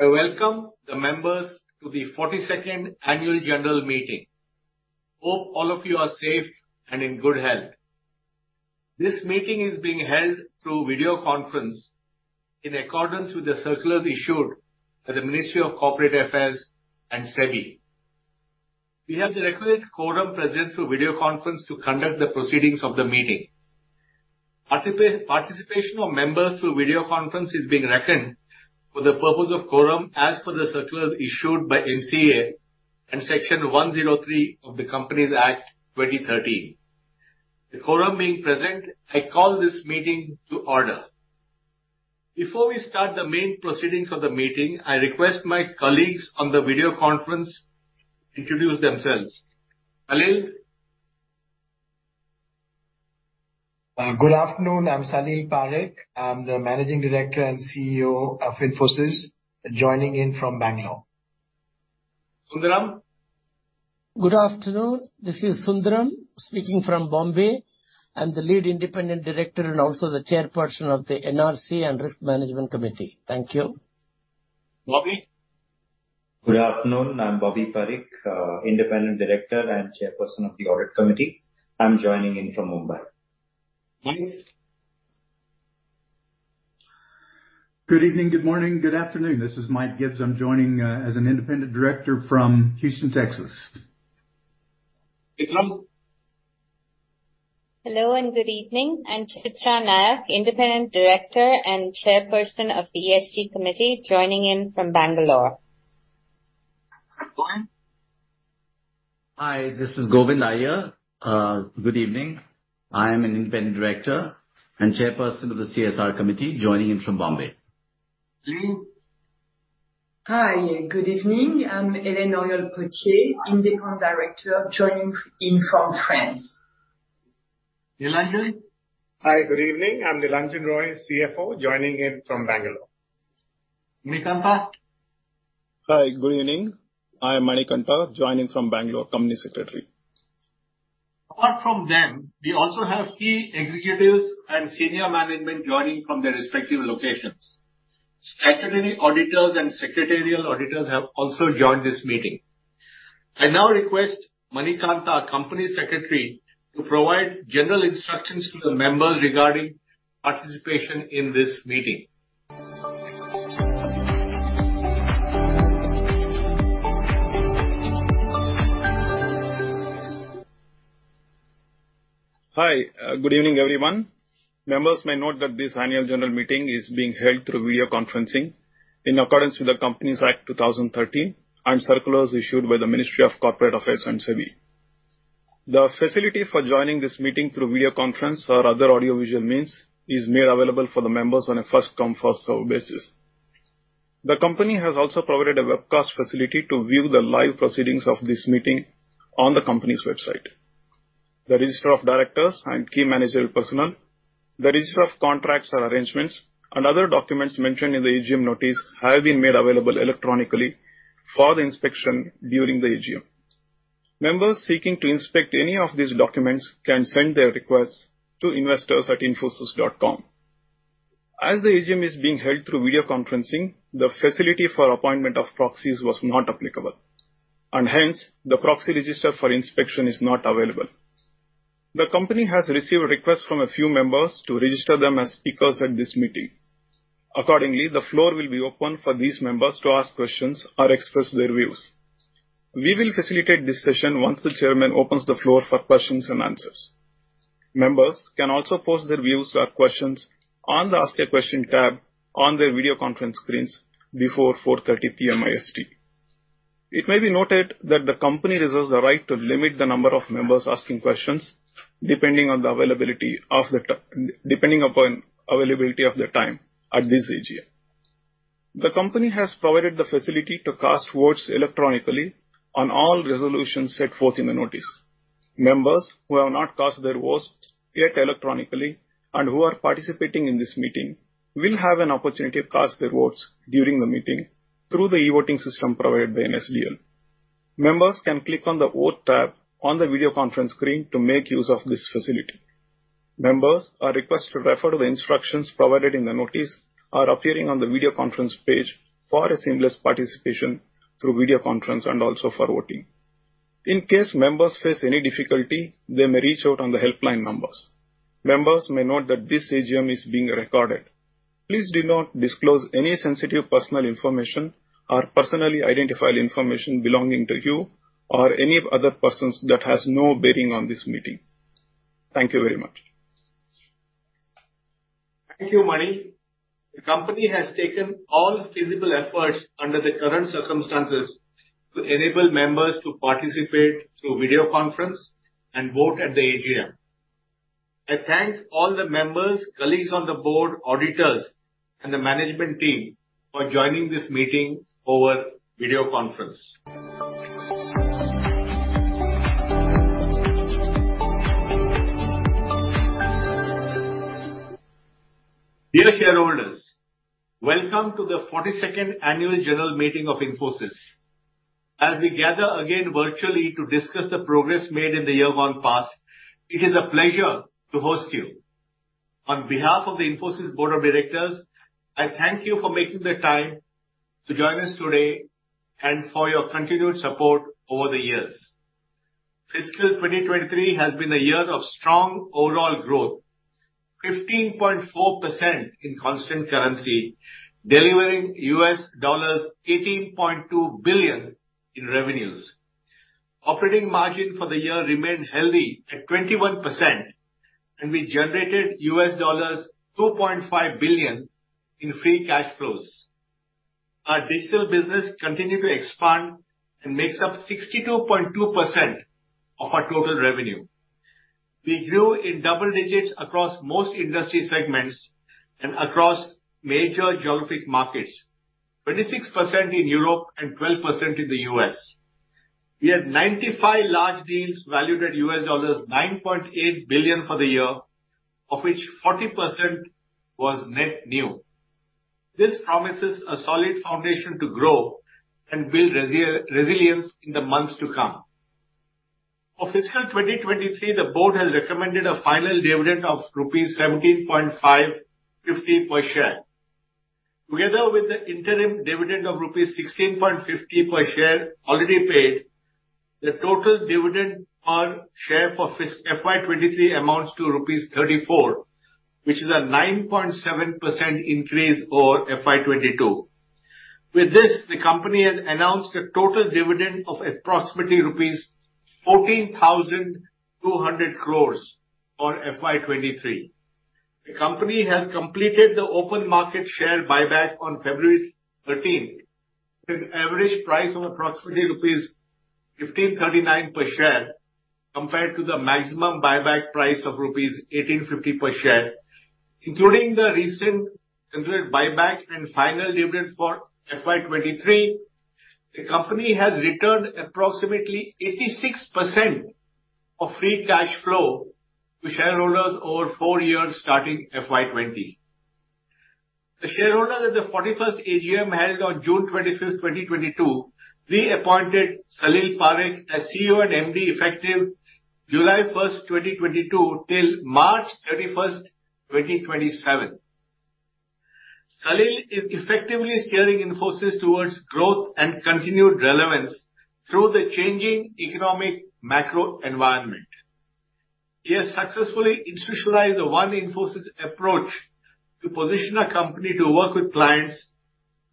I welcome the members to the 42nd annual general meeting. Hope all of you are safe and in good health. This meeting is being held through video conference in accordance with the circular issued by the Ministry of Corporate Affairs and SEBI. We have the requisite quorum present through video conference to conduct the proceedings of the meeting. participation of members through video conference is being reckoned for the purpose of quorum as per the circular issued by MCA and Section 103 of the Companies Act, 2013. The quorum being present, I call this meeting to order. Before we start the main proceedings of the meeting, I request my colleagues on the video conference introduce themselves. Salil? Good afternoon. I'm Salil Parekh. I'm the Managing Director and CEO of Infosys, joining in from Bengaluru. Sundaram? Good afternoon. This is Sundaram, speaking from Bombay. I'm the Lead Independent Director and also the Chairperson of the NRC and Risk Management Committee. Thank you. Bobby? Good afternoon, I'm Bobby Parikh, Independent Director and Chairperson of the Audit Committee. I'm joining in from Mumbai. Michael? Good evening, good morning, good afternoon. This is Michael Gibbs. I'm joining as an Independent Director from Houston, Texas. Chitra? Hello, good evening. I'm Chitra Nayak, Independent Director and Chairperson of the ESG Committee, joining in from Bangalore. Govind? Hi, this is Govind Iyer. Good evening. I am an Independent Director and Chairperson of the CSR Committee, joining in from Bombay. Hélène? Hi, good evening. I'm Hélène Auriol Potier, Independent Director, joining in from France. Nilanjan? Hi, good evening. I'm Nilanjan Roy, CFO, joining in from Bangalore. Manikantha? Hi, good evening. I am Manikantha, joining from Bangalore, Company Secretary. Apart from them, we also have key executives and senior management joining from their respective locations. Statutory auditors and secretarial auditors have also joined this meeting. I now request Manikantha, our Company Secretary, to provide general instructions to the members regarding participation in this meeting. Hi, good evening, everyone. Members may note that this Annual General Meeting is being held through video conferencing in accordance with the Companies Act, 2013 and circulars issued by the Ministry of Corporate Affairs and SEBI. The facility for joining this meeting through video conference or other audio visual means is made available for the members on a first come, first served basis. The company has also provided a webcast facility to view the live proceedings of this meeting on the company's website. The register of directors and key managerial personnel, the register of contracts and arrangements, and other documents mentioned in the AGM notice have been made available electronically for the inspection during the AGM. Members seeking to inspect any of these documents can send their requests to investors@infosys.com. As the AGM is being held through video conferencing, the facility for appointment of proxies was not applicable, hence, the proxy register for inspection is not available. The company has received requests from a few members to register them as speakers at this meeting. Accordingly, the floor will be open for these members to ask questions or express their views. We will facilitate this session once the chairman opens the floor for questions and answers. Members can also post their views or questions on the Ask a Question tab on their video conference screens before 4:30 P.M. IST. It may be noted that the company reserves the right to limit the number of members asking questions, depending upon availability of the time at this AGM. The company has provided the facility to cast votes electronically on all resolutions set forth in the notice. Members who have not cast their votes yet electronically and who are participating in this meeting will have an opportunity to cast their votes during the meeting through the e-voting system provided by NSDL. Members can click on the Vote tab on the video conference screen to make use of this facility. Members are requested to refer to the instructions provided in the notice or appearing on the video conference page for a seamless participation through video conference and also for voting. In case members face any difficulty, they may reach out on the helpline numbers. Members may note that this AGM is being recorded. Please do not disclose any sensitive personal information or personally identifiable information belonging to you or any other persons that has no bearing on this meeting. Thank you very much. Thank you, Mani. The company has taken all feasible efforts under the current circumstances to enable members to participate through video conference and vote at the AGM. I thank all the members, colleagues on the board, auditors, and the management team for joining this meeting over video conference. Dear shareholders, welcome to the 42nd Annual General Meeting of Infosys. We gather again virtually to discuss the progress made in the year gone past, it is a pleasure to host you. On behalf of the Infosys Board of Directors, I thank you for making the time to join us today and for your continued support over the years. Fiscal 2023 has been a year of strong overall growth, 15.4% in constant currency, delivering $18.2 billion in revenues. Operating margin for the year remained healthy at 21%, and we generated $2.5 billion in free cash flows. Our digital business continued to expand and makes up 62.2% of our total revenue. We grew in double digits across most industry segments and across major geographic markets, 26% in Europe and 12% in the U.S. We had 95 large deals valued at $9.8 billion for the year, of which 40% was net new. This promises a solid foundation to grow and build resilience in the months to come. For fiscal 2023, the board has recommended a final dividend of rupees 17.50 per share. Together with the interim dividend of rupees 16.50 per share already paid, the total dividend per share for FY 2023 amounts to rupees 34, which is a 9.7% increase over FY 2022. With this, the company has announced a total dividend of approximately rupees 14,200 crores for FY 2023. The company has completed the open market share buyback on February 13th, with average price of approximately rupees 1,539 per share, compared to the maximum buyback price of rupees 1,850 per share. Including the recent completed buyback and final dividend for FY 2023, the company has returned approximately 86% of free cash flow to shareholders over four years, starting FY 2020. The shareholders at the 41st AGM, held on June 25, 2022, reappointed Salil Parekh as CEO and MD, effective July 1, 2022, till March 31, 2027. Salil is effectively steering Infosys towards growth and continued relevance through the changing economic macro environment. He has successfully institutionalized the One Infosys approach to position our company to work with clients,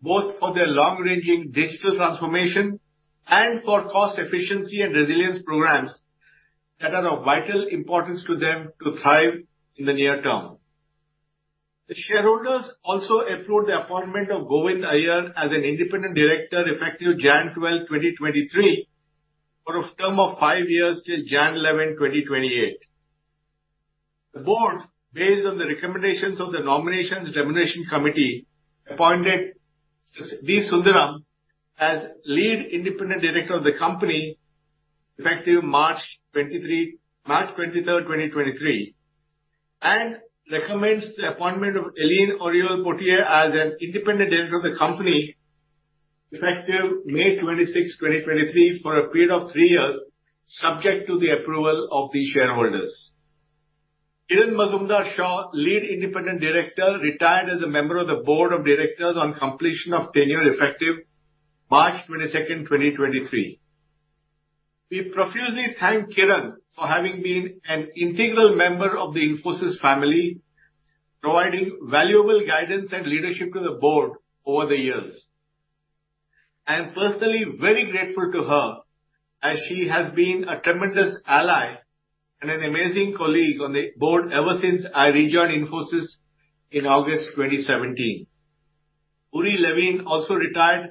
both for their long-ranging digital transformation and for cost efficiency and resilience programs that are of vital importance to them to thrive in the near term. The shareholders also approved the appointment of Govind Iyer as an independent director, effective January 12, 2023, for a term of five years till January 11, 2028. The board, based on the recommendations of the Nomination and Remuneration Committee, appointed D. Sundaram as Lead Independent Director of the company, effective March 23rd, 2023, recommends the appointment of Hélène Auriol Potier as an independent director of the company, effective May 26, 2023, for a period of three years, subject to the approval of the shareholders. Kiran Mazumdar-Shaw, Lead Independent Director, retired as a member of the Board of Directors on completion of tenure, effective March 22nd, 2023. We profusely thank Kiran for having been an integral member of the Infosys family, providing valuable guidance and leadership to the board over the years. I am personally very grateful to her, as she has been a tremendous ally and an amazing colleague on the board ever since I rejoined Infosys in August 2017. Uri Levine also retired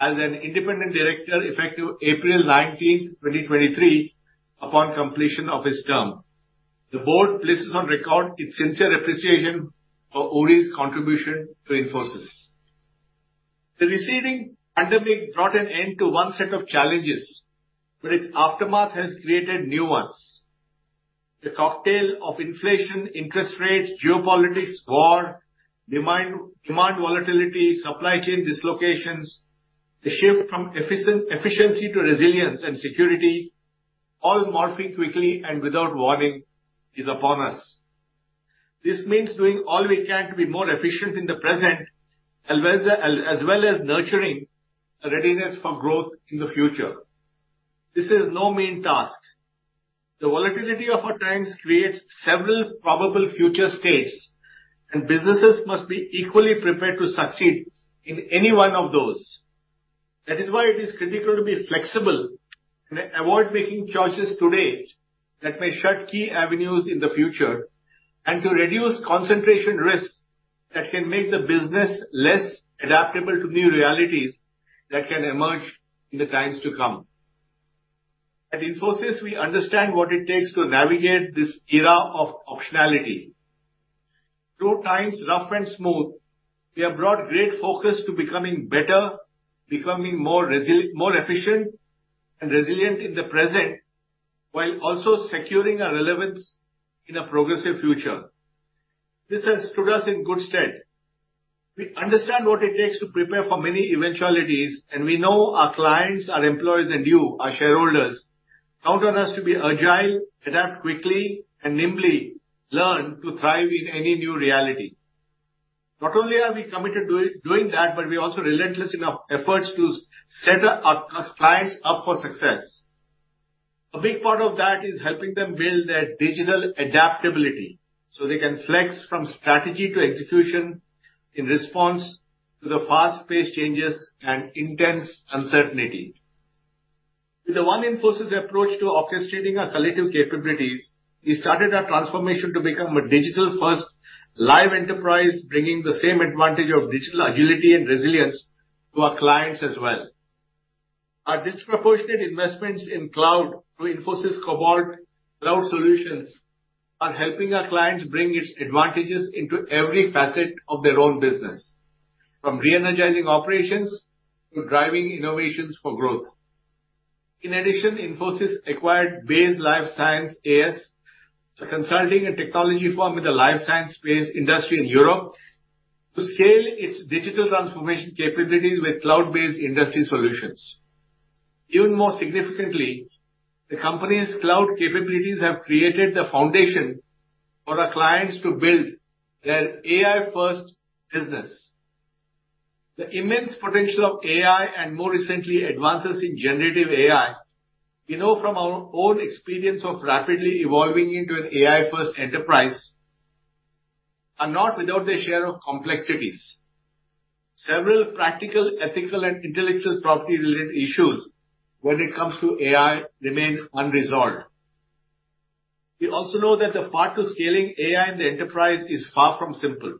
as an independent director, effective April 19th, 2023, upon completion of his term. The board places on record its sincere appreciation for Uri's contribution to Infosys. The receding pandemic brought an end to one set of challenges. Its aftermath has created new ones. The cocktail of inflation, interest rates, geopolitics, war, demand volatility, supply chain dislocations, the shift from efficiency to resilience and security, all morphing quickly and without warning, is upon us. This means doing all we can to be more efficient in the present, as well as nurturing a readiness for growth in the future. This is no mean task. The volatility of our times creates several probable future states. Businesses must be equally prepared to succeed in any one of those. That is why it is critical to be flexible and avoid making choices today that may shut key avenues in the future, and to reduce concentration risks that can make the business less adaptable to new realities that can emerge in the times to come. At Infosys, we understand what it takes to navigate this era of optionality. Through times rough and smooth, we have brought great focus to becoming better, becoming more efficient and resilient in the present, while also securing our relevance in a progressive future. This has stood us in good stead. We understand what it takes to prepare for many eventualities, and we know our clients, our employees, and you, our shareholders, count on us to be agile, adapt quickly, and nimbly learn to thrive in any new reality. Not only are we committed to doing that, but we are also relentless in our efforts to set up our clients up for success. A big part of that is helping them build their digital adaptability so they can flex from strategy to execution in response to the fast-paced changes and intense uncertainty. With the One Infosys approach to orchestrating our collective capabilities, we started our transformation to become a digital-first live enterprise, bringing the same advantage of digital agility and resilience to our clients as well. Our disproportionate investments in cloud through Infosys Cobalt Cloud Solutions are helping our clients bring its advantages into every facet of their own business, from re-energizing operations to driving innovations for growth. Infosys acquired BASE life science AS, a consulting and technology firm in the life science space industry in Europe, to scale its digital transformation capabilities with cloud-based industry solutions. Even more significantly, the company's cloud capabilities have created the foundation for our clients to build their AI-first business. The immense potential of AI, more recently, advances in generative AI, we know from our own experience of rapidly evolving into an AI-first enterprise, are not without their share of complexities. Several practical, ethical, and intellectual property-related issues when it comes to AI remain unresolved. We also know that the path to scaling AI in the enterprise is far from simple,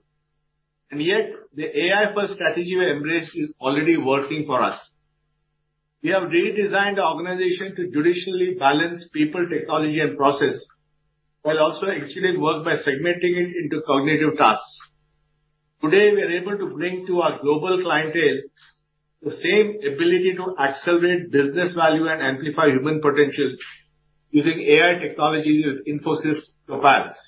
yet the AI-first strategy we embraced is already working for us. We have redesigned our organization to judiciously balance people, technology, and process, while also ensuring work by segmenting it into cognitive tasks. Today, we are able to bring to our global clientele the same ability to accelerate business value and amplify human potential using AI technologies with Infosys capacities.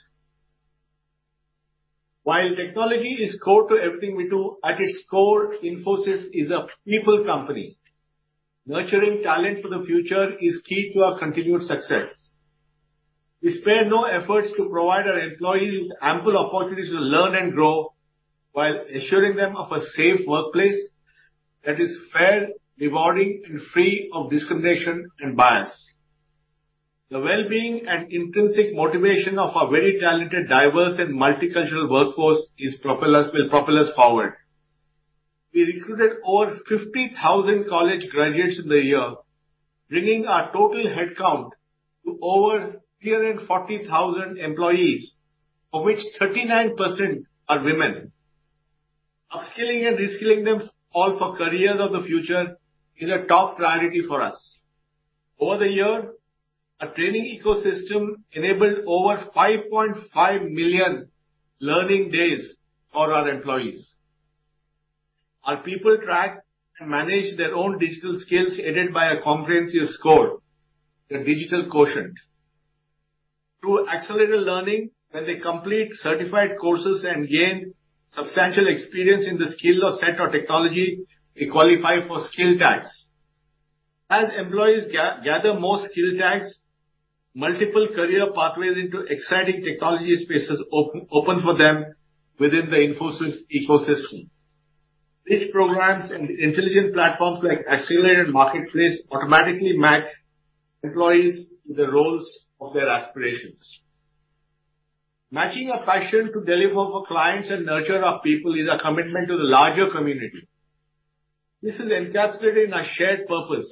While technology is core to everything we do, at its core, Infosys is a people company. Nurturing talent for the future is key to our continued success. We spare no efforts to provide our employees with ample opportunities to learn and grow while ensuring them of a safe workplace that is fair, rewarding, and free of discrimination and bias. The well-being and intrinsic motivation of our very talented, diverse, and multicultural workforce will propel us forward. We recruited over 50,000 college graduates in the year, bringing our total headcount to over 340,000 employees, of which 39% are women. Upskilling and reskilling them all for careers of the future is a top priority for us. Over the year, our training ecosystem enabled over 5.5 million learning days for our employees. Our people track and manage their own digital skills, aided by a comprehensive score, their Digital Quotient. Through accelerated learning, when they complete certified courses and gain substantial experience in the skill or set of technology, they qualify for skill tags. As employees gather more skill tags, multiple career pathways into exciting technology spaces open for them within the Infosys ecosystem. These programs and intelligent platforms, like Accelerated Marketplace, automatically match employees to the roles of their aspirations. Matching our passion to deliver for clients and nurture our people is a commitment to the larger community. This is encapsulated in our shared purpose: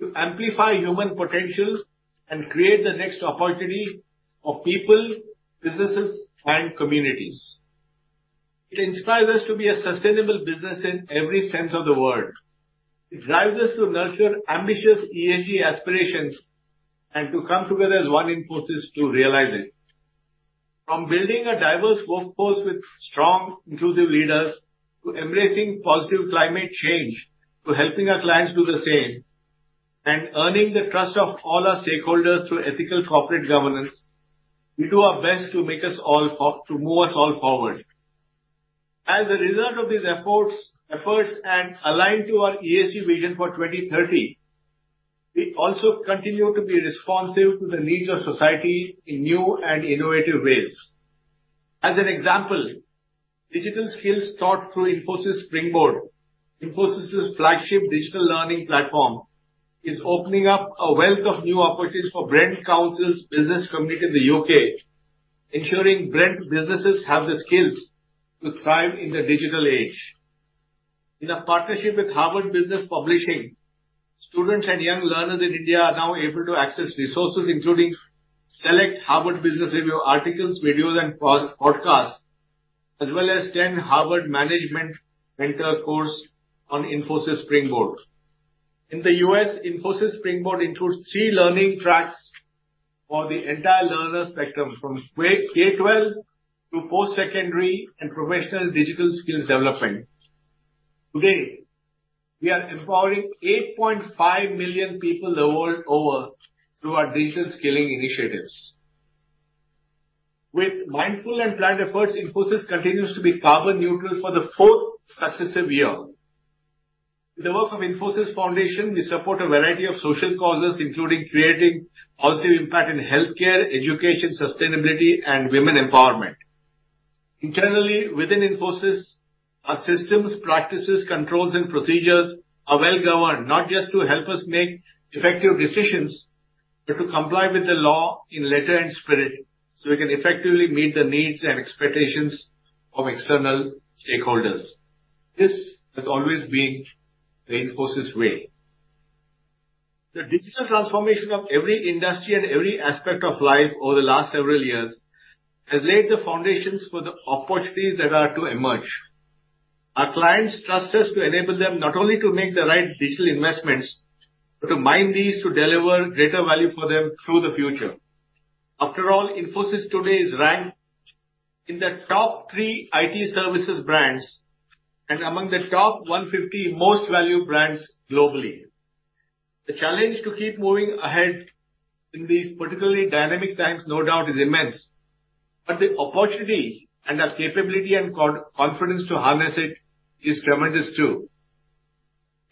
to amplify human potential and create the next opportunity for people, businesses, and communities. It inspires us to be a sustainable business in every sense of the word. It drives us to nurture ambitious ESG aspirations and to come together as One Infosys to realize it. From building a diverse workforce with strong, inclusive leaders, to embracing positive climate change, to helping our clients do the same, and earning the trust of all our stakeholders through ethical corporate governance, we do our best to move us all forward. As a result of these efforts and aligned to our ESG vision for 2030, we also continue to be responsive to the needs of society in new and innovative ways. As an example, digital skills taught through Infosys Springboard, Infosys's flagship digital learning platform, is opening up a wealth of new opportunities for Brent Council's business community in the U.K., ensuring Brent businesses have the skills to thrive in the digital age. In a partnership with Harvard Business Publishing, students and young learners in India are now able to access resources, including select Harvard Business Review articles, videos, and podcasts, as well as 10 Harvard ManageMentor course on Infosys Springboard. In the U.S., Infosys Springboard includes three learning tracks for the entire learner spectrum, from K-12 to postsecondary and professional digital skills development. Today, we are empowering 8.5 million people the world over through our digital skilling initiatives. With mindful and planned efforts, Infosys continues to be carbon neutral for the fourth successive year. With the work of Infosys Foundation, we support a variety of social causes, including creating positive impact in healthcare, education, sustainability, and women empowerment. Internally, within Infosys, our systems, practices, controls, and procedures are well governed, not just to help us make effective decisions, but to comply with the law in letter and spirit, so we can effectively meet the needs and expectations of external stakeholders. This has always been the Infosys way. The digital transformation of every industry and every aspect of life over the last several years, has laid the foundations for the opportunities that are to emerge. Our clients trust us to enable them not only to make the right digital investments, but to mine these to deliver greater value for them through the future. After all, Infosys today is ranked in the top three IT services brands and among the top 150 most valued brands globally. The challenge to keep moving ahead in these particularly dynamic times, no doubt, is immense, but the opportunity and our capability and confidence to harness it is tremendous, too.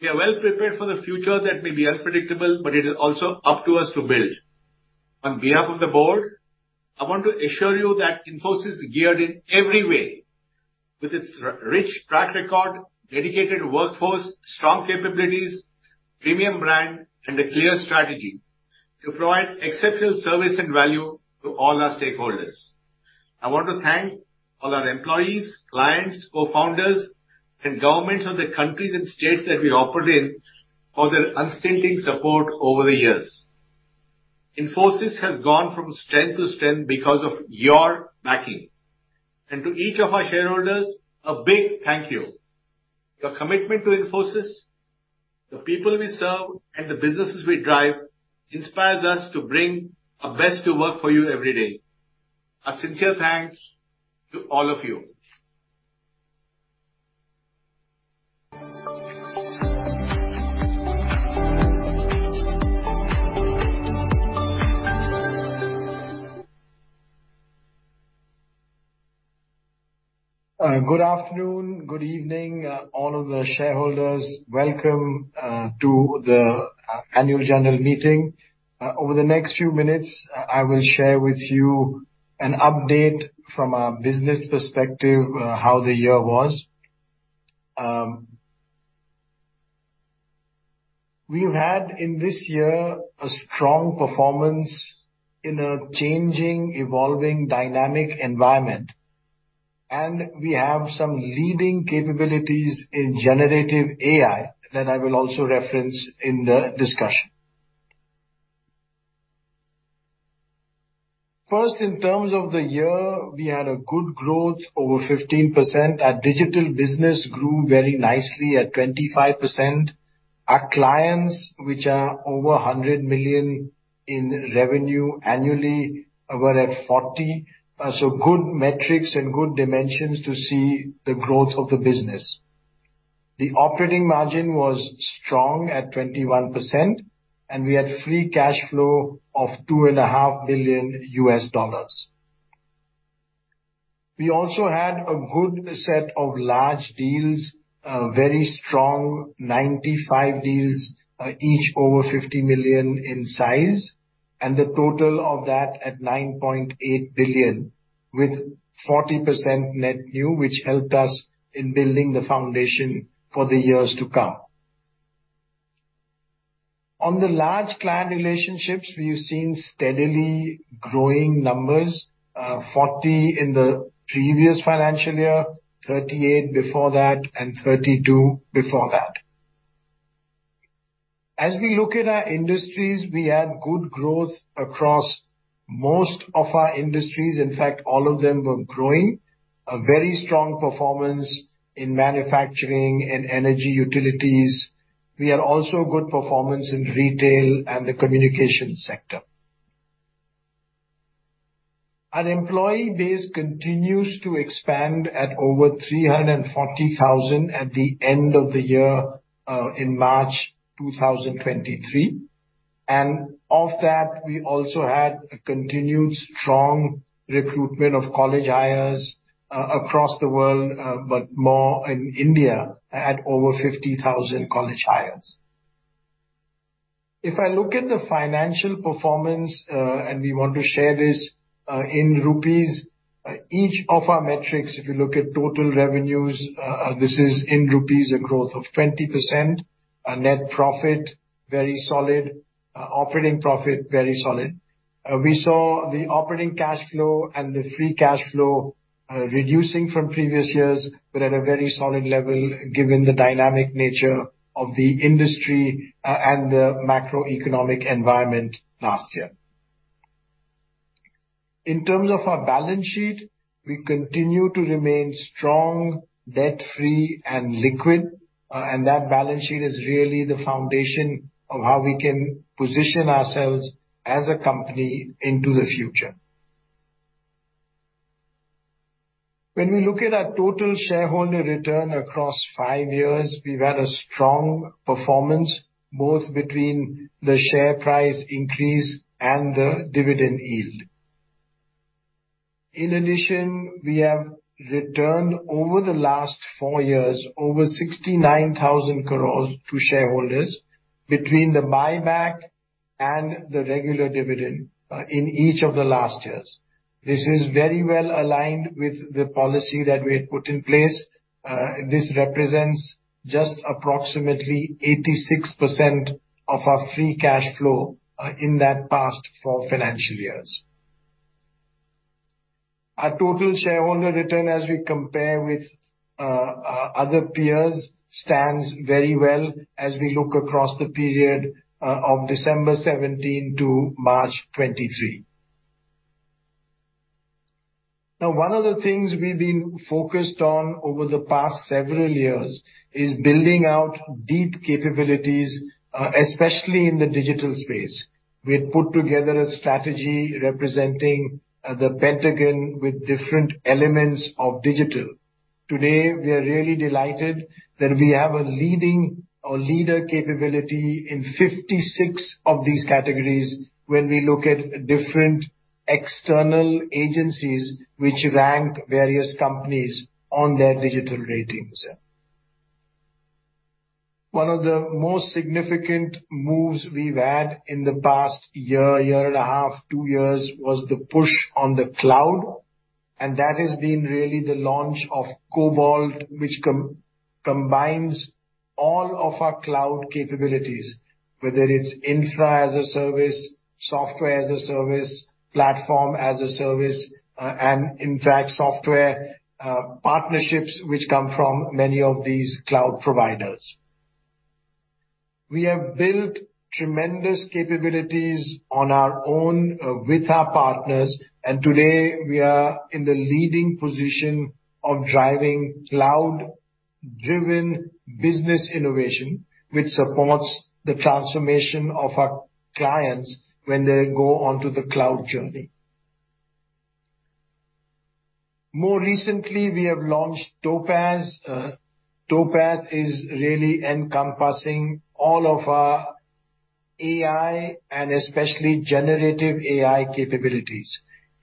We are well prepared for the future that may be unpredictable, but it is also up to us to build. On behalf of the board, I want to assure you that Infosys is geared in every way with its rich track record, dedicated workforce, strong capabilities, premium brand, and a clear strategy to provide exceptional service and value to all our stakeholders. I want to thank all our employees, clients, cofounders, and governments of the countries and states that we operate in for their unstinting support over the years. Infosys has gone from strength to strength because of your backing. To each of our shareholders, a big thank you. Your commitment to Infosys, the people we serve, and the businesses we drive, inspires us to bring our best to work for you every day. A sincere thanks to all of you. Good afternoon, good evening, all of the shareholders. Welcome to the Annual General Meeting. Over the next few minutes, I will share with you an update from a business perspective, how the year was. We have had in this year a strong performance in a changing, evolving, dynamic environment, and we have some leading capabilities in generative AI that I will also reference in the discussion. First, in terms of the year, we had a good growth, over 15%. Our digital business grew very nicely at 25%. Our clients, which are over $100 million in revenue annually, were at 40. Good metrics and good dimensions to see the growth of the business. The operating margin was strong at 21%, and we had free cash flow of two and a half billion U.S. dollars. We also had a good set of large deals, a very strong 95 deals, each over $50 million in size, and the total of that at $9.8 billion, with 40% net new, which helped us in building the foundation for the years to come. On the large client relationships, we've seen steadily growing numbers, 40 in the previous financial year, 38 before that, and 32 before that. As we look at our industries, we had good growth across most of our industries. In fact, all of them were growing. A very strong performance in manufacturing and energy utilities. We had also good performance in retail and the communication sector. Our employee base continues to expand at over 340,000 at the end of the year, in March 2023. Of that, we also had a continued strong recruitment of college hires across the world, but more in India, at over 50,000 college hires. I look at the financial performance, and we want to share this in rupees, each of our metrics. If you look at total revenues, this is in rupees, a growth of 20%. Net profit, very solid. Operating profit, very solid. We saw the operating cash flow and the free cash flow reducing from previous years, but at a very solid level, given the dynamic nature of the industry and the macroeconomic environment last year. In terms of our balance sheet, we continue to remain strong, debt-free, and liquid, and that balance sheet is really the foundation of how we can position ourselves as a company into the future. When we look at our total shareholder return across five years, we've had a strong performance, both between the share price increase and the dividend yield. In addition, we have returned over the last four years, over 69,000 crores to shareholders between the buyback and the regular dividend, in each of the last four years. This is very well aligned with the policy that we had put in place. This represents just approximately 86% of our free cash flow, in that past four financial years. Our total shareholder return, as we compare with, our other peers, stands very well as we look across the period, of December 17 to March 23. One of the things we've been focused on over the past several years is building out deep capabilities, especially in the digital space. We had put together a strategy representing, the Pentagon with different elements of digital. Today, we are really delighted that we have a leading or leader capability in 56 of these categories when we look at different external agencies which rank various companies on their digital ratings. One of the most significant moves we've had in the past year and a half, two years, was the push on the cloud, and that has been really the launch of Cobalt, which combines all of our cloud capabilities, whether it's infra as a service, software as a service, platform as a service, and in fact, software partnerships which come from many of these cloud providers. We have built tremendous capabilities on our own, with our partners, and today we are in the leading position of driving cloud-driven business innovation, which supports the transformation of our clients when they go onto the cloud journey. More recently, we have launched Topaz. Topaz is really encompassing all of our AI and especially generative AI capabilities.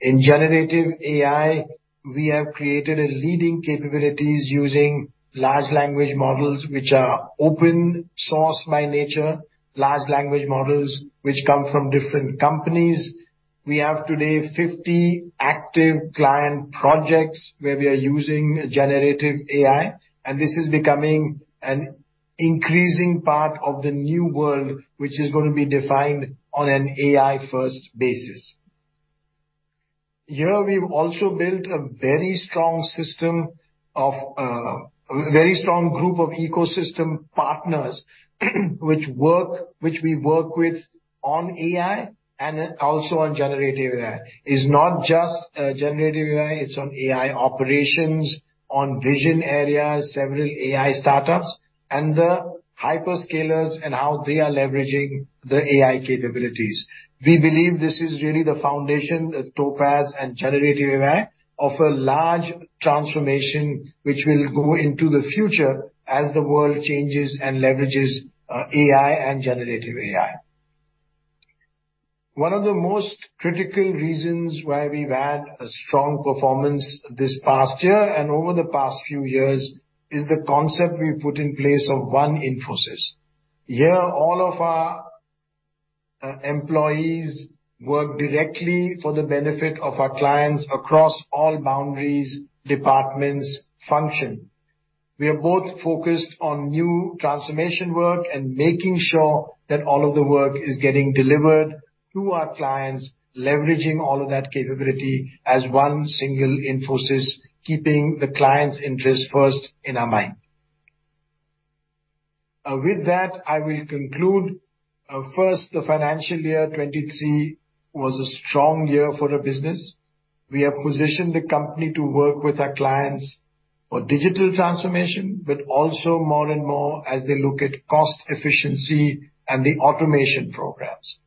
In generative AI, we have created a leading capabilities using large language models, which are open source by nature, large language models, which come from different companies. We have today 50 active client projects where we are using generative AI. This is becoming an increasing part of the new world, which is going to be defined on an AI-first basis. Here, we've also built a very strong system of a very strong group of ecosystem partners, which we work with on AI and also on generative AI. It's not just generative AI, it's on AI operations, on vision areas, several AI startups, and the hyperscalers and how they are leveraging the AI capabilities. We believe this is really the foundation, the Topaz and generative AI, of a large transformation which will go into the future as the world changes and leverages AI and generative AI. One of the most critical reasons why we've had a strong performance this past year and over the past few years, is the concept we put in place of One Infosys. Here, all of our employees work directly for the benefit of our clients across all boundaries, departments, function. We are both focused on new transformation work and making sure that all of the work is getting delivered to our clients, leveraging all of that capability as One single Infosys, keeping the client's interest first in our mind. With that, I will conclude. First, the financial year 2023 was a strong year for the business. We have positioned the company to work with our clients for digital transformation, but also more and more as they look at cost efficiency and the automation programs.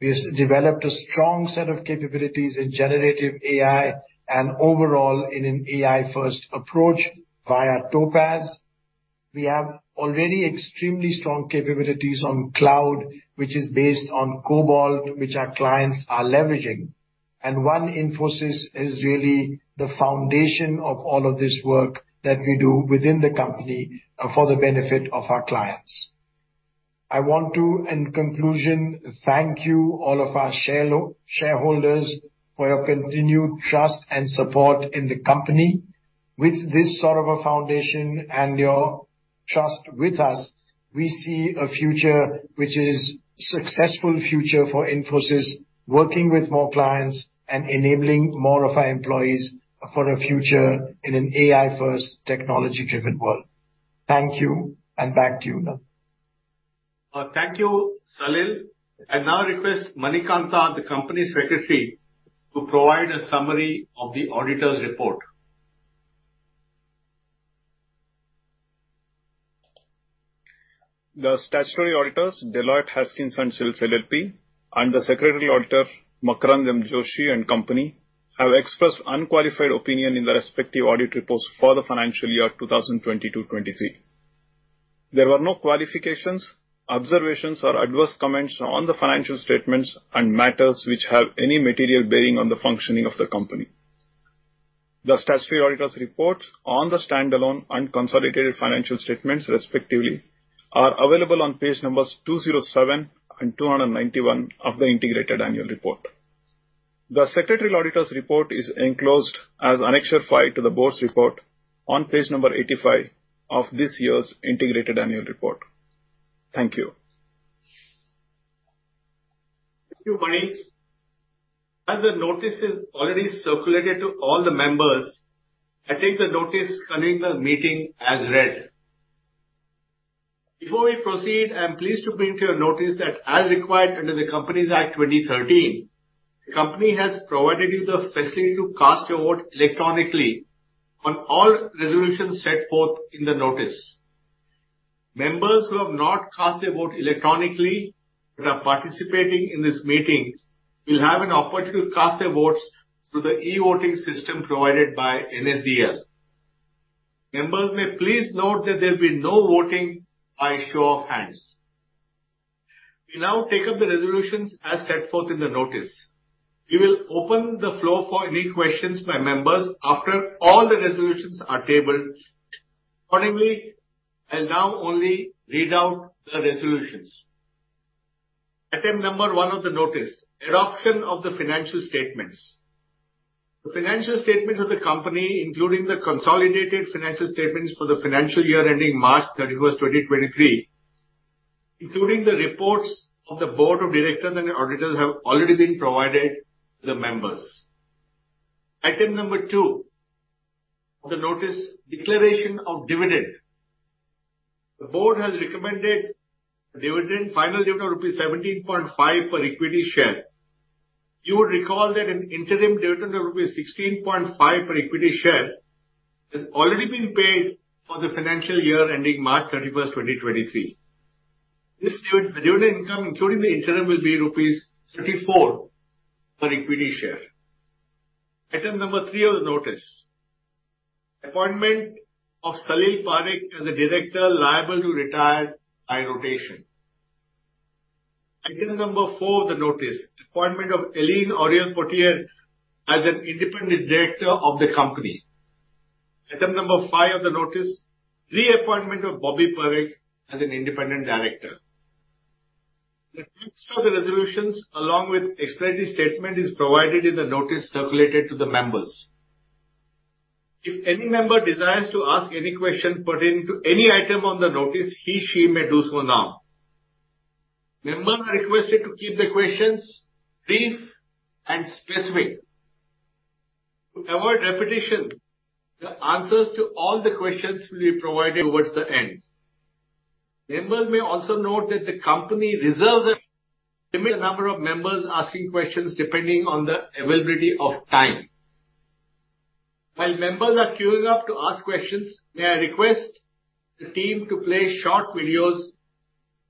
We've developed a strong set of capabilities in generative AI and overall in an AI-first approach via Topaz. We have already extremely strong capabilities on cloud, which is based on Cobalt, which our clients are leveraging. One Infosys is really the foundation of all of this work that we do within the company for the benefit of our clients. I want to, in conclusion, thank you, all of our shareholders, for your continued trust and support in the company. With this sort of a foundation and your trust with us, we see a future which is successful future for Infosys, working with more clients and enabling more of our employees for a future in an AI-first, technology-driven world. Thank you, and back to you now. Thank you, Salil. I now request Manikantha, the Company Secretary, to provide a summary of the auditor's report. The statutory auditors, Deloitte Haskins & Sells LLP, and the secretary auditor, Makarand M. Joshi & Co., have expressed unqualified opinion in the respective audit reports for the financial year 2020-2023. There were no qualifications, observations, or adverse comments on the financial statements and matters which have any material bearing on the functioning of the company. The statutory auditor's report on the standalone and consolidated financial statements, respectively, are available on page numbers 207 and 291 of the integrated annual report. The secretary auditor's report is enclosed as Annexure 5 to the Board's report on page number 85 of this year's integrated annual report. Thank you. Thank you, Mani. As the notice is already circulated to all the members, I take the notice convening the meeting as read. Before we proceed, I'm pleased to bring to your notice that as required under the Companies Act, 2013, the company has provided you the facility to cast your vote electronically on all resolutions set forth in the notice. Members who have not cast their vote electronically but are participating in this meeting will have an opportunity to cast their votes through the e-voting system provided by NSDL. Members may please note that there will be no voting by show of hands. We now take up the resolutions as set forth in the notice. We will open the floor for any questions by members after all the resolutions are tabled. Accordingly, I'll now only read out the resolutions. Item number one of the notice: adoption of the financial statements. The financial statements of the company, including the consolidated financial statements for the financial year ending March 31st, 2023, including the reports of the board of directors and the auditors, have already been provided to the members. Item number two of the notice: declaration of dividend. The board has recommended final dividend of rupees 17.5 per equity share. You would recall that an interim dividend of rupees 16.5 per equity share has already been paid for the financial year ending March 31st, 2023. This dividend income, including the interim, will be rupees 34 per equity share. Item number three of the notice: appointment of Salil Parekh as a director liable to retire by rotation. Item number four of the notice: appointment of Hélène Auriol Potier as an independent director of the company. Item number 5 of the notice: reappointment of Bobby Parikh as an independent director. The text of the resolutions, along with explanatory statement, is provided in the notice circulated to the members. If any member desires to ask any question pertaining to any item on the notice, he/she may do so now. Members are requested to keep their questions brief and specific. To avoid repetition, the answers to all the questions will be provided towards the end. Members may also note that the company reserves a limited number of members asking questions depending on the availability of time. While members are queuing up to ask questions, may I request the team to play short videos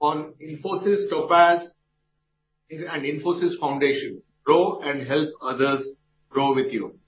on Infosys Topaz and Infosys Foundation: Grow and Help Others Grow With You.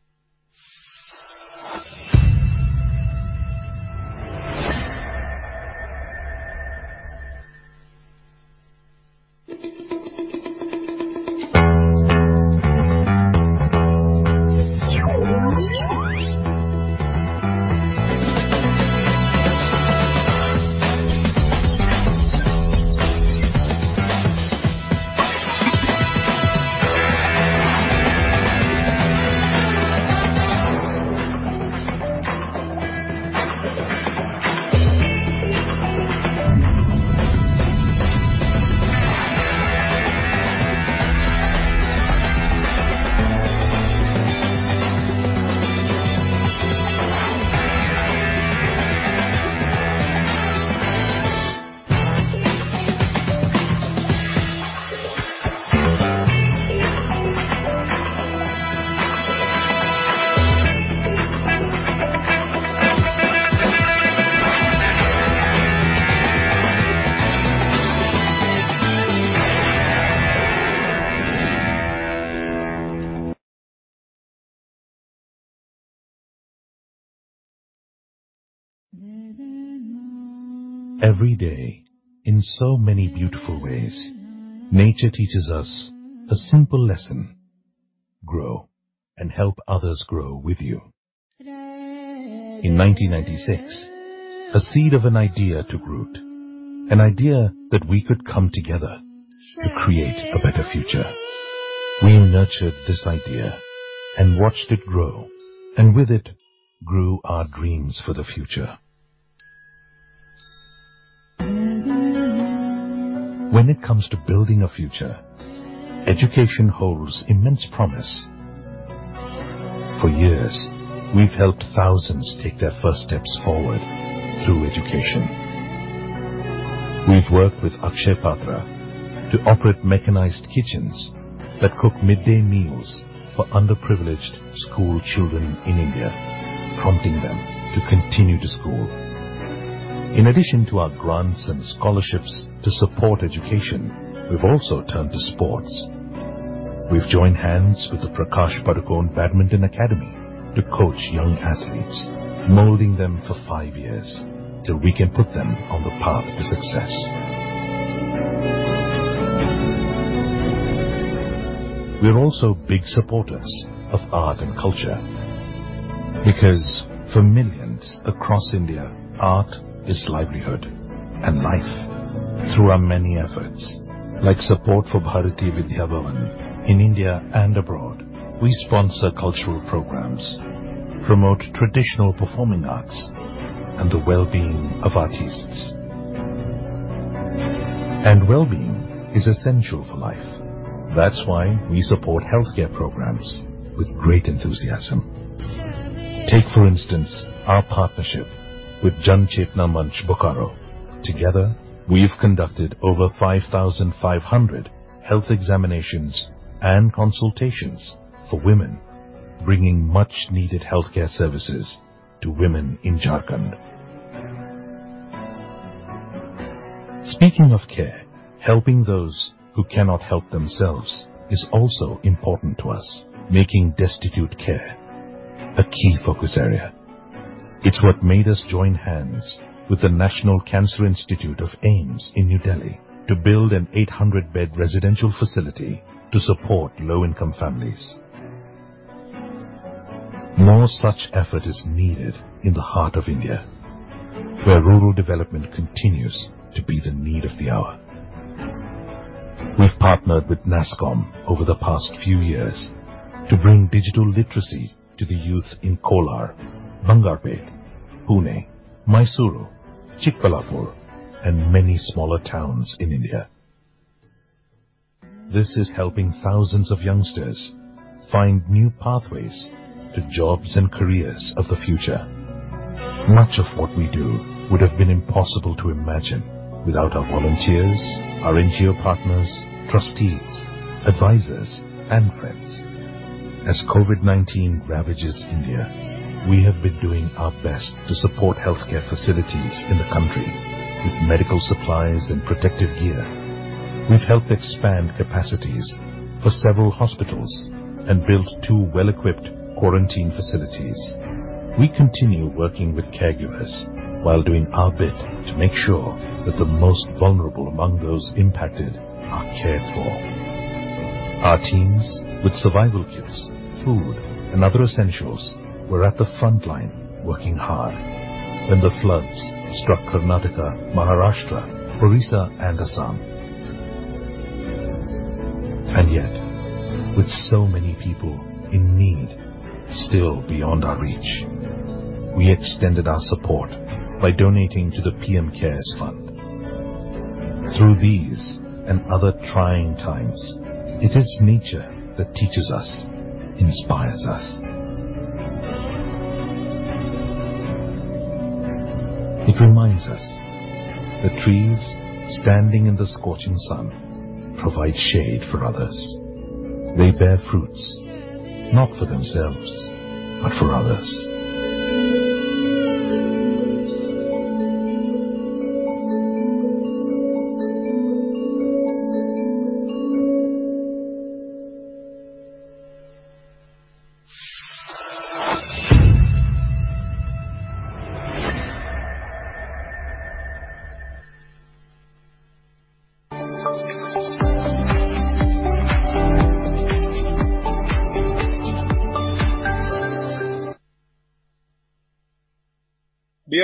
Every day, in so many beautiful ways, nature teaches us a simple lesson: grow and help others grow with you. In 1996, a seed of an idea took root, an idea that we could come together to create a better future. We nurtured this idea and watched it grow, with it grew our dreams for the future. When it comes to building a future, education holds immense promise. For years, we've helped thousands take their first steps forward through education. We've worked with Akshaya Patra to operate mechanized kitchens that cook midday meals for underprivileged school children in India, prompting them to continue to school. In addition to our grants and scholarships to support education, we've also turned to sports. We've joined hands with the Prakash Padukone Badminton Academy to coach young athletes, molding them for five years till we can put them on the path to success. We're also big supporters of art and culture, because for millions across India, art is livelihood and life. Through our many efforts, like support for Bharatiya Vidya Bhavan in India and abroad, we sponsor cultural programs, promote traditional performing arts, and the well-being of artists. Well-being is essential for life. That's why we support healthcare programs with great enthusiasm. Take, for instance, our partnership with Jan Chetna Manch, Bokaro. Together, we've conducted over 5,500 health examinations and consultations for women, bringing much needed healthcare services to women in Jharkhand. Speaking of care, helping those who cannot help themselves is also important to us, making destitute care a key focus area. It's what made us join hands with the National Cancer Institute of AIIMS in New Delhi to build an 800-bed residential facility to support low-income families. More such effort is needed in the heart of India, where rural development continues to be the need of the hour. We've partnered with NASSCOM over the past few years to bring digital literacy to the youth in Kolar, Bangarpet, Pune, Mysuru, Chikballapur, and many smaller towns in India. This is helping thousands of youngsters find new pathways to jobs and careers of the future. Much of what we do would have been impossible to imagine without our volunteers, our NGO partners, trustees, advisors, and friends. As COVID-19 ravages India, we have been doing our best to support healthcare facilities in the country with medical supplies and protective gear. We've helped expand capacities for several hospitals and built two well-equipped quarantine facilities. We continue working with caregivers while doing our bit to make sure that the most vulnerable among those impacted are cared for. Our teams, with survival kits, food, and other essentials, were at the frontline, working hard when the floods struck Karnataka, Maharashtra, Orissa, and Assam. Yet, with so many people in need still beyond our reach, we extended our support by donating to the PM CARES Fund. Through these and other trying times, it is nature that teaches us, inspires us. It reminds us that trees standing in the scorching sun provide shade for others. They bear fruits, not for themselves, but for others.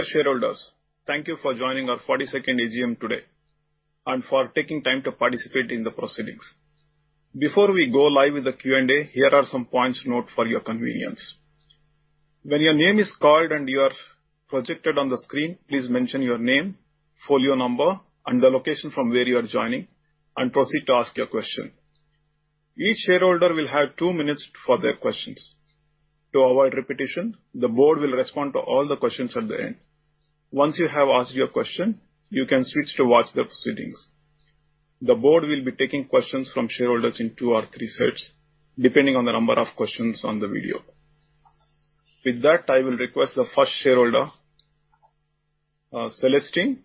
Dear shareholders, thank you for joining our forty-second AGM today and for taking time to participate in the proceedings. Before we go live with the Q&A, here are some points to note for your convenience. When your name is called and you are projected on the screen, please mention your name, folio number, and the location from where you are joining, and proceed to ask your question. Each shareholder will have two minutes for their questions. To avoid repetition, the board will respond to all the questions at the end. Once you have asked your question, you can switch to watch the proceedings. The board will be taking questions from shareholders in two or three sets, depending on the number of questions on the video. With that, I will request the first shareholder, Celestine.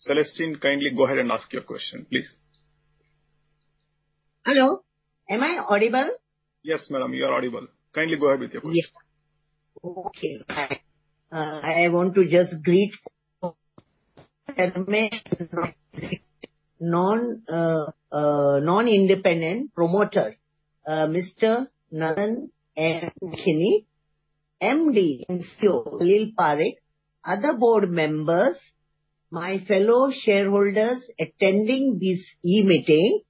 Celestine, kindly go ahead and ask your question, please. Hello, am I audible? Yes, madam, you are audible. Kindly go ahead with your question. Yeah. Okay, fine. I want to just greet for a minute non-independent promoter, Mr. Nandan Nilekani, MD & CEO Salil Parekh, other board members, my fellow shareholders attending this e-meeting.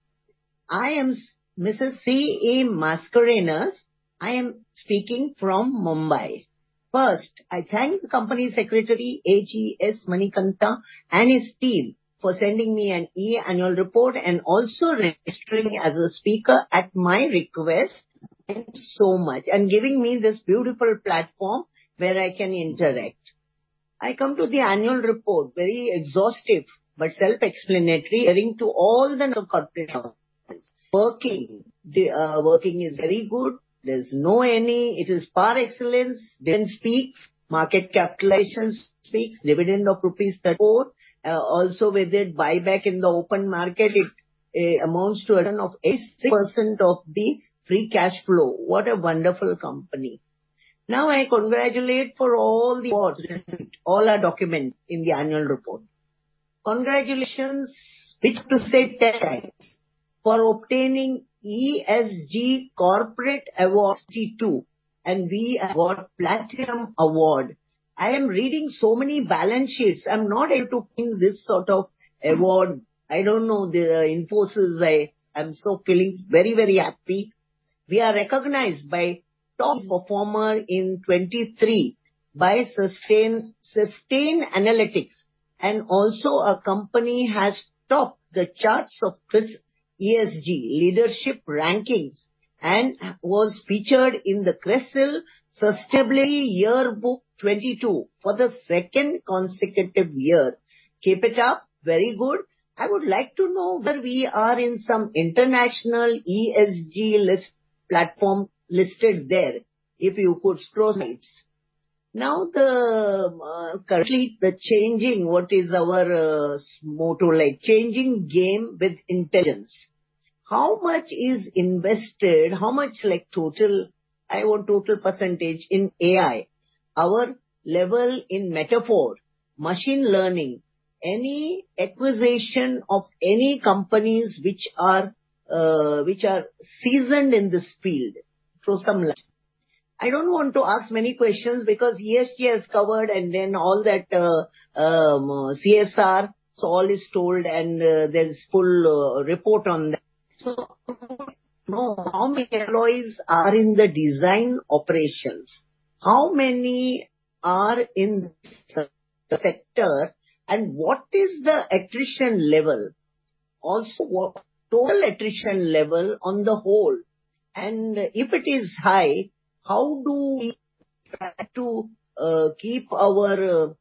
I am Mrs. C.E. Mascarenhas. I am speaking from Mumbai. I thank the Company Secretary, A.G.S. Manikantha, and his team for sending me an e-annual report and also registering as a speaker at my request. Thank you so much, giving me this beautiful platform where I can interact. I come to the annual report, very exhaustive but self-explanatory, adding to all the corporate working. The working is very good. There's no. It is par excellence. Speaks market capitalizations speaks dividend of rupees 34. With the buyback in the open market, it amounts to a return of 8% of the free cash flow. What a wonderful company! I congratulate for all the awards, all are documented in the annual report. Congratulations, which to say 10 times, for obtaining ESG Corporate Award 22, and we award Platinum Award. I am reading so many balance sheets. I'm not able to win this sort of award. I don't know the Infosys. I'm so feeling very, very happy. We are recognized by top performer in 2023 by Sustainalytics, and also our company has topped the charts of CRISIL ESG leadership rankings and was featured in the CRISIL Sustainability Yearbook 2022 for the second consecutive year. Keep it up. Very good. I would like to know whether we are in some international ESG list platform listed there, if you could throw some lights. Currently, what is our motto like? Changing game with intelligence." How much is invested, how much like total, I want total % in AI, our level in metaverse, machine learning, any acquisition of any companies which are seasoned in this field, throw some light? I don't want to ask many questions because ESG has covered and then all that CSR, so all is told, and there is full report on that. So I want to know how many employees are in the design operations, how many are in the sector, and what is the attrition level? Also, what total attrition level on the whole? If it is high, how do we try to keep our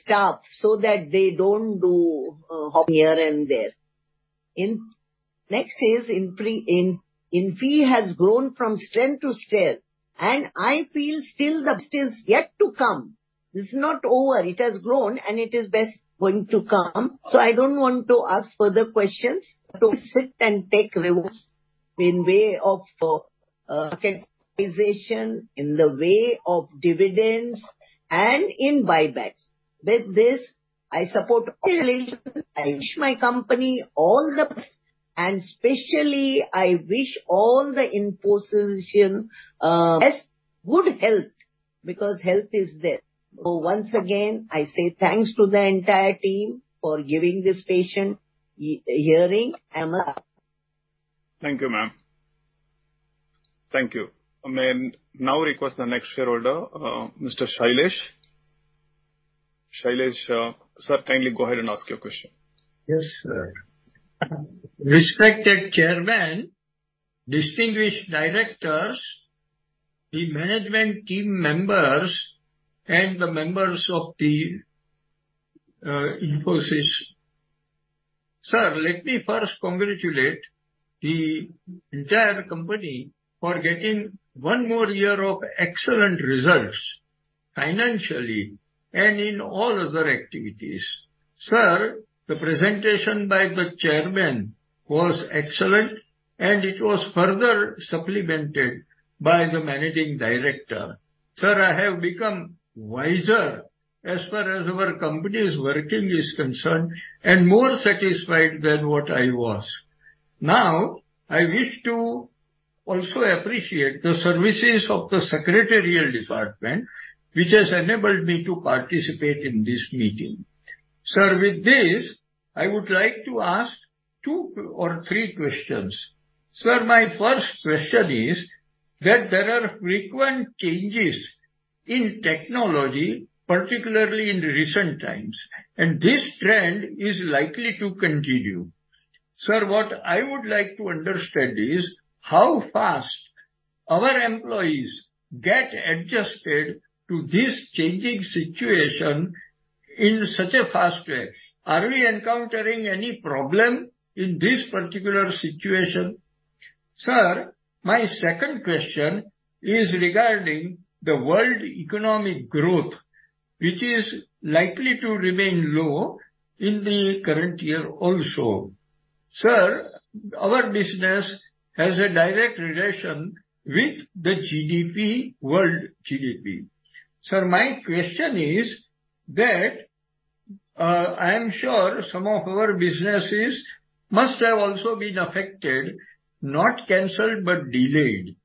staff so that they don't do hop here and there? Next is Infy. Infy has grown from strength to strength, I feel still the best is yet to come. It's not over. It has grown, it is best going to come. I don't want to ask further questions, to sit and take rewards in way of capitalization, in the way of dividends and in buybacks. With this, I support fully. I wish my company all the best, especially I wish all the Infosys best good health, because health is wealth. Once again, I say thanks to the entire team for giving this patient e- hearing. I'm out. Thank you, ma'am. Thank you. I may now request the next shareholder, Mr. Shailesh. Shailesh, sir, kindly go ahead and ask your question. Yes, sir. Respected Chairman, distinguished directors, the management team members and the members of the Infosys. Sir, let me first congratulate the entire company for getting one more year of excellent results, financially and in all other activities. Sir, the presentation by the Chairman was excellent, and it was further supplemented by the Managing Director. Sir, I have become wiser as far as our company's working is concerned, and more satisfied than what I was. Now, I wish to also appreciate the services of the secretarial department, which has enabled me to participate in this meeting. Sir, with this, I would like to ask two or three questions. Sir, my first question is that there are frequent changes in technology, particularly in recent times, and this trend is likely to continue. Sir, what I would like to understand is how fast our employees get adjusted to this changing situation in such a fast way. Are we encountering any problem in this particular situation? Sir, my second question is regarding the world economic growth, which is likely to remain low in the current year also. Sir, our business has a direct relation with the GDP, world GDP. Sir, my question is that I am sure some of our businesses must have also been affected, not canceled, but delayed.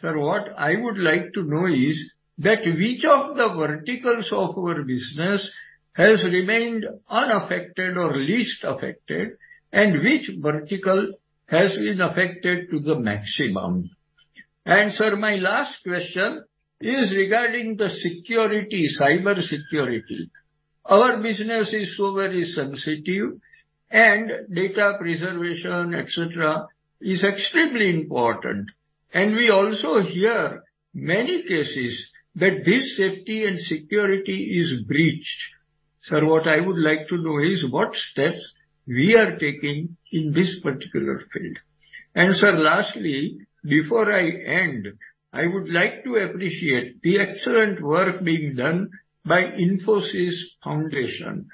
Sir, what I would like to know is that which of the verticals of our business has remained unaffected or least affected, and which vertical has been affected to the maximum? Sir, my last question is regarding the security, cyber security. Our business is so very sensitive, and data preservation, etc., is extremely important. We also hear many cases that this safety and security is breached. Sir, what I would like to know is what steps we are taking in this particular field. Sir, lastly, before I end, I would like to appreciate the excellent work being done by Infosys Foundation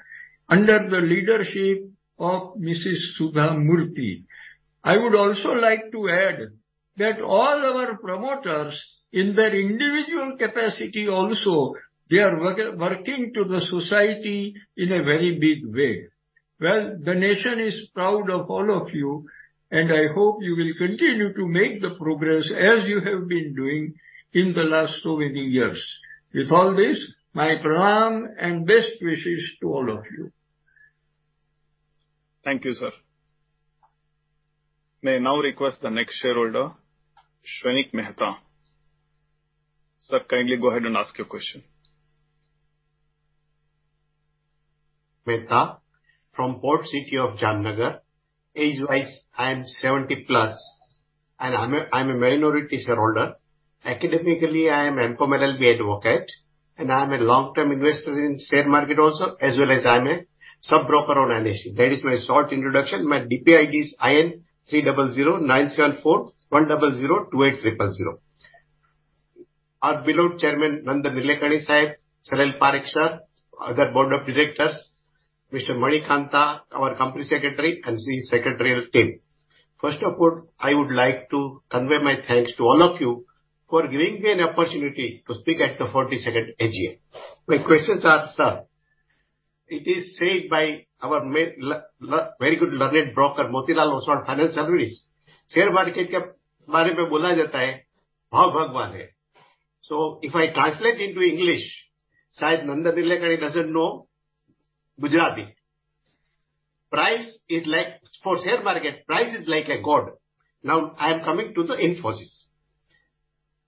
under the leadership of Mrs. Sudha Murty. I would also like to add that all our promoters, in their individual capacity also, they are working to the society in a very big way. Well, the nation is proud of all of you, and I hope you will continue to make the progress as you have been doing in the last so many years. With all this, my pranam and best wishes to all of you. Thank you, sir. May I now request the next shareholder, Shrenik Mehta? Sir, kindly go ahead and ask your question. Mehta from port city of Jamnagar. Age-wise, I am 70 plus, I'm a minority shareholder. Academically, I am M.Com, LLB advocate, I'm a long-term investor in share market also, as well as I'm a sub-broker on NSE. That is my short introduction. My DPID is IN30097410028000. Our beloved Chairman, Nandan Nilekani Sahib, Salil Parekh, sir, other board of directors, Mr. Manikantha, our Company Secretary, and his secretarial team. First of all, I would like to convey my thanks to all of you for giving me an opportunity to speak at the 42nd AGM. My questions are, sir: It is said by our very good learned broker, Motilal Oswal Financial Services, share market..., if I translate into English, Sahib Nandan Nilekani doesn't know Gujarati. Price is like, for share market, price is like a God. I am coming to the Infosys.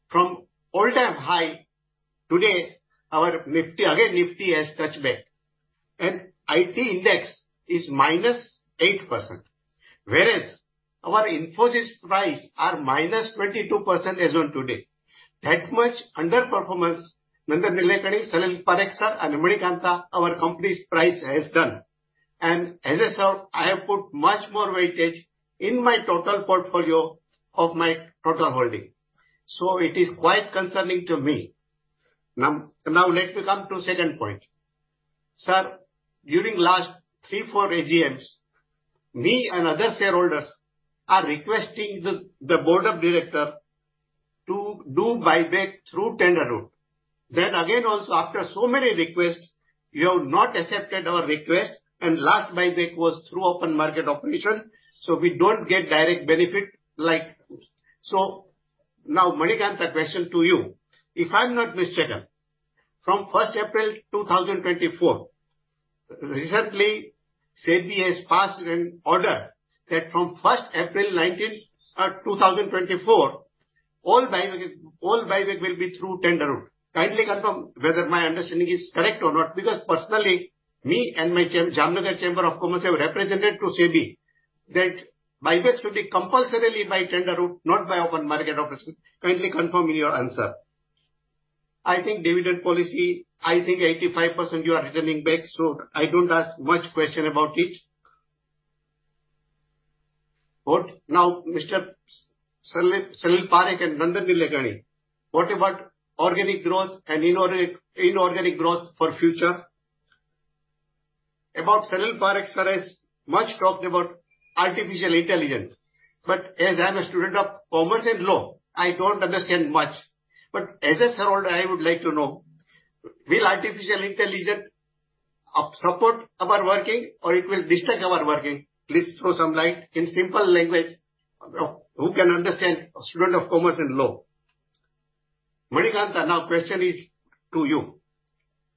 From all-time high, today, our Nifty, again, Nifty has touched back, and IT index is -8%, whereas our Infosys price are -22% as on today. That much underperformance, Nandan Nilekani, Salil Parekh, sir, and Manikantha, our company's price has done. As a sir, I have put much more weightage in my total portfolio of my total holding. It is quite concerning to me. Now, let me come to second point. Sir, during last three, four AGMs, me and other shareholders are requesting the board of directors to do buyback through tender route. Again, also, after so many requests, you have not accepted our request, and last buyback was through open market operation, so we don't get direct benefit like... Now, Manikantha, question to you. If I'm not mistaken, from April 1, 2024, recently, SEBI has passed an order that from April 1, 2024, all buyback will be through tender route. Kindly confirm whether my understanding is correct or not, because personally, me and my Jamnagar Chamber of Commerce have represented to SEBI that buyback should be compulsorily by tender route, not by open market operation. Kindly confirm me your answer. I think dividend policy, I think 85% you are returning back, I don't ask much question about it. Now, Mr. Salil Parekh and Nandan Nilekani, what about organic growth and inorganic growth for future? About Salil Parekh, sir, has much talked about artificial intelligence, as I'm a student of commerce and law, I don't understand much. As a shareholder, I would like to know, will artificial intelligence support our working or it will disturb our working? Please throw some light in simple language, who can understand a student of commerce and law. Manikantha, now, question is to you.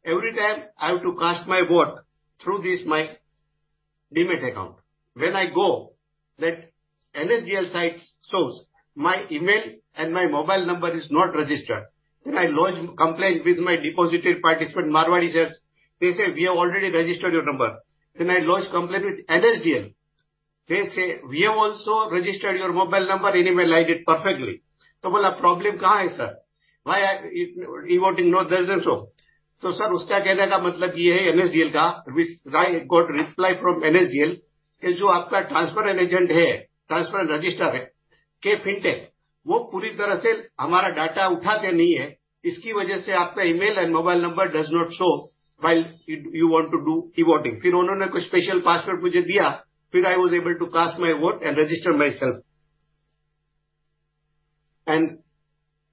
Every time I have to cast my vote through this, my Demat account, when I go, that NSDL site shows my email and my mobile number is not registered. I lodge complaint with my depository participant, Marwari Share. They say, "We have already registered your number." I lodge complaint with NSDL. They say, "We have also registered your mobile number and email ID perfectly." "To bola problem kahan hai, sir? Why I e-voting no does not show?" Sir, uska kehne ka matlab ye hai, NSDL ka, which I got reply from NSDL, ke jo aapka transfer agent hai, transfer register hai, KFin Technologies, woh puri tarah se hamara data uthate nahi hai. Iski wajah se aapka email and mobile number does not show while you want to do e-voting. Phir unhone kuch special password mujhe diya. I was able to cast my vote and register myself.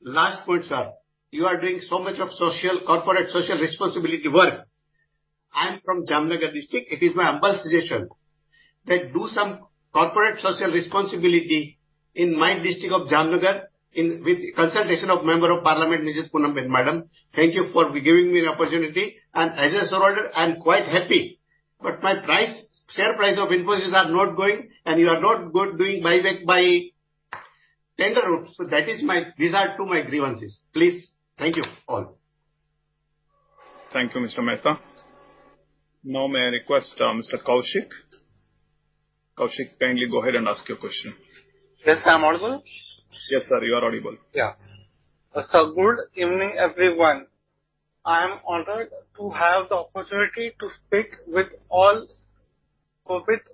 Last point, sir, you are doing so much of social, corporate social responsibility work. I'm from Jamnagar district. It is my humble suggestion that do some corporate social responsibility in my district of Jamnagar in with consultation of Member of Parliament, Mrs. Poonamben Maadam. Thank you for giving me an opportunity. As a shareholder, I'm quite happy, my price, share price of Infosys are not going, you are not doing buyback Tender Route. These are two my grievances, please. Thank you all. Thank you, Mr. Mehta. Now may I request Mr. Kaushik? Kaushik, kindly go ahead and ask your question. Yes, I am audible? Yes, sir, you are audible. Yeah. Good evening, everyone. I am honored to have the opportunity to speak with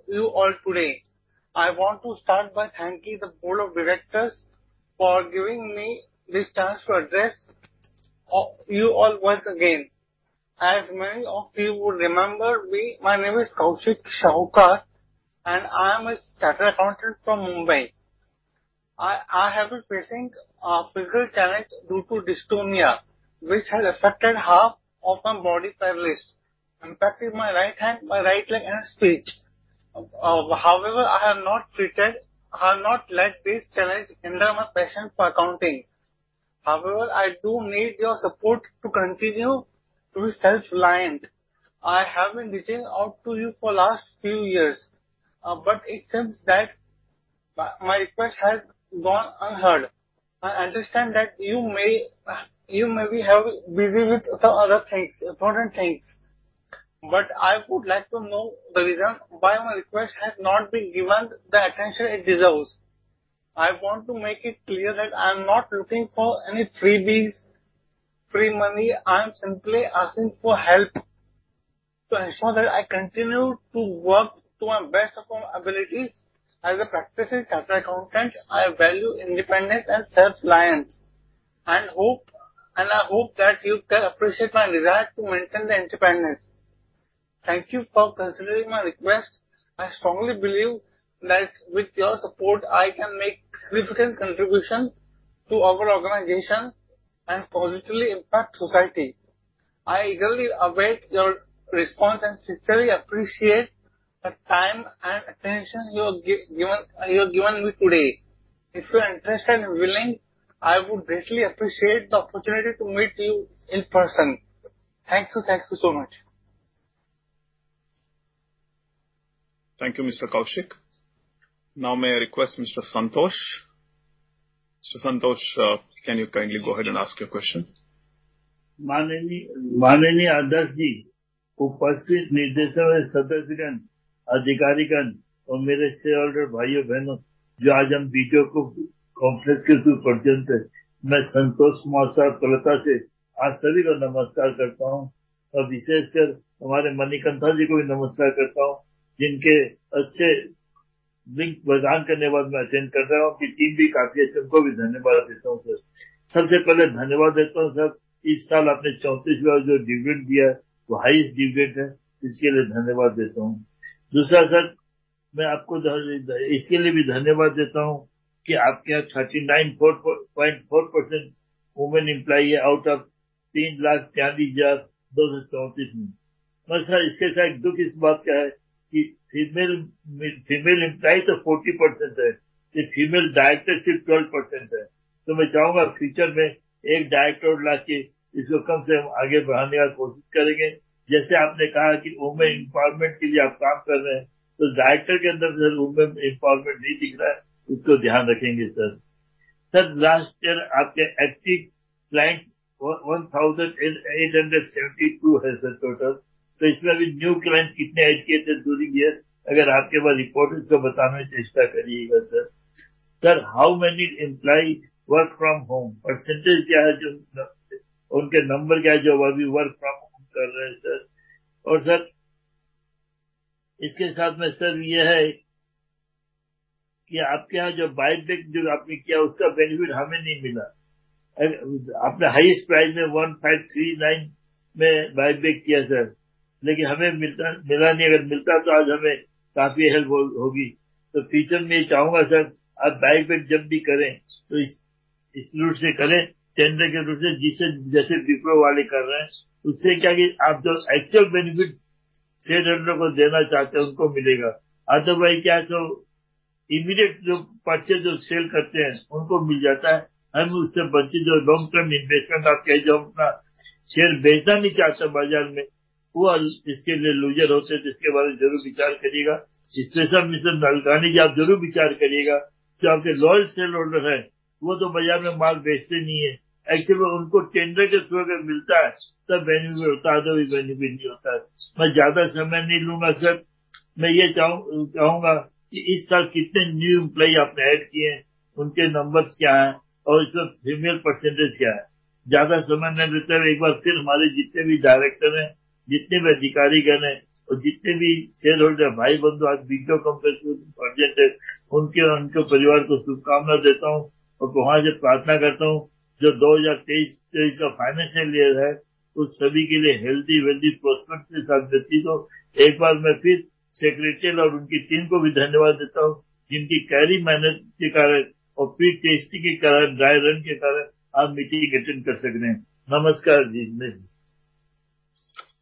you all today. I want to start by thanking the Board of Directors for giving me this chance to address you all once again. As many of you would remember me, my name is Kaushik Sarkar, I am a chartered accountant from Mumbai. I have been facing a physical challenge due to dystonia, which has affected half of my body paralyzed, impacting my right hand, my right leg and speech. I have not let this challenge hinder my passion for accounting. I do need your support to continue to be self-reliant. I have been reaching out to you for last few years, it seems that my request has gone unheard. I understand that you may be have busy with some other things, important things, but I would like to know the reason why my request has not been given the attention it deserves. I want to make it clear that I am not looking for any freebies, free money. I am simply asking for help to ensure that I continue to work to my best of my abilities. As a practicing chartered accountant, I value independence and self-reliance, and I hope that you can appreciate my desire to maintain the independence. Thank you for considering my request. I strongly believe that with your support, I can make significant contribution to our organization and positively impact society. I eagerly await your response and sincerely appreciate the time and attention you have given me today. If you are interested and willing, I would greatly appreciate the opportunity to meet you in person. Thank you. Thank you so much. Thank you, Mr. Kaushik. Now, may I request Mr. Santosh? Mr. Santosh, can you kindly go ahead and ask your question? माननीय, माननीय आदर जी, उपस्थित निर्देशक और सदस्य गण, अधिकारी गण और मेरे शेयरहोल्डर भाइयों बहनों, जो आज हम वीडियो कॉल कॉन्फ्रेंस के through उपस्थित हैं। मैं Santosh Kumar Sir प्रलता से आज सभी को नमस्कार करता हूं और विशेषकर हमारे Manikantha ji को भी नमस्कार करता हूं,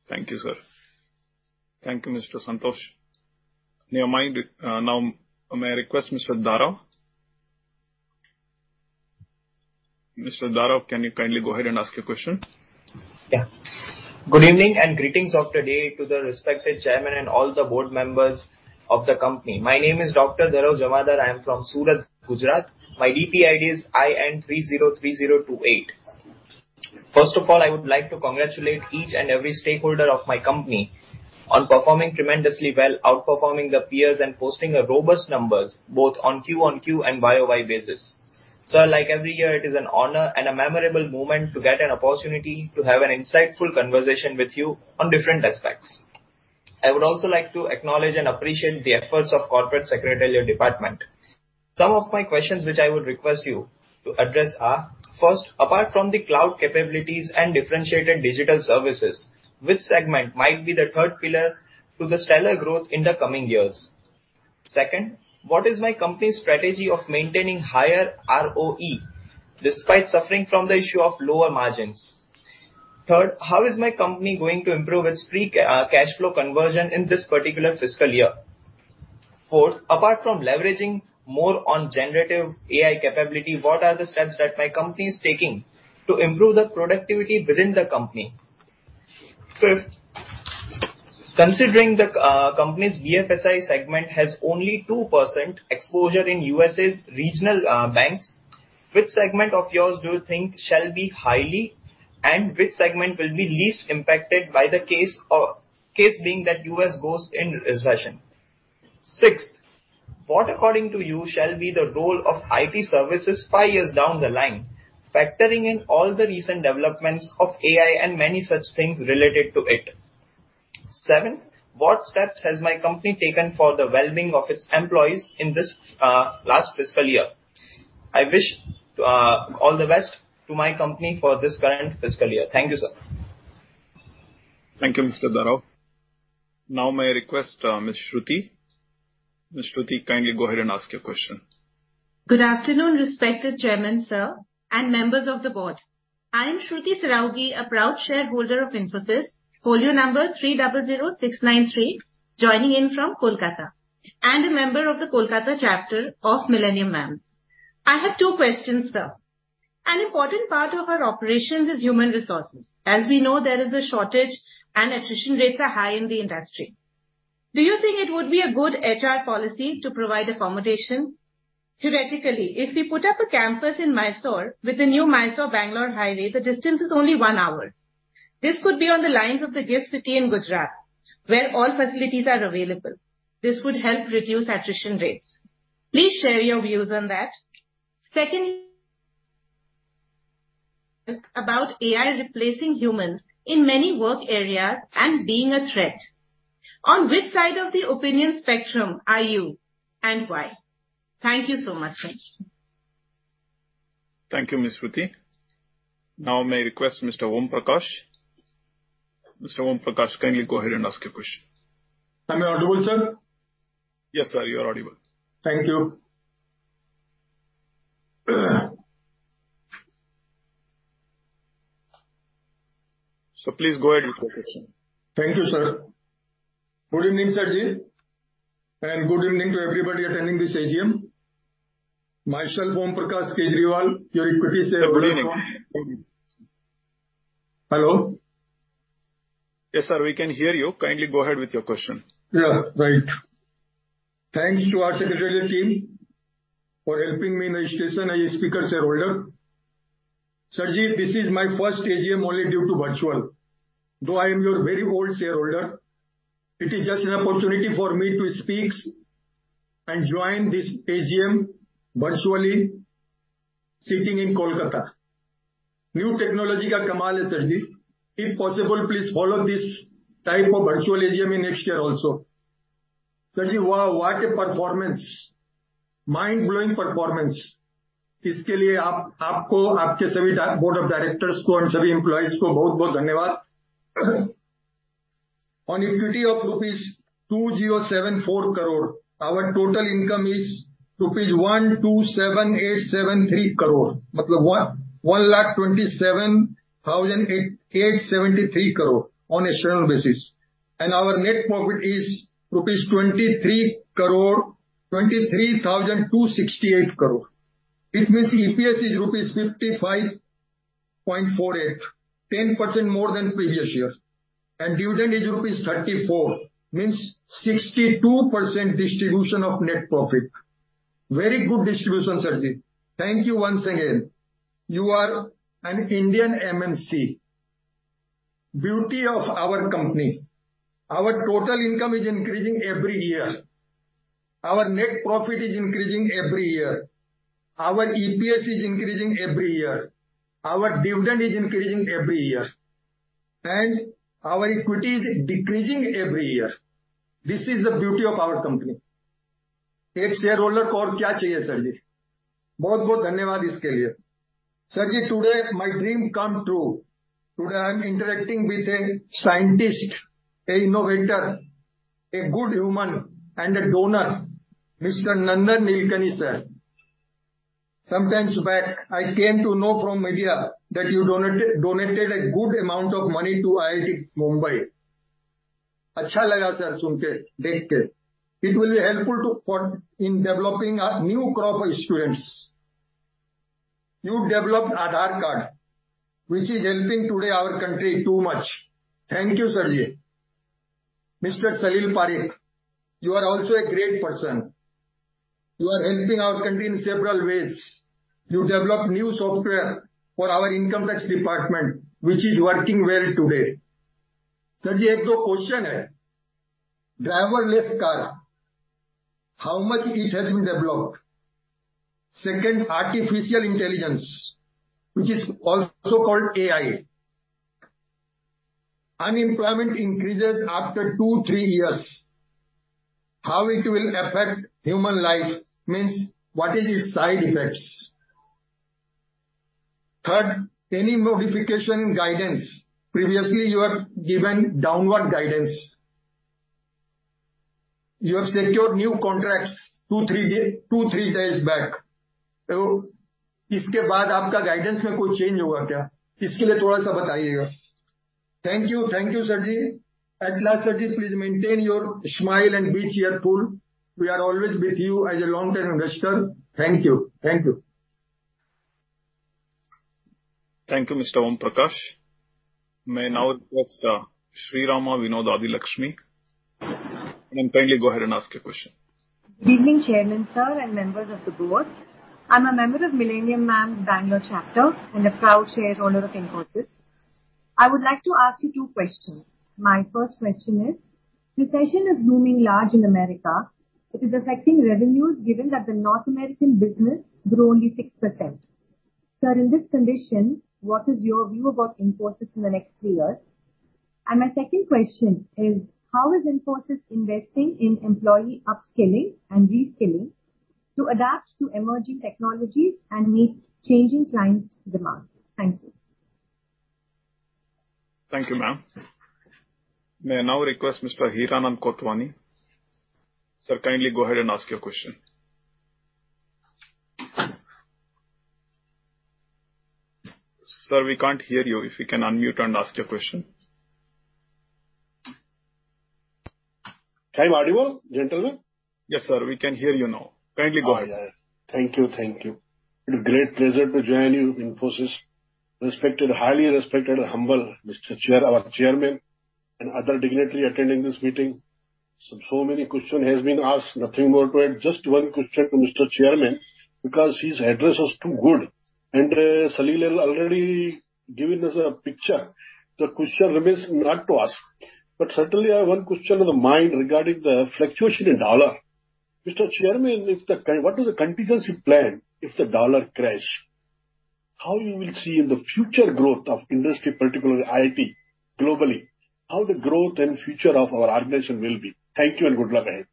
Thank you, Sir. Thank you, Mr. Santosh. You mind, now my request Mr. Dharav. Mr. Dharav, can you kindly go ahead and ask your question? Good evening, and greetings of the day to the respected Chairman and all the board members of the company. My name is Dr. Dharav Jamadar. I am from Surat, Gujarat. My DP ID is IN 303028. First of all, I would like to congratulate each and every stakeholder of my company on performing tremendously well, outperforming the peers and posting a robust numbers both on QoQ and Y-O-Y basis. Sir, like every year, it is an honor and a memorable moment to get an opportunity to have an insightful conversation with you on different aspects. I would also like to acknowledge and appreciate the efforts of corporate secretariat department. Some of my questions, which I would request you to address, are: First, apart from the cloud capabilities and differentiated digital services, which segment might be the third pillar to the stellar growth in the coming years? Second, what is my company's strategy of maintaining higher ROE despite suffering from the issue of lower margins? Third, how is my company going to improve its free cash flow conversion in this particular fiscal year? Fourth, apart from leveraging more on generative AI capability, what are the steps that my company is taking to improve the productivity within the company? Fifth, considering the company's BFSI segment has only 2% exposure in U.S.'s regional banks, which segment of yours do you think shall be highly, and which segment will be least impacted by the case, or case being that U.S. goes in recession? Sixth, what, according to you, shall be the role of IT services five years down the line, factoring in all the recent developments of AI and many such things related to it? Seventh, what steps has my company taken for the well-being of its employees in this last fiscal year? I wish all the best to my company for this current fiscal year. Thank you, sir. Thank you, Mr. Dharav. My request, Ms. Shruti, kindly go ahead and ask your question. Good afternoon, respected Chairman, sir, and members of the board. I am Shruti Saraogi, a proud shareholder of Infosys, folio number 300693, joining in from Kolkata, and a member of the Kolkata chapter of Millennium Mams'. I have two questions, sir. An important part of our operations is human resources. As we know, there is a shortage and attrition rates are high in the industry. Do you think it would be a good HR policy to provide accommodation? Theoretically, if we put up a campus in Mysore with the new Mysore-Bangalore Highway, the distance is only one hour. This could be on the lines of the GIFT City in Gujarat, where all facilities are available. This would help reduce attrition rates. Please share your views on that. Secondly, about AI replacing humans in many work areas and being a threat. On which side of the opinion spectrum are you, and why? Thank you so much, sir. Thank you, Ms. Shruti. Now may I request Mr. Om Prakash. Mr. Om Prakash, kindly go ahead and ask your question. Am I audible, sir? Yes, sir, you are audible. Thank you. Please go ahead with your question. Thank you, sir. Good evening, SirJi, and good evening to everybody attending this AGM. Myself, Om Prakash Kejriwal, your equity shareholder. Good evening. Hello? Yes, sir, we can hear you. Kindly go ahead with your question. Yeah, right. Thanks to our secretariat team for helping me in registration as a speaker shareholder. Sirji, this is my first AGM only due to virtual, though I am your very old shareholder. It is just an opportunity for me to speaks and join this AGM virtually sitting in Kolkata. New technology ka kamaal hai, Sirji. If possible, please follow this type of virtual AGM in next year also. Sirji, wow, what a performance! Mind-blowing performance. Iske liye aap, aapko, aapke sabhi Board of Directors ko and sabhi employees ko bahot dhanyavad. On equity of rupees 2,074 crore, our total income is rupees 127,873 crore. Matlab 127,873 crore on annual basis, and our net profit is rupees 23,268 crore. It means EPS is 55.48 rupees, 10% more than previous year. Dividend is 34 rupees, means 62% distribution of net profit. Very good distribution, Sirji. Thank you once again. You are an Indian MNC. Beauty of our company, our total income is increasing every year. Our net profit is increasing every year. Our EPS is increasing every year. Our dividend is increasing every year, and our equity is decreasing every year. This is the beauty of our company. Ek shareholder ko aur kya chahiye, Sirji? Bahot, bahot dhanyavad iske liye. Sirji, today my dream come true. Today, I am interacting with a scientist, a innovator, a good human, and a donor, Mr. Nandan Nilekani, sir. Sometimes back, I came to know from media that you donated a good amount of money to IIT Bombay. Achcha laga sir, sunke, dekhke. It will be helpful in developing a new crop of students. You've developed Aadhaar card, which is helping today our country too much. Thank you, Sirji. Mr. Salil Parekh, you are also a great person. You are helping our country in several ways. You developed new software for our income tax department, which is working well today. Sirji, ek do question hai. Driverless car, how much it has been developed? Second, artificial intelligence, which is also called AI. Unemployment increases after two, three years. How it will affect human life? Means, what is its side effects? Third, any modification in guidance. Previously, you have given downward guidance. You have secured new contracts two, three days back. Iske baad aapka guidance mein koi change hoga kya? Iske liye thoda sa bataiyega. Thank you. Thank you, Sirji. At last, Sirji, please maintain your smile and be cheerful. We are always with you as a long-term investor. Thank you. Thank you. Thank you, Mr. Om Prakash. May I now request Sreerama Vinod Adilakshmi. Ma'am, kindly go ahead and ask your question. Good evening, Chairman, sir, and members of the board. I'm a member of Millennium Mams' Bangalore Chapter and a proud shareholder of Infosys. I would like to ask you two questions. My first question is: Recession is looming large in America. It is affecting revenues, given that the North American business grew only 6%. Sir, in this condition, what is your view about Infosys in the next three years? My second question is: How is Infosys investing in employee upskilling and reskilling to adapt to emerging technologies and meet changing client demands? Thank you. Thank you, ma'am. May I now request Mr. Hiranand Kotwani. Sir, kindly go ahead and ask your question. Sir, we can't hear you. If you can unmute and ask your question. Am I audible, gentleman? Yes, sir, we can hear you now. Kindly go ahead. Thank you. Thank you. It's a great pleasure to join you, Infosys. Respected, highly respected, humble Mr. Chair, our Chairman, and other dignitary attending this meeting. Many question has been asked, nothing more to add. Just one question to Mr. Chairman, because his address was too good and Salil has already given us a picture. The question remains not to ask, but certainly I have one question on the mind regarding the fluctuation in dollar. Mr. Chairman, if what is the contingency plan if the dollar crash? How you will see in the future growth of industry, particularly IT, globally, how the growth and future of our organization will be? Thank you and good luck ahead.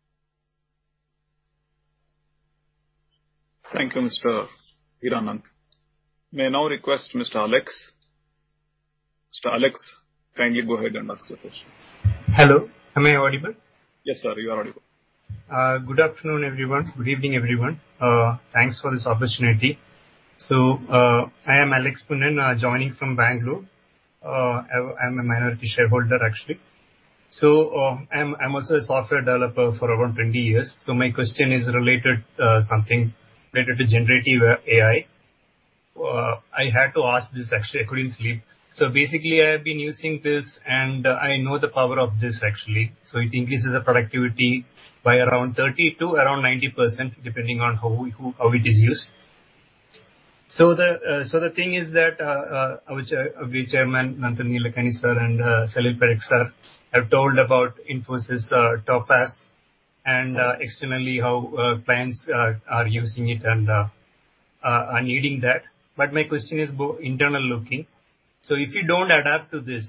Thank you, Mr. Hiranand. May I now request Mr. Alex? Mr. Alex, kindly go ahead and ask your question. Hello, am I audible? Yes, sir, you are audible. Good afternoon, everyone. Good evening, everyone. Thanks for this opportunity. I am Alex Punnen, joining from Bangalore. I'm a minority shareholder actually. I'm also a software developer for over 20 years. My question is related, something related to generative AI. I had to ask this actually, I couldn't sleep. Basically, I have been using this, and I know the power of this, actually. It increases the productivity by around 30%-90%, depending on how we, how it is used. The thing is that, our Chair, our dear Chairman, Nandan Nilekani, Sir, and Salil Parekh, Sir, have told about Infosys Topaz, and externally how clients are using it and are needing that. My question is internal looking. If you don't adapt to this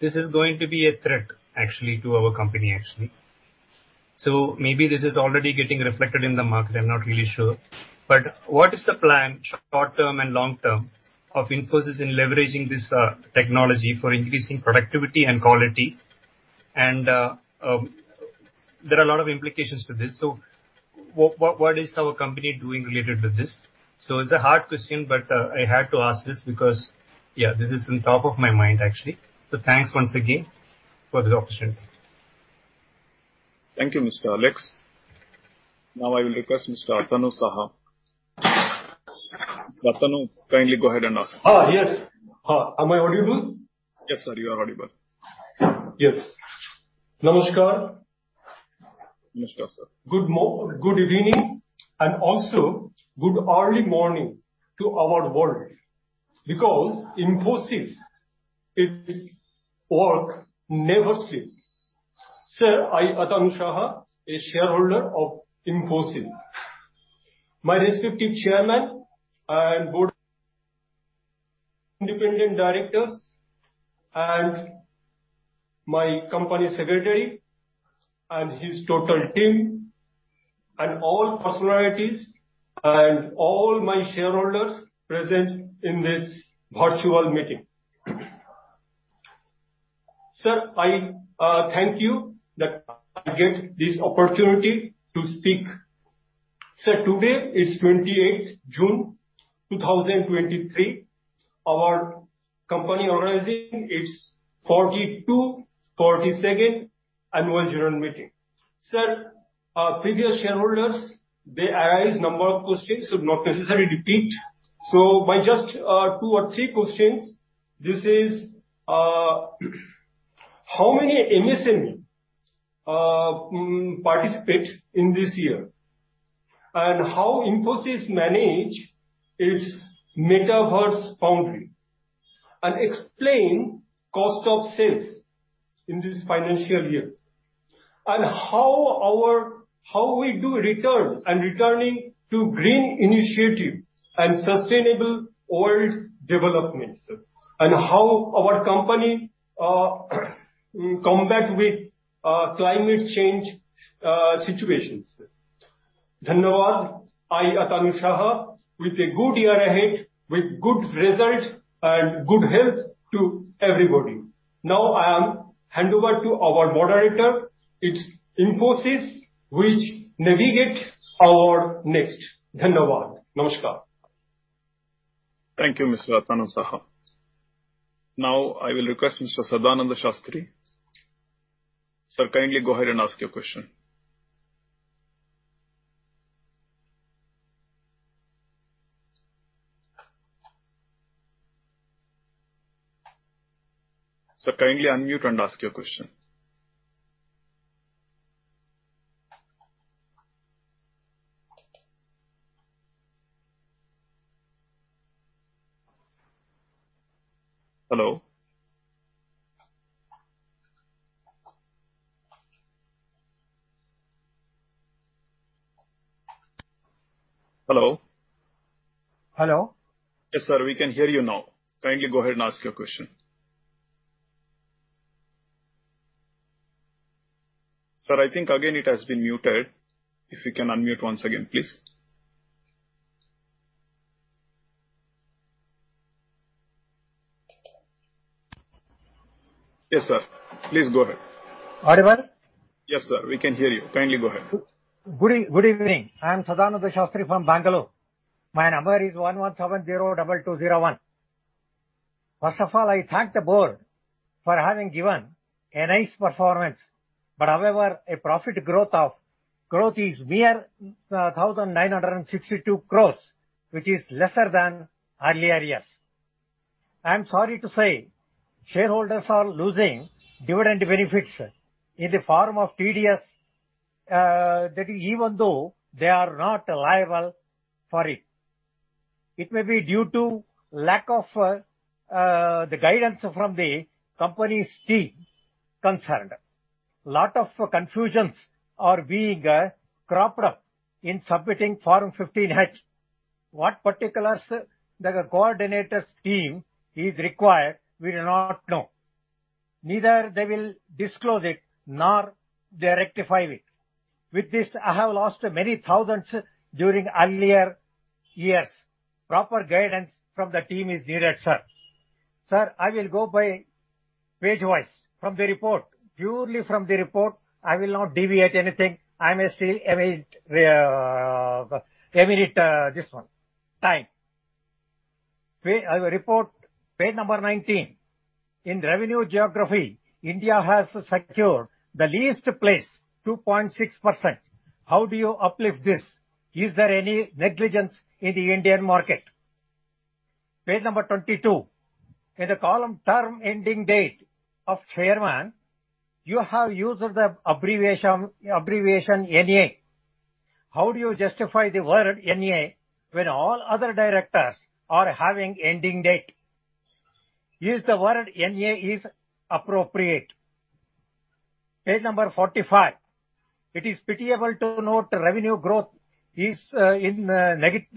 is going to be a threat actually to our company, actually. Maybe this is already getting reflected in the market, I'm not really sure. What is the plan, short-term and long-term, of Infosys in leveraging this technology for increasing productivity and quality? There are a lot of implications to this. What is our company doing related to this? It's a hard question, but I had to ask this because, yeah, this is on top of my mind, actually. Thanks once again for this opportunity. Thank you, Mr. Alex. I will request Mr. Atanu Saha. Atanu, kindly go ahead and ask. Yes. Am I audible? Yes, sir, you are audible. Yes. Namaskar. Namaskar, sir. Good evening. Also good early morning to our world, because Infosys, it work never sleep. Sir, I, Atanu Saha, a shareholder of Infosys. My respective chairman and board, independent directors, and my company secretary, and his total team, and all personalities, and all my shareholders present in this virtual meeting. Sir, I thank you that I get this opportunity to speak. Sir, today is 28th June, 2023. Our company organizing its 42nd annual general meeting. Sir, our previous shareholders, they arise number of questions, not necessarily repeat. By just 2 or 3 questions, this is how many MSME participate in this year? How Infosys manage its metaverse boundary? Explain cost of sales in this financial year. How we do return and returning to green initiative and sustainable world development, sir. How our company combat with climate change situations, sir. I, Atanu Saha, with a good year ahead, with good result and good health to everybody. I am hand over to our moderator. It's Infosys which navigate our next... Thank you, Mr. Atanu Saha. I will request Mr. Sadananda Shastri. Sir, kindly go ahead and ask your question. Sir, kindly unmute and ask your question. Hello? Hello. Hello. Yes, sir, we can hear you now. Kindly go ahead and ask your question. Sir, I think again it has been muted. If you can unmute once again, please. Yes, sir. Please go ahead. Audible, well? Yes, sir, we can hear you. Kindly go ahead. Good evening. I am Sadananda Shastri from Bangalore. My number is 11702201. First of all, I thank the board for having given a nice performance. However, a profit growth of growth is mere 1,962 crores, which is lesser than earlier years. I'm sorry to say, shareholders are losing dividend benefits in the form of TDS that even though they are not liable for it. It may be due to lack of the guidance from the company's team concerned. Lot of confusions are being cropped up in submitting Form 15H. What particulars that the coordinators team is required, we do not know. Neither they will disclose it, nor they rectify it. With this, I have lost many thousands during earlier years. Proper guidance from the team is needed, sir. Sir, I will go by page-wise from the report. Purely from the report, I will not deviate anything. I may still emit this one, time. Page, report, page number 19. In revenue geography, India has secured the least place, 2.6%. How do you uplift this? Is there any negligence in the Indian market? Page number 22. In the column term ending date of Chairman, you have used the abbreviation NA. How do you justify the word NA when all other directors are having ending date? Is the word NA is appropriate? Page number 45: It is pitiable to note revenue growth is negative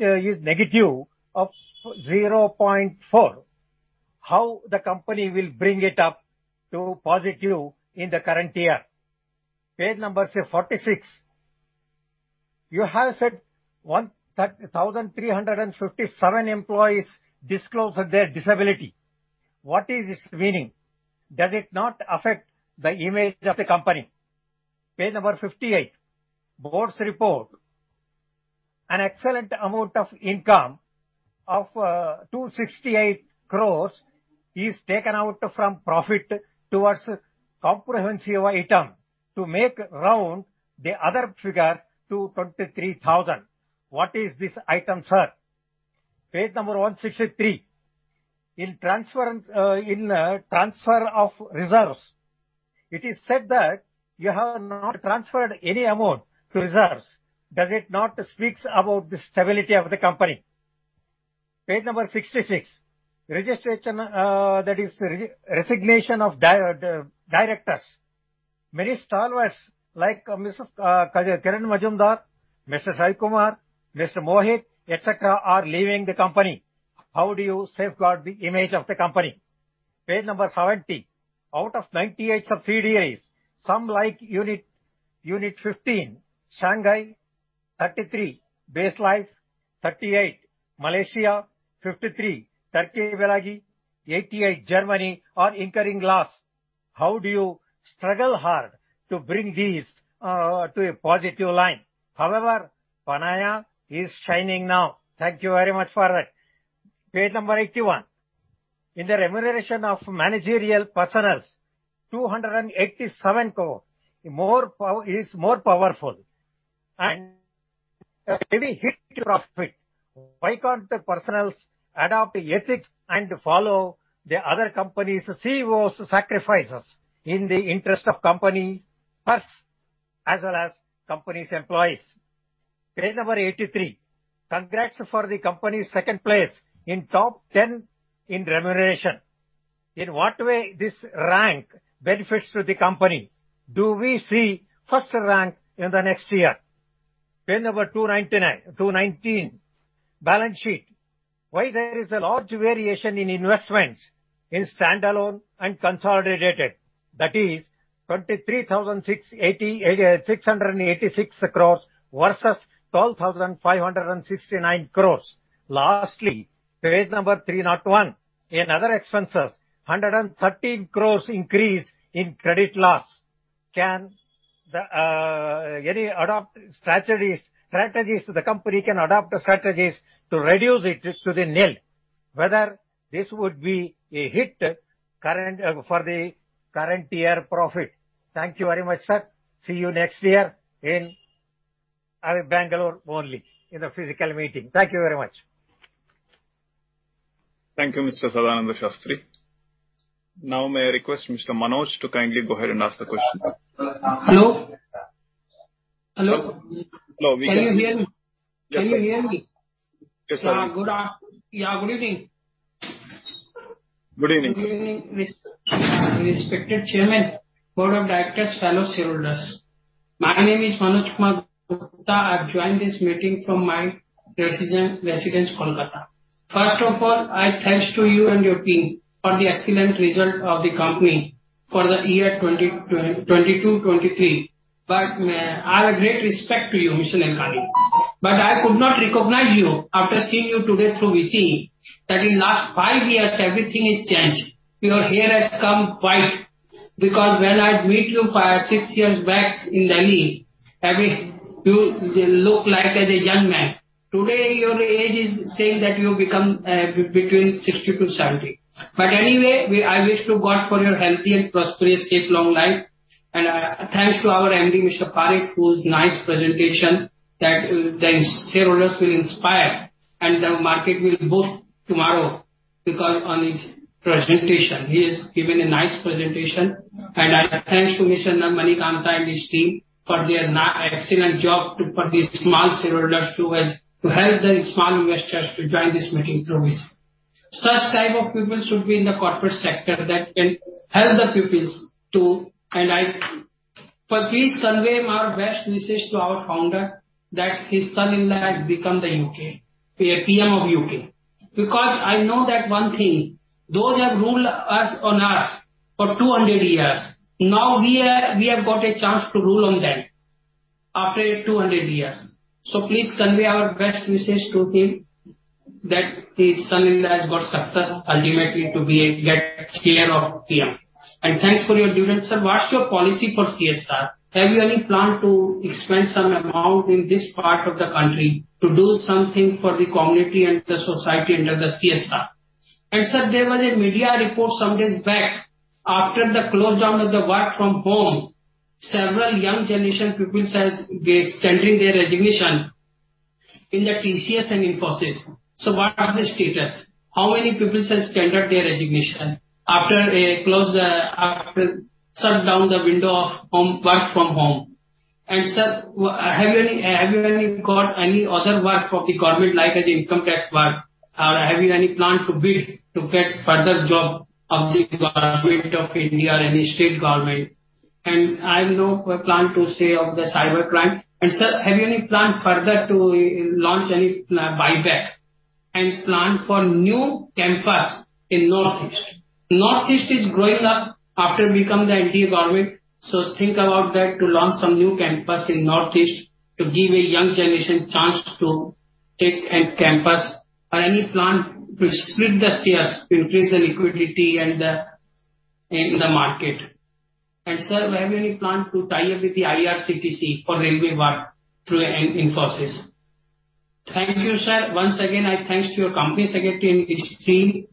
of 0.4. How the company will bring it up to positive in the current year? Page number 46: You have said 1,357 employees disclosed their disability. What is its meaning? Does it not affect the image of the company? Page number 58, Board's report. An excellent amount of income of 268 crore is taken out from profit towards comprehensive item to make round the other figure to 23,000. What is this item, sir? Page number 163: In transfer of reserves, it is said that you have not transferred any amount to reserves. Does it not speaks about the stability of the company? Page number 66: Resignation of directors. Many stalwarts, like Mr. Kiran Mazumdar, Mr. Shiv Kumar, Mr. Mohit, etc., are leaving the company. How do you safeguard the image of the company? Page number 70. Out of 98 CDAs, some like unit, Unit 15, Shanghai, 33, Baselice, 38, Malaysia, 53, Turkey, Balikesir, 88, Germany, are incurring loss. How do you struggle hard to bring these to a positive line? Panaya is shining now. Thank you very much for that. Page number 81. In the remuneration of managerial personnels, 287 crore, more power, is more powerful, and a heavy hit of it. Why can't the personnels adopt ethics and follow the other company's CEOs' sacrifices in the interest of company first, as well as company's employees? Page number 83. Congrats for the company's 2nd place in top 10 in remuneration. In what way this rank benefits to the company? Do we see 1st rank in the next year? Page number 299, 219, balance sheet. Why there is a large variation in investments in standalone and consolidated? That is, 23,686 crores versus 12,569 crores. Lastly, page number 301. In other expenses, 113 crores increase in credit loss. Can the company adopt strategies to reduce it to nil, whether this would be a hit for the current year profit? Thank you very much, sir. See you next year in Bangalore only, in the physical meeting. Thank you very much. Thank you, Mr. Sadananda Shastri. May I request Mr. Manoj to kindly go ahead and ask the question. Hello? Hello. Hello. Can you hear me? Yes, sir. Can you hear me? Yes, sir. Yeah, good evening. Good evening. Good evening, respected Chairman, board of directors, fellow shareholders. My name is Manoj Kumar Gupta. I've joined this meeting from my residence, Kolkata. First of all, I thanks to you and your team for the excellent result of the company for the year 2022, 2023. I have great respect to you, Mr. Nilekani. I could not recognize you after seeing you today through VC. That in last five years, everything is changed. Your hair has come white, because when I meet you five, six years back in Delhi, I mean, you look like as a young man. Today, your age is saying that you become between 60 to 70. Anyway, I wish to God for your healthy and prosperous, safe, long life. Thanks to our MD, Mr. Salil Parekh, whose nice presentation that the shareholders will inspire, and the market will boost tomorrow because on his presentation. He has given a nice presentation. I thanks to Mr. Manikantha and his team for their excellent job to help the small investors to join this meeting through VC. Such type of people should be in the corporate sector that can help the people to. Please convey our best wishes to our founder, that his son-in-law has become the U.K. PM of U.K. I know that one thing, those who have ruled us, on us for 200 years, now we have got a chance to rule on them after 200 years. Please convey our best wishes to him, that his son-in-law has got success ultimately to get chair of PM. Thanks for your dividend, sir. What's your policy for CSR? Have you any plan to expend some amount in this part of the country to do something for the community and the society under the CSR? Sir, there was a media report some days back, after the close down of the work from home, several young generation peoples has gave, tendering their resignation in the TCS and Infosys. What is the status? How many peoples has tendered their resignation after shut down the window of home, work from home? Sir, have you any got any other work from the government, like the income tax work? Have you any plan to bid to get further job of the Government of India and the state government? I know a plan to say of the cybercrime. Sir, have you any plan further to launch any buyback and plan for new campus in Northeast? Northeast is growing up after become the ND government, so think about that, to launch some new campus in Northeast to give a young generation chance to take a campus. Any plan to split the shares, to increase the liquidity and in the market? Sir, have you any plan to tie up with the IRCTC for railway work through Infosys? Thank you, sir. Once again, I thanks to your Company Secretary and his team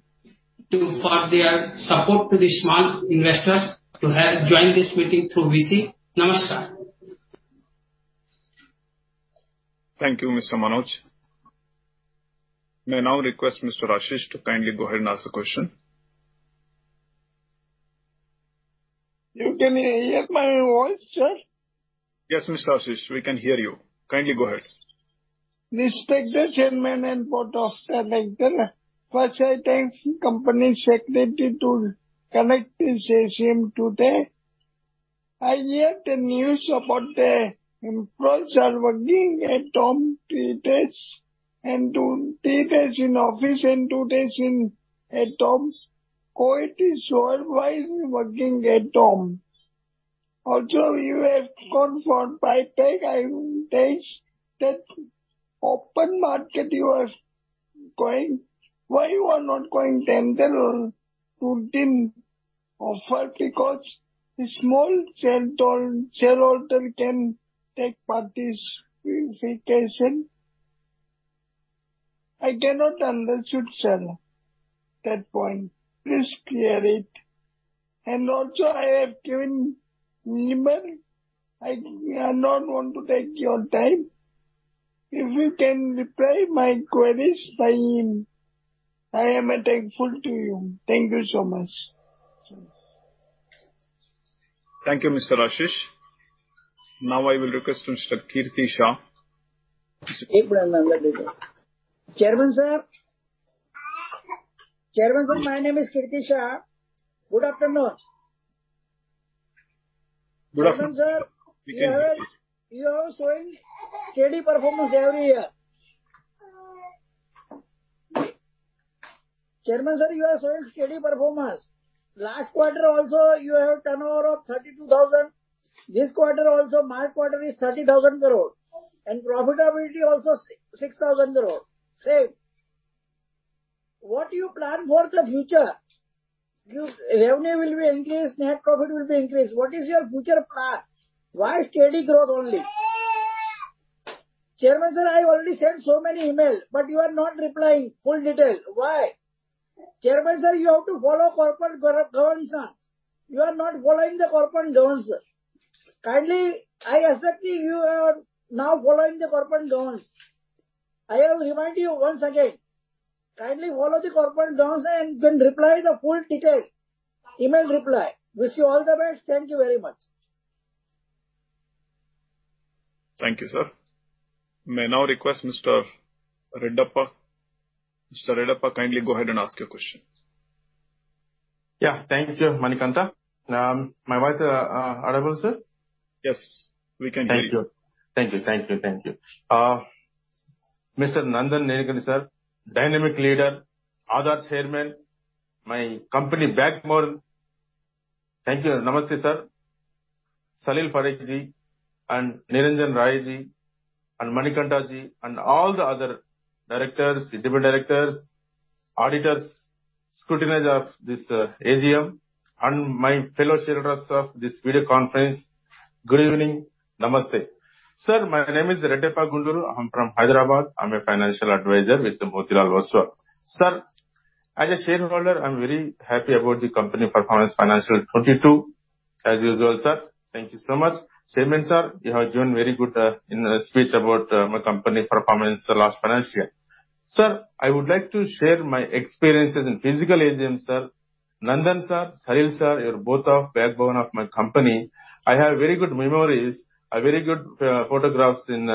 for their support to the small investors to have join this meeting through VC. Namaskar. Thank you, Mr. Manoj. May I now request Mr. Ashish to kindly go ahead and ask the question? You can hear my voice, sir? Yes, Mr. Ashish, we can hear you. Kindly go ahead. Respected Chairman and Board of Director, first I thank Company Secretary to connect this AGM today. I heard the news about the employees are working at home three days, and three days in office and two days at home. How it is supervised working at home? Also you have gone for buyback, I would suggest that open market you are going, why you are not going tender or putting offer? Because the small shareholder can take participation. I cannot understand, sir, that point. Please clear it. Also, I have given number. I not want to take your time. If you can reply my queries by email, I am a thankful to you. Thank you so much. Thank you, Mr. Ashish. Now I will request Mr. Kirti Shah. Chairman, sir. Chairman, sir, my name is Kirti Shah. Good afternoon. Good afternoon. Chairman, sir, you have shown steady performance every year. Chairman, sir, you have shown steady performance. Last quarter, you have turnover of 32 thousand. This quarter, March quarter is 30,000 crore, profitability 6,000 crore. Same. What you plan for the future? This revenue will be increased, net profit will be increased. What is your future plan? Why steady growth only? Chairman, sir, I already sent so many emails, you are not replying full detail. Why? Chairman, sir, you have to follow corporate governance, sir. You are not following the corporate governance, sir. Kindly, I expect you are now following the corporate governance. I have remind you once again, kindly follow the corporate governance, reply the full detail. Email reply. Wish you all the best. Thank you very much. Thank you, sir. May I now request Mr. Reddeppa. Mr. Reddeppa, kindly go ahead and ask your question. Yeah. Thank you, Manikantha. My voice audible, sir? Yes, we can hear you. Thank you. Thank you, thank you, thank you. Mr. Nandan Nilekani, sir, dynamic leader, Aadhaar Chairman, my company backbone. Thank you. Namaste, sir. Salil Parekhji, Nilanjan Royji, Manikanthaji, and all the other directors, independent directors, auditors, scrutinizer of this AGM, and my fellow shareholders of this video conference. Good evening. Namaste. My name is Reddeppa Gundluru. I'm from Hyderabad. I'm a financial advisor with the Motilal Oswal. As a shareholder, I'm very happy about the company performance financial 2022. As usual, sir, thank you so much. Chairman, sir, you have done very good in the speech about my company performance the last financial year. I would like to share my experiences in physical AGM, sir. Nandan sir, Salil sir, you're both of backbone of my company. I have very good memories, very good photographs in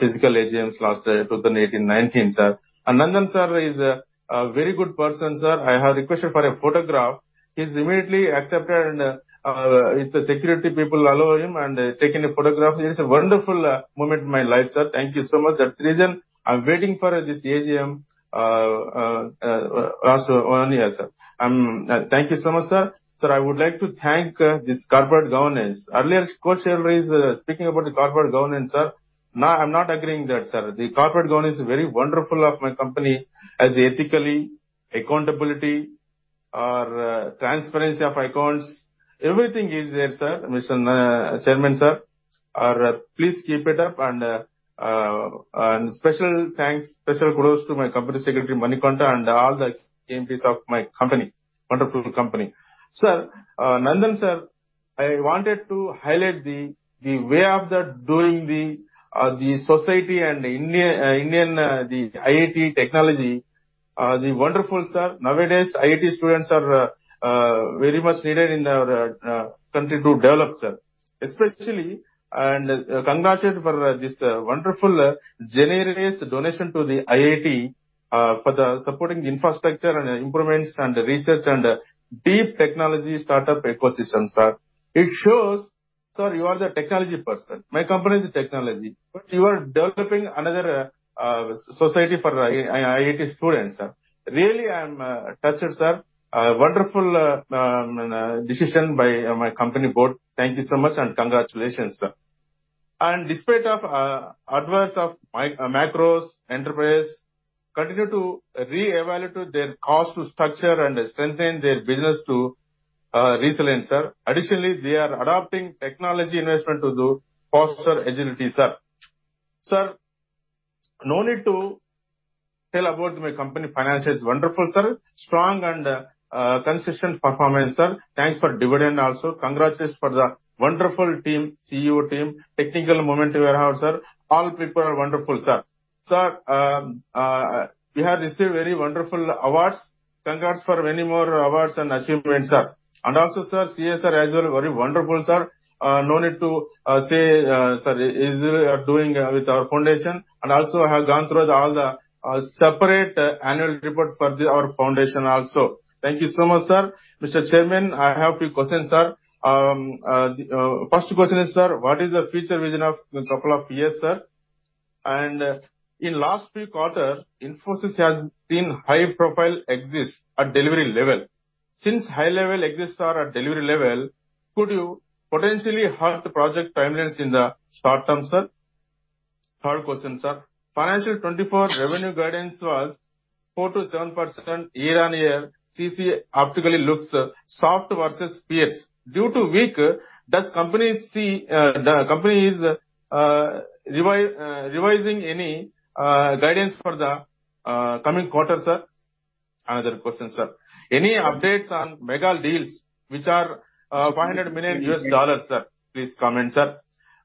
physical AGM last 2018, 2019, sir. Nandan sir is a very good person, sir. I had requested for a photograph. He's immediately accepted and with the security people allow him and taking the photograph. It is a wonderful moment in my life, sir. Thank you so much. That's the reason I'm waiting for this AGM last one year, sir. Thank you so much, sir. Sir, I would like to thank this corporate governance. Earlier, Kochhar is speaking about the corporate governance, sir. Now, I'm not agreeing that, sir. The corporate governance is very wonderful of my company as ethically, accountability or transparency of icons. Everything is there, sir, Mr. Chairman, sir. Please keep it up and special thanks, special kudos to my Company Secretary, Manikantha, and all the employees of my company. Wonderful company. Sir, Nandan, sir, I wanted to highlight the way of doing the society and Indian, the IIT technology, the wonderful, sir. Nowadays, IIT students are very much needed in our country to develop, sir. Especially, congratulate for this wonderful generous donation to the IIT for the supporting infrastructure and improvements and research and deep technology startup ecosystem, sir. It shows, sir, you are the technology person. My company is technology, you are developing another society for IIT students, sir. Really, I'm touched, sir. A wonderful decision by my company board. Thank you so much and congratulations, sir. Despite of adverse of macros, enterprise continue to reevaluate their cost structure and strengthen their business to resilient, sir. Additionally, they are adopting technology investment to foster agility, sir. Sir, no need to tell about my company finances. Wonderful, sir. Strong and consistent performance, sir. Thanks for dividend also. Congratulations for the wonderful team, CEO team, technical movement warehouse, sir. All people are wonderful, sir. Sir, we have received very wonderful awards. Congrats for many more awards and achievements, sir. Also, sir, CSR as well, very wonderful, sir. No need to say, sir, is doing with our Foundation, and also have gone through all the separate annual report for the our Foundation also. Thank you so much, sir. Mr. Chairman, I have two questions, sir. The first question is, sir. What is the future vision of the couple of years, sir? In last week quarter, Infosys has been high profile exits at delivery level. Since high level exits are at delivery level, could you potentially hurt the project timelines in the short term, sir? Third question, sir. Financial 2024 revenue guidance was 4%-7% Y-o-Y. CCA optically looks soft versus peers. Due to weak, does companies see, the company is revising any guidance for the coming quarter, sir? Another question, sir. Any updates on mega deals which are $500 million, sir? Please comment, sir.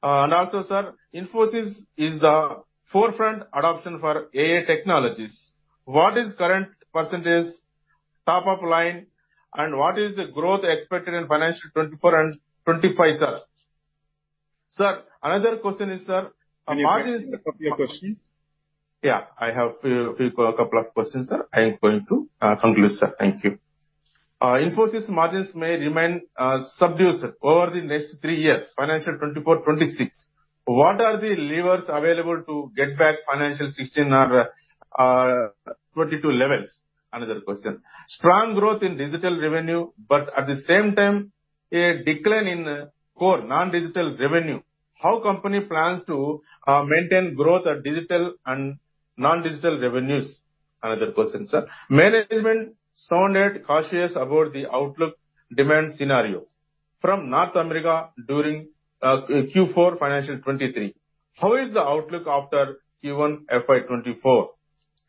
Also, sir, Infosys is the forefront adoption for AI technologies. What is current percentage, top of line, and what is the growth expected in financial 2024 and 2025, sir? Sir, another question is, sir, margin- Can you please repeat your question? I have few couple of questions, sir. I am going to conclude, sir. Thank you. Infosys margins may remain subdued over the next three years, financial 2024, 2026. What are the levers available to get back financial 2016 or 2022 levels? Another question: Strong growth in digital revenue, but at the same time, a decline in core non-digital revenue. How company plans to maintain growth at digital and non-digital revenues? Another question, sir. Management sounded cautious about the outlook demand scenario from North America during Q4 financial 2023. How is the outlook after Q1 FY 2024?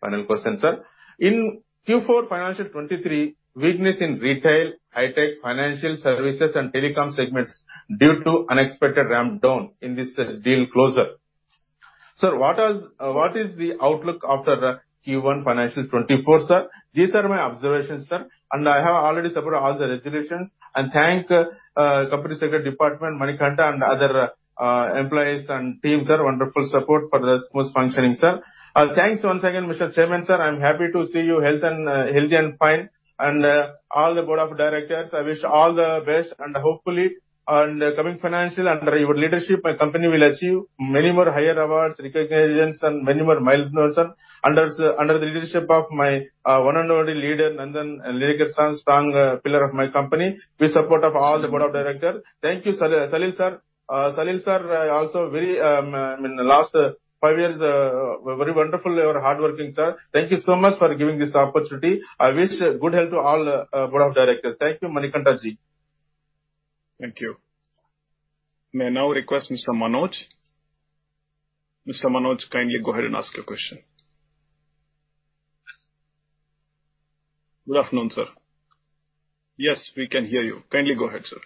Final question, sir. In Q4 financial 2023, weakness in retail, high-tech financial services and telecom segments due to unexpected ramp down in this deal closure. Sir, what is the outlook after Q1 financial 2024, sir? These are my observations, sir, and I have already supported all the resolutions. Thank company secretary department, Manikantha and other employees and teams, are wonderful support for the smooth functioning, sir. Thanks once again, Mr. Chairman, sir. I'm happy to see you health and healthy and fine, and all the board of directors, I wish all the best. Hopefully, on the coming financial under your leadership, my company will achieve many more higher awards, recognitions, and many more milestones, sir. Under the leadership of my one and only leader, Nandan Nilekani, strong pillar of my company, with support of all the board of director. Thank you, Salil sir. Salil sir, also very, I mean, last five years, very wonderful. You are hardworking, sir. Thank you so much for giving this opportunity. I wish good health to all, board of directors. Thank you, Manikantha Ji. Thank you. May I now request Mr. Manoj? Mr. Manoj, kindly go ahead and ask your question. Good afternoon, sir. Yes, we can hear you. Kindly go ahead, sir.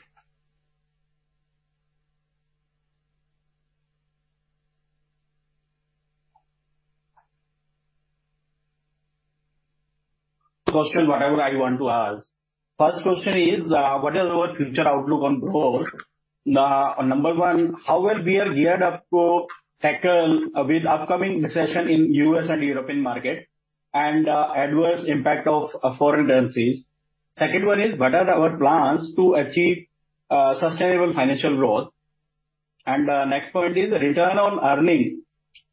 Question, whatever I want to ask. First question is, what is our future outlook on growth? Number one, how well we are geared up to tackle with upcoming recession in U.S. and European market, and adverse impact of foreign currencies? Second one is, what are our plans to achieve sustainable financial growth? Next point is return on earning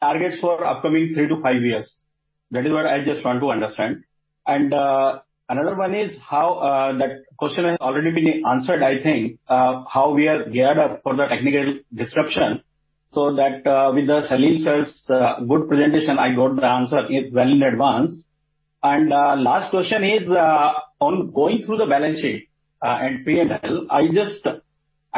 targets for upcoming three to five years. That is what I just want to understand. Another one is how that question has already been answered, I think, how we are geared up for the technical disruption, so that with Salil sir's good presentation, I got the answer well in advance. Last question is, on going through the balance sheet, and P&L, I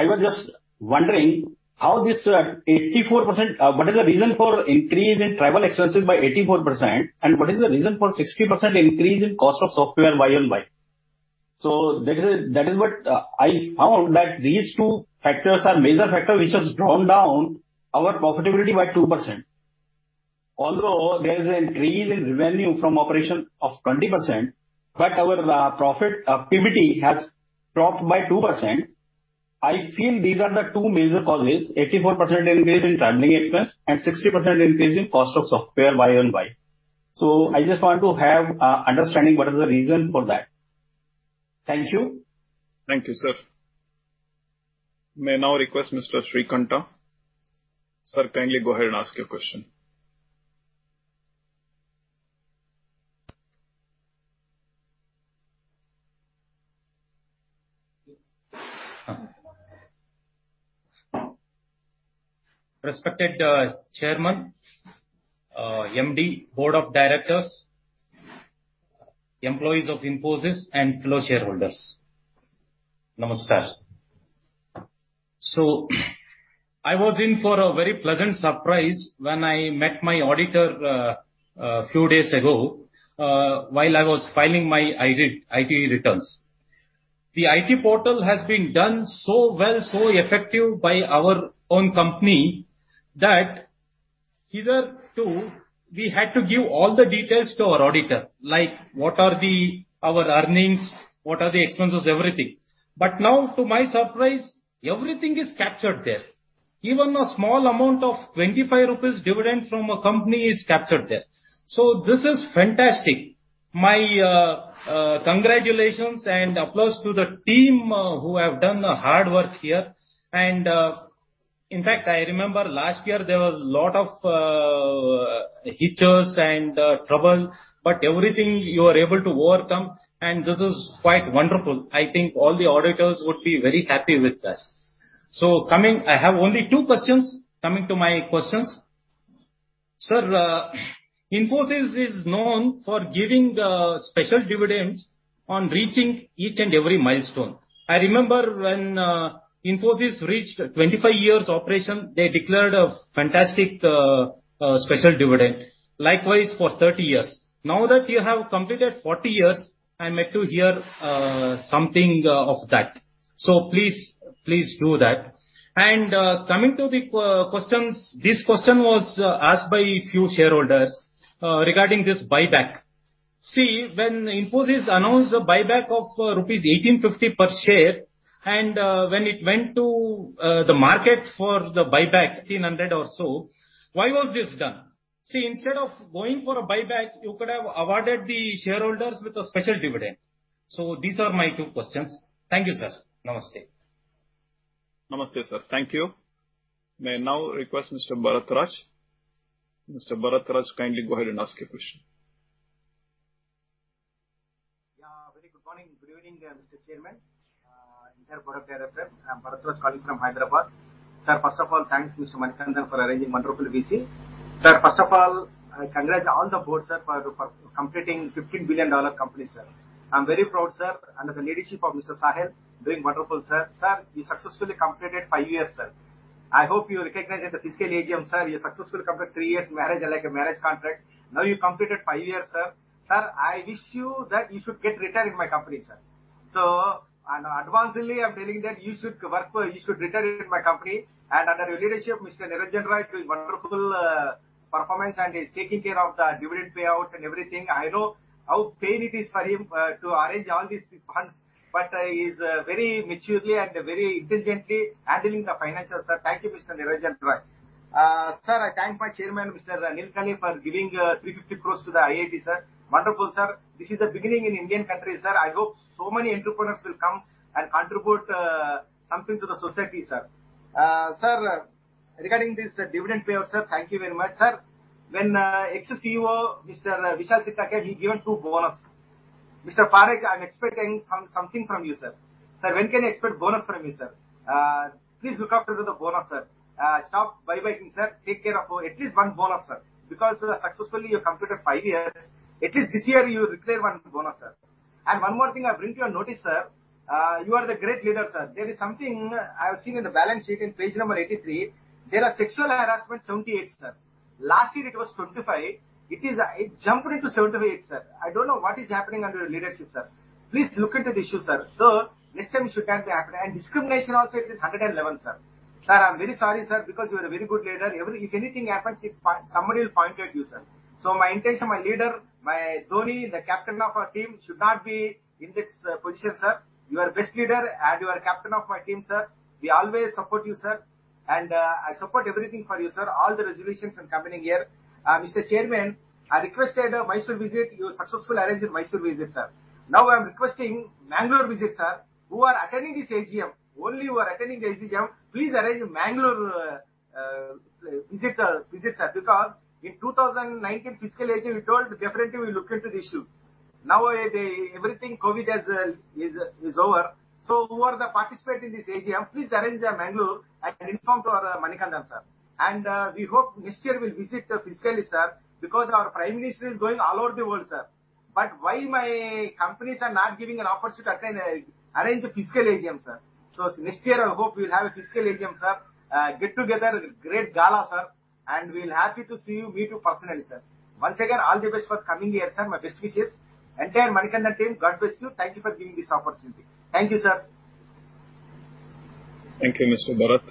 was just wondering how this 84%... What is the reason for increase in travel expenses by 84%? What is the reason for 60% increase in cost of software, why and why? That is, that is what I found, that these two factors are major factor, which has drawn down our profitability by 2%. Although there is an increase in revenue from operation of 20%, but our profit activity has dropped by 2%. I feel these are the two major causes, 84% increase in traveling expense and 60% increase in cost of software, why and why? I just want to have understanding what is the reason for that. Thank you. Thank you, sir. May I now request Mr. Srikanth? Sir, kindly go ahead and ask your question. Respected, Chairman, MD, board of directors, employees of Infosys and fellow shareholders, Namaskar. I was in for a very pleasant surprise when I met my auditor, few days ago, while I was filing my IT returns. The IT portal has been done so well, so effective by our own company, that hitherto, we had to give all the details to our auditor, like what are the earnings, what are the expenses, everything. Now, to my surprise, everything is captured there. Even a small amount of 25 rupees dividend from a company is captured there. This is fantastic! My congratulations and applause to the team, who have done the hard work here. In fact, I remember last year there was a lot of hitches and trouble, but everything you are able to overcome, and this is quite wonderful. I think all the auditors would be very happy with us. I have only two questions. Coming to my questions: Sir, Infosys is known for giving the special dividends on reaching each and every milestone. I remember when Infosys reached 25 years operation, they declared a fantastic special dividend. Likewise, for 30 years. Now that you have completed 40 years, I'm yet to hear something of that. Please do that. Coming to the questions, this question was asked by a few shareholders regarding this buyback. When Infosys announced the buyback of rupees 18.50 per share, and when it went to the market for the buyback, 1,800 or so, why was this done? Instead of going for a buyback, you could have awarded the shareholders with a special dividend. These are my two questions. Thank you, sir. Namaste. Namaste, sir. Thank you. May I now request Mr. Bharat Raj? Mr. Bharat Raj, kindly go ahead and ask your question. Very good morning, good evening, Mr. Chairman. Entire Board of Directors, I'm Bharat Raj calling from Hyderabad. First of all, thanks, Mr. Manikantha, for arranging wonderful business. First of all, congrats to all the Board, sir, for completing a $15 billion company, sir. I'm very proud, sir, under the leadership of Mr. Salil, doing wonderful, sir. You successfully completed five years, sir. I hope you recognize that the fiscal AGM, sir, you successfully completed three years marriage, like a marriage contract. You completed five years, sir. I wish you that you should get retired in my company, sir. On advancedly, I'm telling you that you should retire in my company, and under your leadership, Mr. Nilanjan Roy, it was wonderful performance, and he's taking care of the dividend payouts and everything. I know how pain it is for him to arrange all these funds, but he's very maturely and very intelligently handling the finances, sir. Thank you, Mr. Nilanjan Roy. Sir, I thank my chairman, Mr. Nilekani, for giving 350 crores to the IIT, sir. Wonderful, sir. This is the beginning in Indian country, sir. I hope so many entrepreneurs will come and contribute something to the society, sir. Sir, regarding this dividend payout, sir, thank you very much, sir. When ex-CEO, Mr. Vishal Sikka, he given two bonus. Mr. Parekh, I'm expecting something from you, sir. Sir, when can I expect bonus from you, sir? Please look after to the bonus, sir. Stop buybacking, sir. Take care of at least one bonus, sir, because successfully, you completed five years. At least this year, you declare one bonus, sir. One more thing I bring to your notice, sir. You are the great leader, sir. There is something I have seen in the balance sheet in page number 83. There are sexual harassment, 78, sir. Last year, it was 25. It jumped into 78, sir. I don't know what is happening under your leadership, sir. Please look into the issue, sir. Next time, it should not be happening. Discrimination also, it is 111, sir. Sir, I'm very sorry, sir, because you are a very good leader. If anything happens, somebody will point at you, sir. My intention, my leader, my Dhoni, the captain of our team, should not be in this position, sir. You are best leader, and you are captain of my team, sir. We always support you, sir. I support everything for you, sir, all the resolutions and company here. Mr. Chairman, I requested a Mysore visit. You successfully arranged a Mysore visit, sir. Now, I'm requesting Mangalore visit, sir. Who are attending this AGM, only who are attending the AGM, please arrange a Mangalore visit, sir, because in 2019 fiscal AGM, you told definitely we look into the issue. Now, the everything COVID has is over. Who are the participant in this AGM, please arrange a Mangalore and inform to our Manikantha, sir. We hope next year we'll visit physically, sir, because our Prime Minister is going all over the world, sir. Why my companies are not giving an opportunity to attend, arrange a physical AGM, sir? Next year, I hope we'll have a physical AGM, sir. Get together, great gala, sir, and we'll happy to see you, me, too, personally, sir. Once again, all the best for coming here, sir. My best wishes. Entire Manikanthan team, God bless you. Thank you for giving this opportunity. Thank you, sir. Thank you, Mr. Bharat.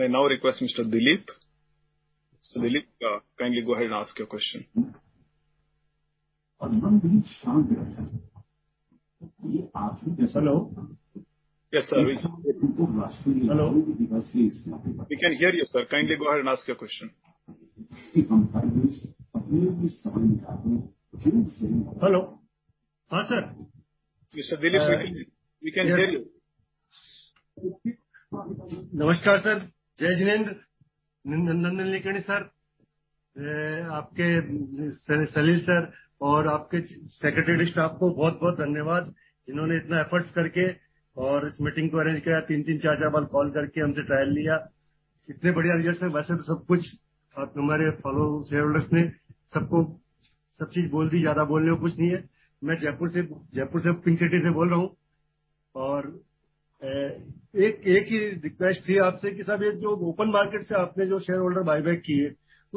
I now request Mr. Dilip. Mr. Dilip, kindly go ahead and ask your question. Hello? Yes, sir. Hello. We can hear you, sir. Kindly go ahead and ask your question. Hello? Hi, sir. Mr. Dilip, speaking. We can hear you. Namaskar, sir. Jai Hind, Nandan Nilekani sir. आपके Salil Parekh sir और आपके secretary staff को बहुत-बहुत धन्यवाद, जिन्होंने इतना efforts करके और इस meeting को arrange किया, 3-4 बार call करके हमसे trial लिया। कितने बढ़िया result है। वैसे तो सब कुछ हमारे follow shareholders ने सबको, सब चीज बोल दी, ज्यादा बोलने को कुछ नहीं है। मैं जयपुर से Pink City से बोल रहा हूं, और, एक ही request थी आपसे कि साहब ये जो open market से आपने जो shareholder buyback किए,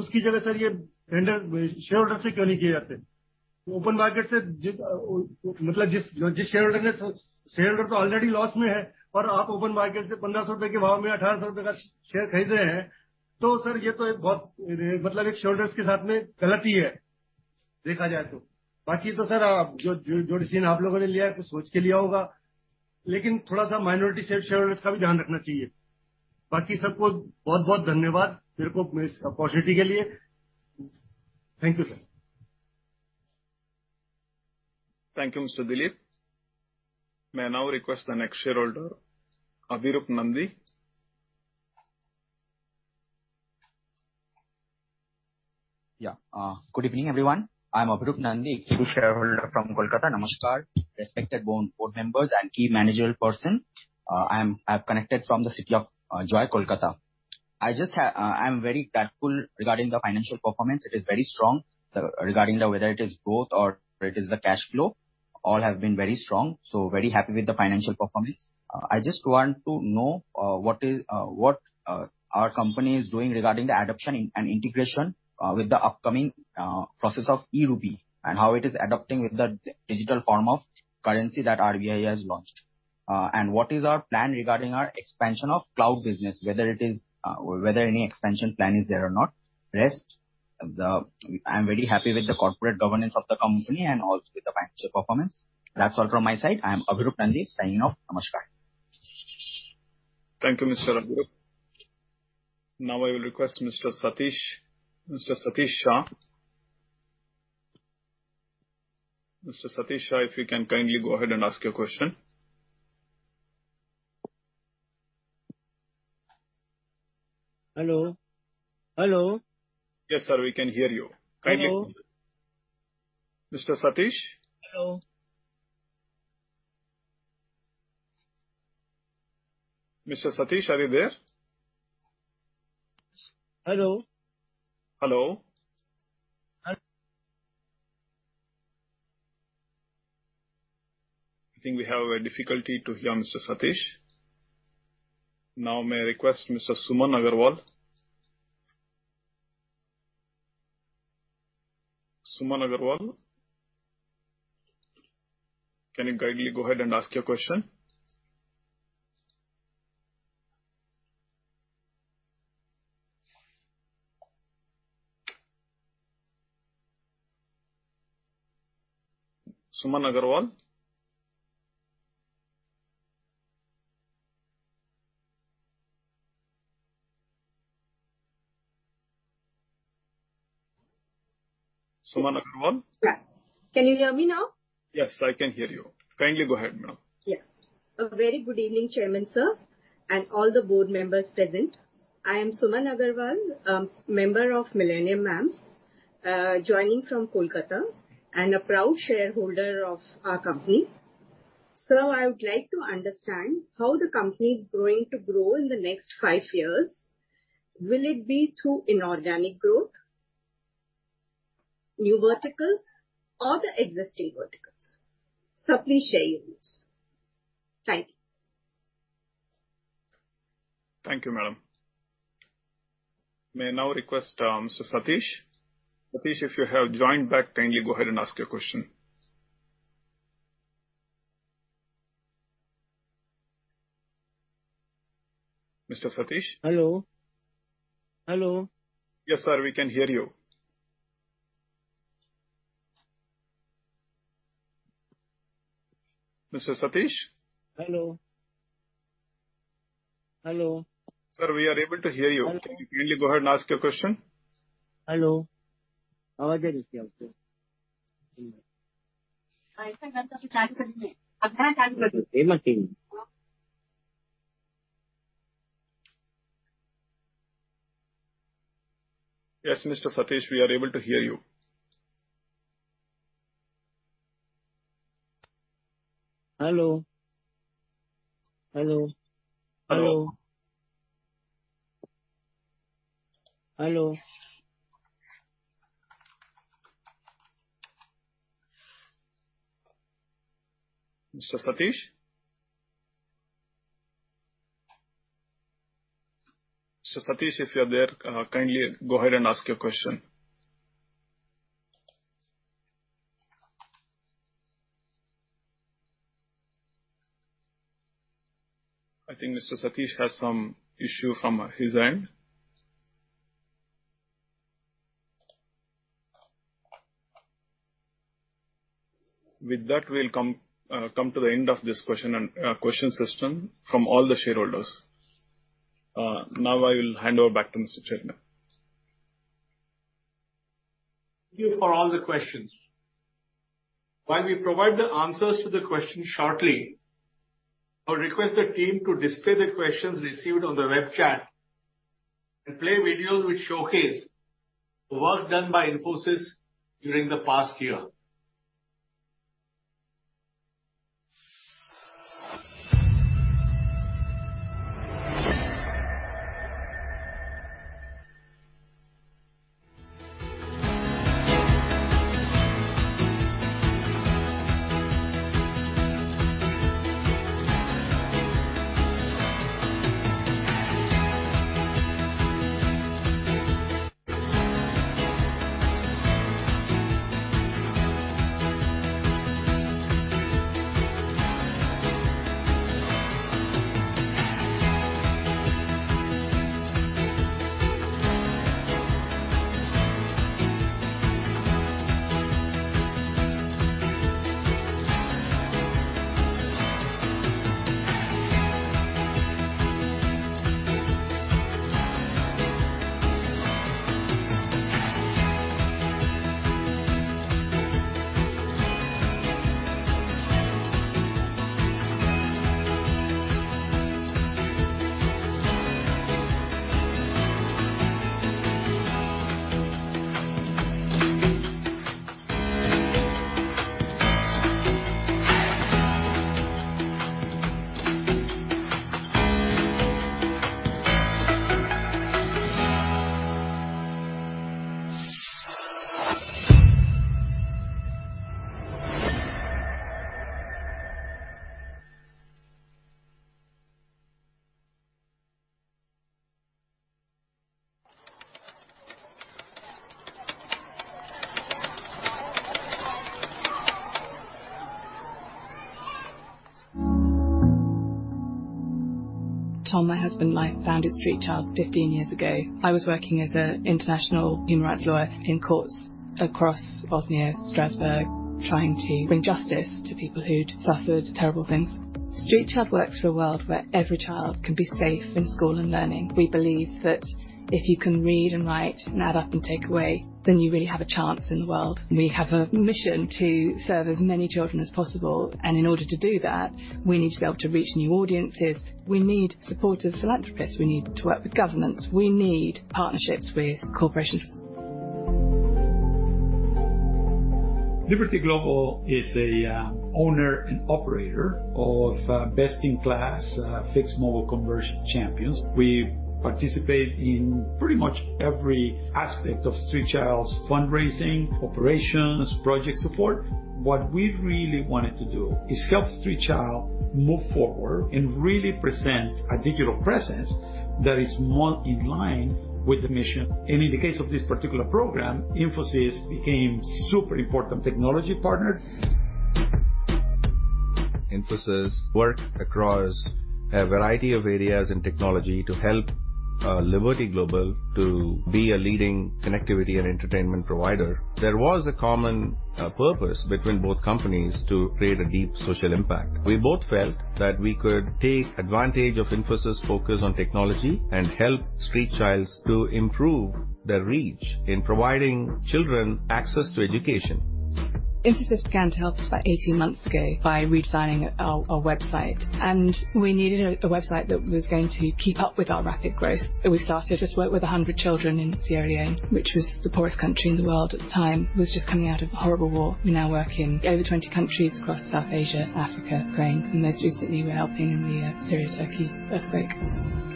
उसकी जगह sir ये tender shareholders से क्यों नहीं किए जाते? Open market से जिस shareholder ने...Shareholder तो already loss में है. आप open market से 1,500 INR के भाव में 1,800 INR का share खरीद रहे हैं. Sir, ये तो एक बहुत, मतलब, एक shareholders के साथ में गलत ही है, देखा जाए तो. Sir, जो decision आप लोगों ने लिया है, तो सोच के लिया होगा, लेकिन थोड़ा सा minority shareholders का भी ध्यान रखना चाहिए. Baki sabko bahut dhanyavad mere ko this opportunity ke liye. Thank you, sir. Thank you, Mr. Dilip. May I now request the next shareholder, Abhirup Nandi? Good evening, everyone. I'm Abhirup Nandi, shareholder from Kolkata. Namaskar, respected board members and key managerial person. I've connected from the city of Joy Kolkata. I'm very thankful regarding the financial performance. It is very strong. Regarding the whether it is growth or it is the cash flow, all have been very strong, very happy with the financial performance. I just want to know what our company is doing regarding the adoption and integration with the upcoming process of e-Rupee, and how it is adapting with the digital form of currency that RBI has launched. What is our plan regarding our expansion of cloud business, whether any expansion plan is there or not. Rest, I'm very happy with the corporate governance of the company and also with the financial performance. That's all from my side. I am Abhirup Nandi, signing off. Namaskar. Thank you, Mr. Abhirup. I will request Mr. Satish Shah. Mr. Satish Shah, if you can kindly go ahead and ask your question. Hello? Hello? Yes, sir, we can hear you. Hello. Mr. Satish? Hello. Mr. Satish, are you there? Hello? Hello. Hello. I think we have a difficulty to hear Mr. Satish. Now, may I request Mr. Suman Agarwal? Suman Agarwal, can you kindly go ahead and ask your question? Suman Agarwal? Suman Agarwal. Yeah. Can you hear me now? Yes, I can hear you. Kindly go ahead, madam. A very good evening, Chairman, sir, and all the board members present. I am Suman Agarwal, member of Millennium Mams', joining from Kolkata, and a proud shareholder of our company. I would like to understand how the company is going to grow in the next five years. Will it be through inorganic growth, new verticals, or the existing verticals? Please share your views. Thank you. Thank you, madam. May I now request Mr. Satish? Satish, if you have joined back, kindly go ahead and ask your question. Mr. Satish? Hello? Hello? Yes, sir, we can hear you. Mr. Satish? Hello. Hello. Sir, we are able to hear you. Hello. Can you kindly go ahead and ask your question? Hello. Yes, Mr. Satish, we are able to hear you. Hello. Hello. Hello. Hello. Hello. Mr. Satish? Mr. Satish, if you're there, kindly go ahead and ask your question. I think Mr. Satish has some issue from his end. With that, we'll come to the end of this question system from all the shareholders. Now I will hand over back to Mr. Nandan. Thank you for all the questions. While we provide the answers to the questions shortly, I'll request the team to display the questions received on the web chat and play videos which showcase the work done by Infosys during the past year. Tom, my husband and I, founded Street Child 15 years ago. I was working as an international human rights lawyer in courts across Bosnia, Strasbourg, trying to bring justice to people who'd suffered terrible things. Street Child works for a world where every child can be safe in school and learning. We believe that if you can read and write and add up and take away, then you really have a chance in the world. We have a mission to serve as many children as possible. In order to do that, we need to be able to reach new audiences. We need supportive philanthropists. We need to work with governments. We need partnerships with corporations. Liberty Global is a owner and operator of best-in-class fixed-mobile conversion champions. We participate in pretty much every aspect of Street Child's fundraising, operations, project support. What we really wanted to do is help Street Child move forward and really present a digital presence that is more in line with the mission. In the case of this particular program, Infosys became super important technology partner. Infosys work across a variety of areas in technology to help Liberty Global to be a leading connectivity and entertainment provider. There was a common purpose between both companies to create a deep social impact. We both felt that we could take advantage of Infosys' focus on technology and help Street Child to improve their reach in providing children access to education. Infosys began to help us about 18 months ago by redesigning our website, and we needed a website that was going to keep up with our rapid growth. We started just work with 100 children in Sierra Leone, which was the poorest country in the world at the time, was just coming out of a horrible war. We now work in over 20 countries across South Asia, Africa, Ukraine, and most recently, we're helping in the Turkey-Syria earthquake.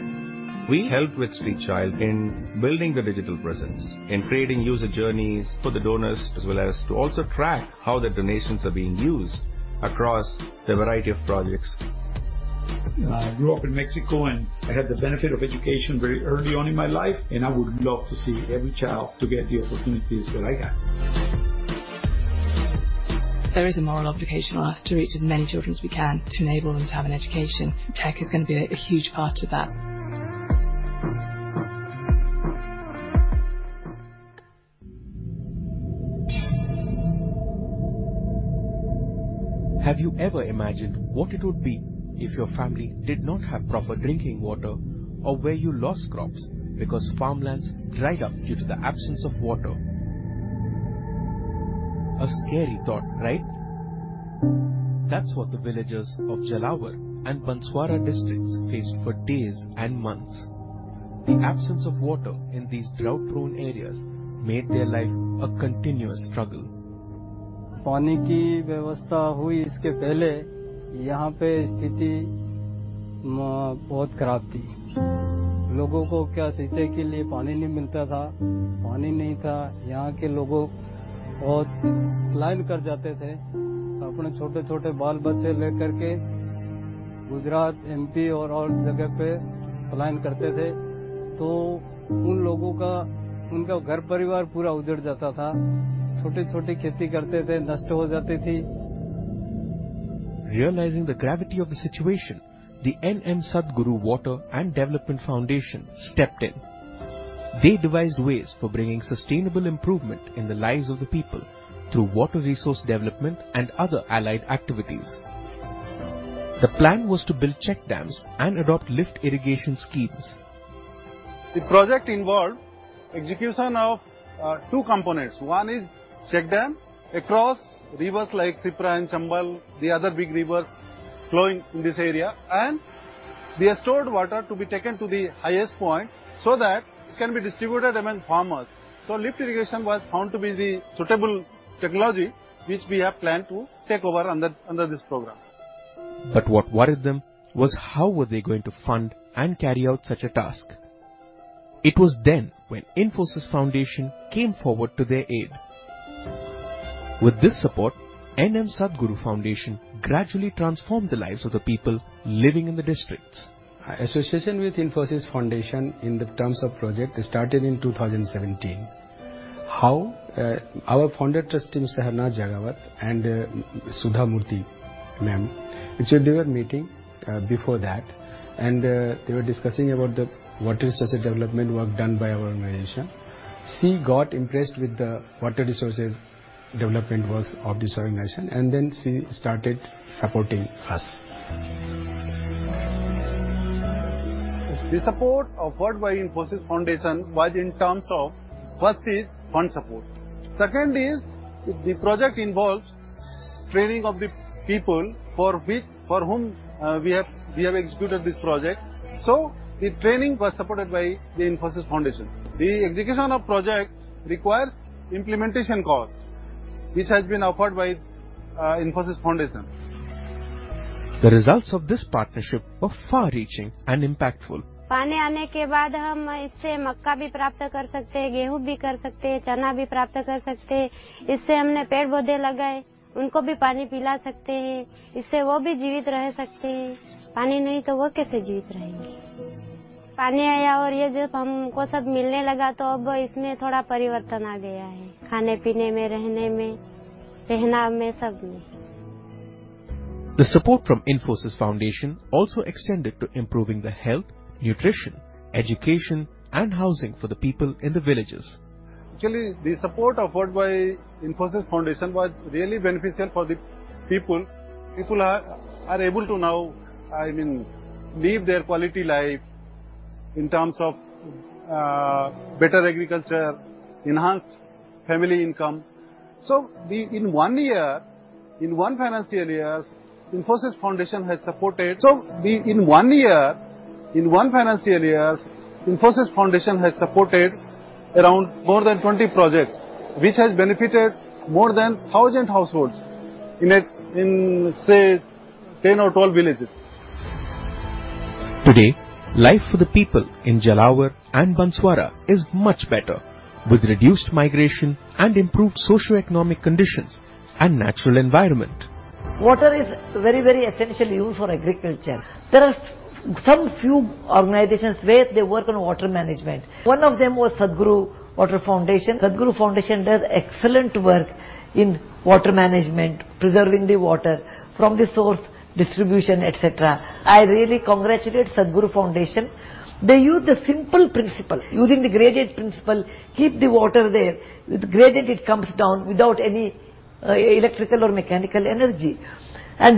We helped with Street Child in building the digital presence, in creating user journeys for the donors, as well as to also track how the donations are being used across a variety of projects. I grew up in Mexico. I had the benefit of education very early on in my life. I would love to see every child to get the opportunities that I got. There is a moral obligation on us to reach as many children as we can to enable them to have an education. Tech is going to be a huge part of that. Have you ever imagined what it would be if your family did not have proper drinking water or where you lost crops because farmlands dried up due to the absence of water? A scary thought, right? That's what the villagers of Jhalawar and Banswara districts faced for days and months. The absence of water in these drought-prone areas made their life a continuous struggle. Realizing the gravity of the situation, the N. M. Sadguru Water and Development Foundation stepped in. They devised ways for bringing sustainable improvement in the lives of the people through water resource development and other allied activities. The plan was to build check dams and adopt lift irrigation schemes. The project involved execution of two components. One is check dam across rivers like Shipra and Chambal, the other big rivers flowing in this area, and the stored water to be taken to the highest point so that it can be distributed among farmers. Lift irrigation was found to be the suitable technology, which we have planned to take over under this program. What worried them was: How were they going to fund and carry out such a task? It was then when Infosys Foundation came forward to their aid. With this support, N.M. Sadguru Foundation gradually transformed the lives of the people living in the districts. Our association with Infosys Foundation in the terms of project started in 2017. How? Our founder, Trustee Harnathsih Jagawat, and Sudha Murty, ma'am, which they were meeting before that and they were discussing about the water resource development work done by our organization. She got impressed with the water resources development works of this organization, and then she started supporting us. The support offered by Infosys Foundation was in terms of, first is, fund support. Second is, the project involves training of the people for whom, we have executed this project. The training was supported by the Infosys Foundation. The execution of project requires implementation cost, which has been offered by Infosys Foundation. The results of this partnership were far-reaching and impactful. The support from Infosys Foundation also extended to improving the health, nutrition, education, and housing for the people in the villages. Actually, the support offered by Infosys Foundation was really beneficial for the people. People are able to now, I mean, live their quality life in terms of better agriculture, enhanced family income. In one year, in one financial years, Infosys Foundation has supported around more than 20 projects, which has benefited more than 1,000 households in a, in say, 10 or 12 villages. Today, life for the people in Jhalawar and Banswara is much better, with reduced migration and improved socioeconomic conditions and natural environment. Water is very, very essential use for agriculture. There are some few organizations where they work on water management. One of them was N. M. Sadguru Water and Development Foundation. N. M. Sadguru Water and Development Foundation does excellent work in water management, preserving the water from the source, distribution, et cetera. I really congratulate N. M. Sadguru Water and Development Foundation. They use the simple principle. Using the gradient principle, keep the water there. With gradient, it comes down without any electrical or mechanical energy.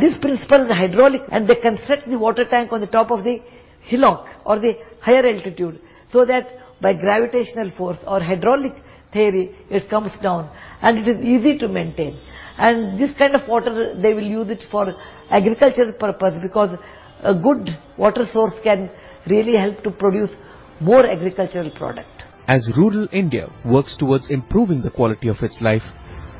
This principle is hydraulic, and they construct the water tank on the top of the hillock or the higher altitude, so that by gravitational force or hydraulic theory, it comes down, and it is easy to maintain. This kind of water, they will use it for agricultural purpose, because a good water source can really help to produce more agricultural product. As rural India works towards improving the quality of its life,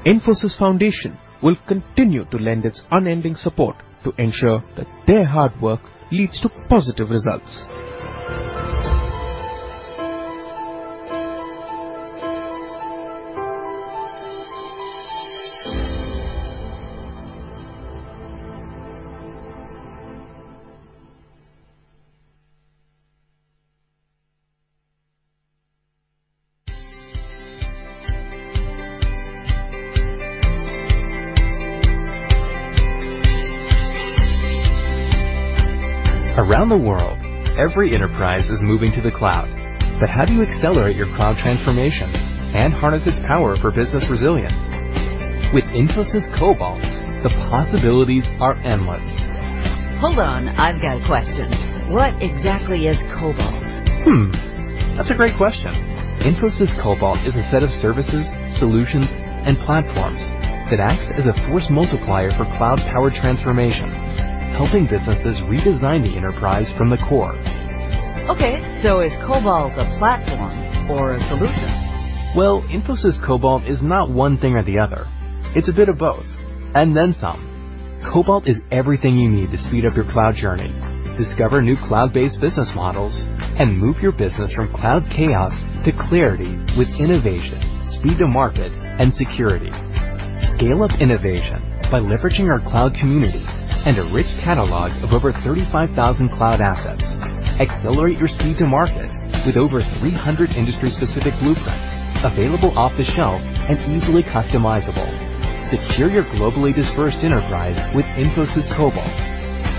Infosys Foundation will continue to lend its unending support to ensure that their hard work leads to positive results. Around the world, every enterprise is moving to the cloud. How do you accelerate your cloud transformation and harness its power for business resilience? With Infosys Cobalt, the possibilities are endless. Hold on, I've got a question. What exactly is Cobalt? That's a great question. Infosys Cobalt is a set of services, solutions, and platforms that acts as a force multiplier for cloud-powered transformation, helping businesses redesign the enterprise from the core. Okay, is Cobalt a platform or a solution? Well, Infosys Cobalt is not one thing or the other. It's a bit of both, and then some. Cobalt is everything you need to speed up your cloud journey, discover new cloud-based business models, and move your business from cloud chaos to clarity with innovation, speed to market, and security. Scale up innovation by leveraging our cloud community and a rich catalog of over 35,000 cloud assets. Accelerate your speed to market with over 300 industry-specific blueprints available off-the-shelf and easily customizable. Secure your globally dispersed enterprise with Infosys Cobalt.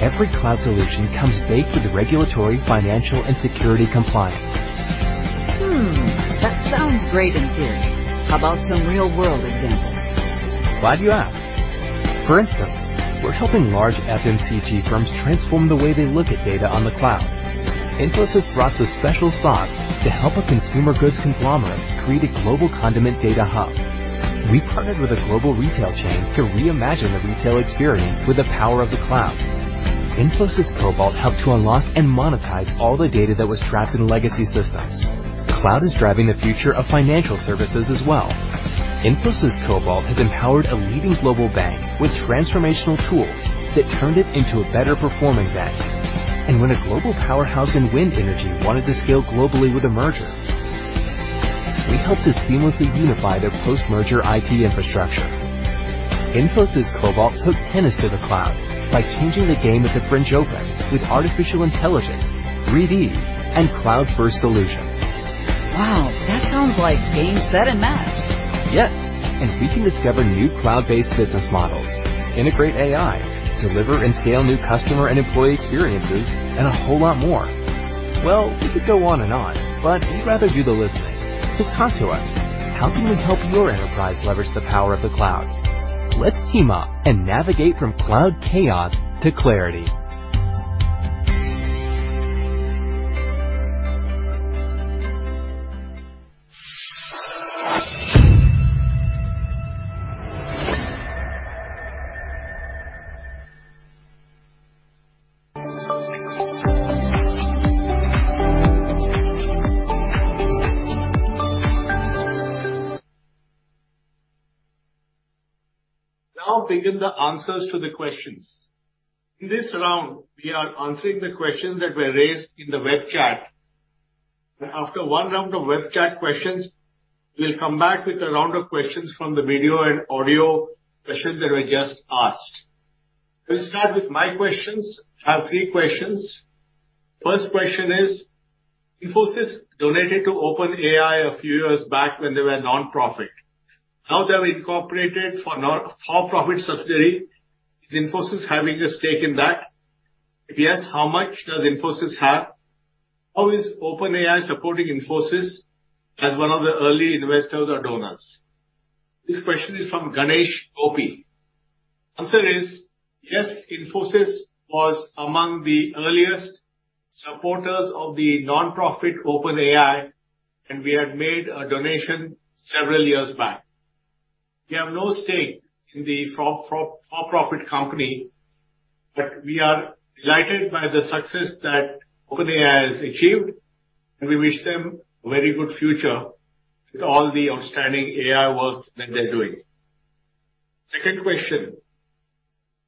Every cloud solution comes baked with regulatory, financial, and security compliance. That sounds great in theory. How about some real-world examples? Glad you asked. For instance, we're helping large FMCG firms transform the way they look at data on the cloud. Infosys brought the special sauce to help a consumer goods conglomerate create a global condiment data hub. We partnered with a global retail chain to reimagine the retail experience with the power of the cloud. Infosys Cobalt helped to unlock and monetize all the data that was trapped in legacy systems. Cloud is driving the future of financial services as well. Infosys Cobalt has empowered a leading global bank with transformational tools that turned it into a better-performing bank. When a global powerhouse in wind energy wanted to scale globally with a merger, we helped to seamlessly unify their post-merger IT infrastructure. Infosys Cobalt took tennis to the cloud by changing the game at the French Open with artificial intelligence, 3D, and cloud-first solutions. Wow! That sounds like game, set, and match. Yes, we can discover new cloud-based business models, integrate AI, deliver and scale new customer and employee experiences, and a whole lot more. Well, we could go on and on, but we'd rather do the listening. Talk to us. How can we help your enterprise leverage the power of the cloud? Let's team up and navigate from cloud chaos to clarity. Now begin the answers to the questions. In this round, we are answering the questions that were raised in the web chat. After one round of web chat questions, we'll come back with a round of questions from the video and audio questions that were just asked. We'll start with my questions. I have three questions. First question is: Infosys donated to OpenAI a few years back when they were nonprofit. Now they have incorporated for for-profit subsidiary. Is Infosys having a stake in that? If yes, how much does Infosys have? How is OpenAI supporting Infosys as one of the early investors or donors? This question is from Ganesh Gopi. Answer is: Yes, Infosys was among the earliest supporters of the nonprofit, OpenAI, and we had made a donation several years back. We have no stake in the for-profit company. We are delighted by the success that OpenAI has achieved. We wish them a very good future with all the outstanding AI work that they're doing. Second question: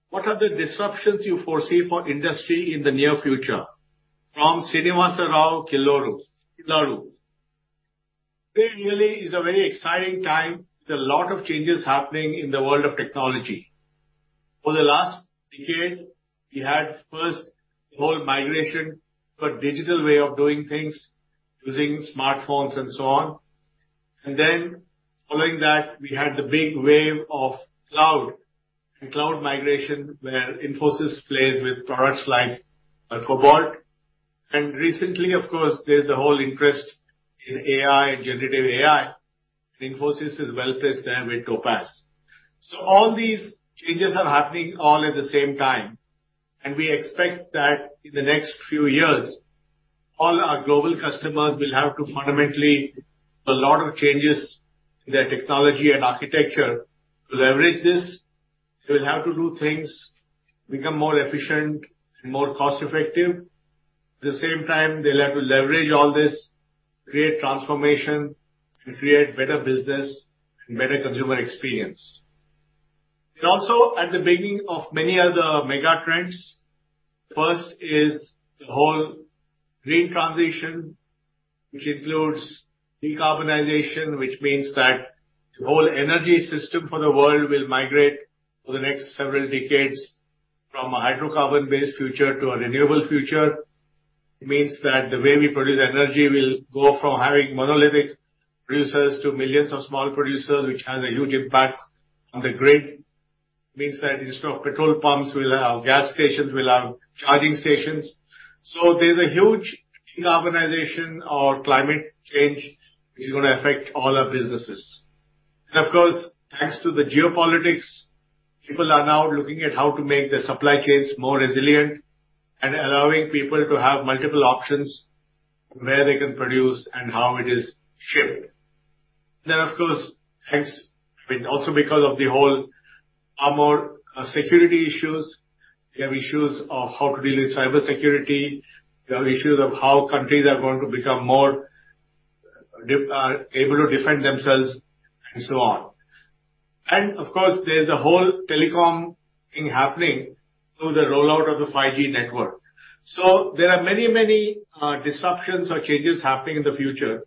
What are the disruptions you foresee for industry in the near future? From Srinivasa Rao Killaru. This really is a very exciting time, with a lot of changes happening in the world of technology. For the last decade, we had first the whole migration to a digital way of doing things, using smartphones and so on. Following that, we had the big wave of cloud and cloud migration, where Infosys plays with products like Cobalt. Recently, of course, there's the whole interest in AI and generative AI. Infosys is well-placed there with Topaz. All these changes are happening all at the same time, and we expect that in the next few years, all our global customers will have to fundamentally a lot of changes in their technology and architecture to leverage this. They'll have to do things to become more efficient and more cost-effective. At the same time, they'll have to leverage all this, create transformation, to create better business and better consumer experience. Also, at the beginning of many other mega trends, first is the whole green transition, which includes decarbonization, which means that the whole energy system for the world will migrate over the next several decades from a hydrocarbon-based future to a renewable future. It means that the way we produce energy will go from having monolithic producers to millions of small producers, which has a huge impact on the grid. It means that instead of petrol pumps, we'll have gas stations, we'll have charging stations. There's a huge decarbonization or climate change, which is going to affect all our businesses. Of course, thanks to the geopolitics, people are now looking at how to make their supply chains more resilient and allowing people to have multiple options where they can produce and how it is shipped. Of course, thanks, I mean, also because of the whole armor, security issues, we have issues of how to deal with cybersecurity. We have issues of how countries are going to become more able to defend themselves and so on. Of course, there's the whole telecom thing happening through the rollout of the 5G network. There are many, many disruptions or changes happening in the future.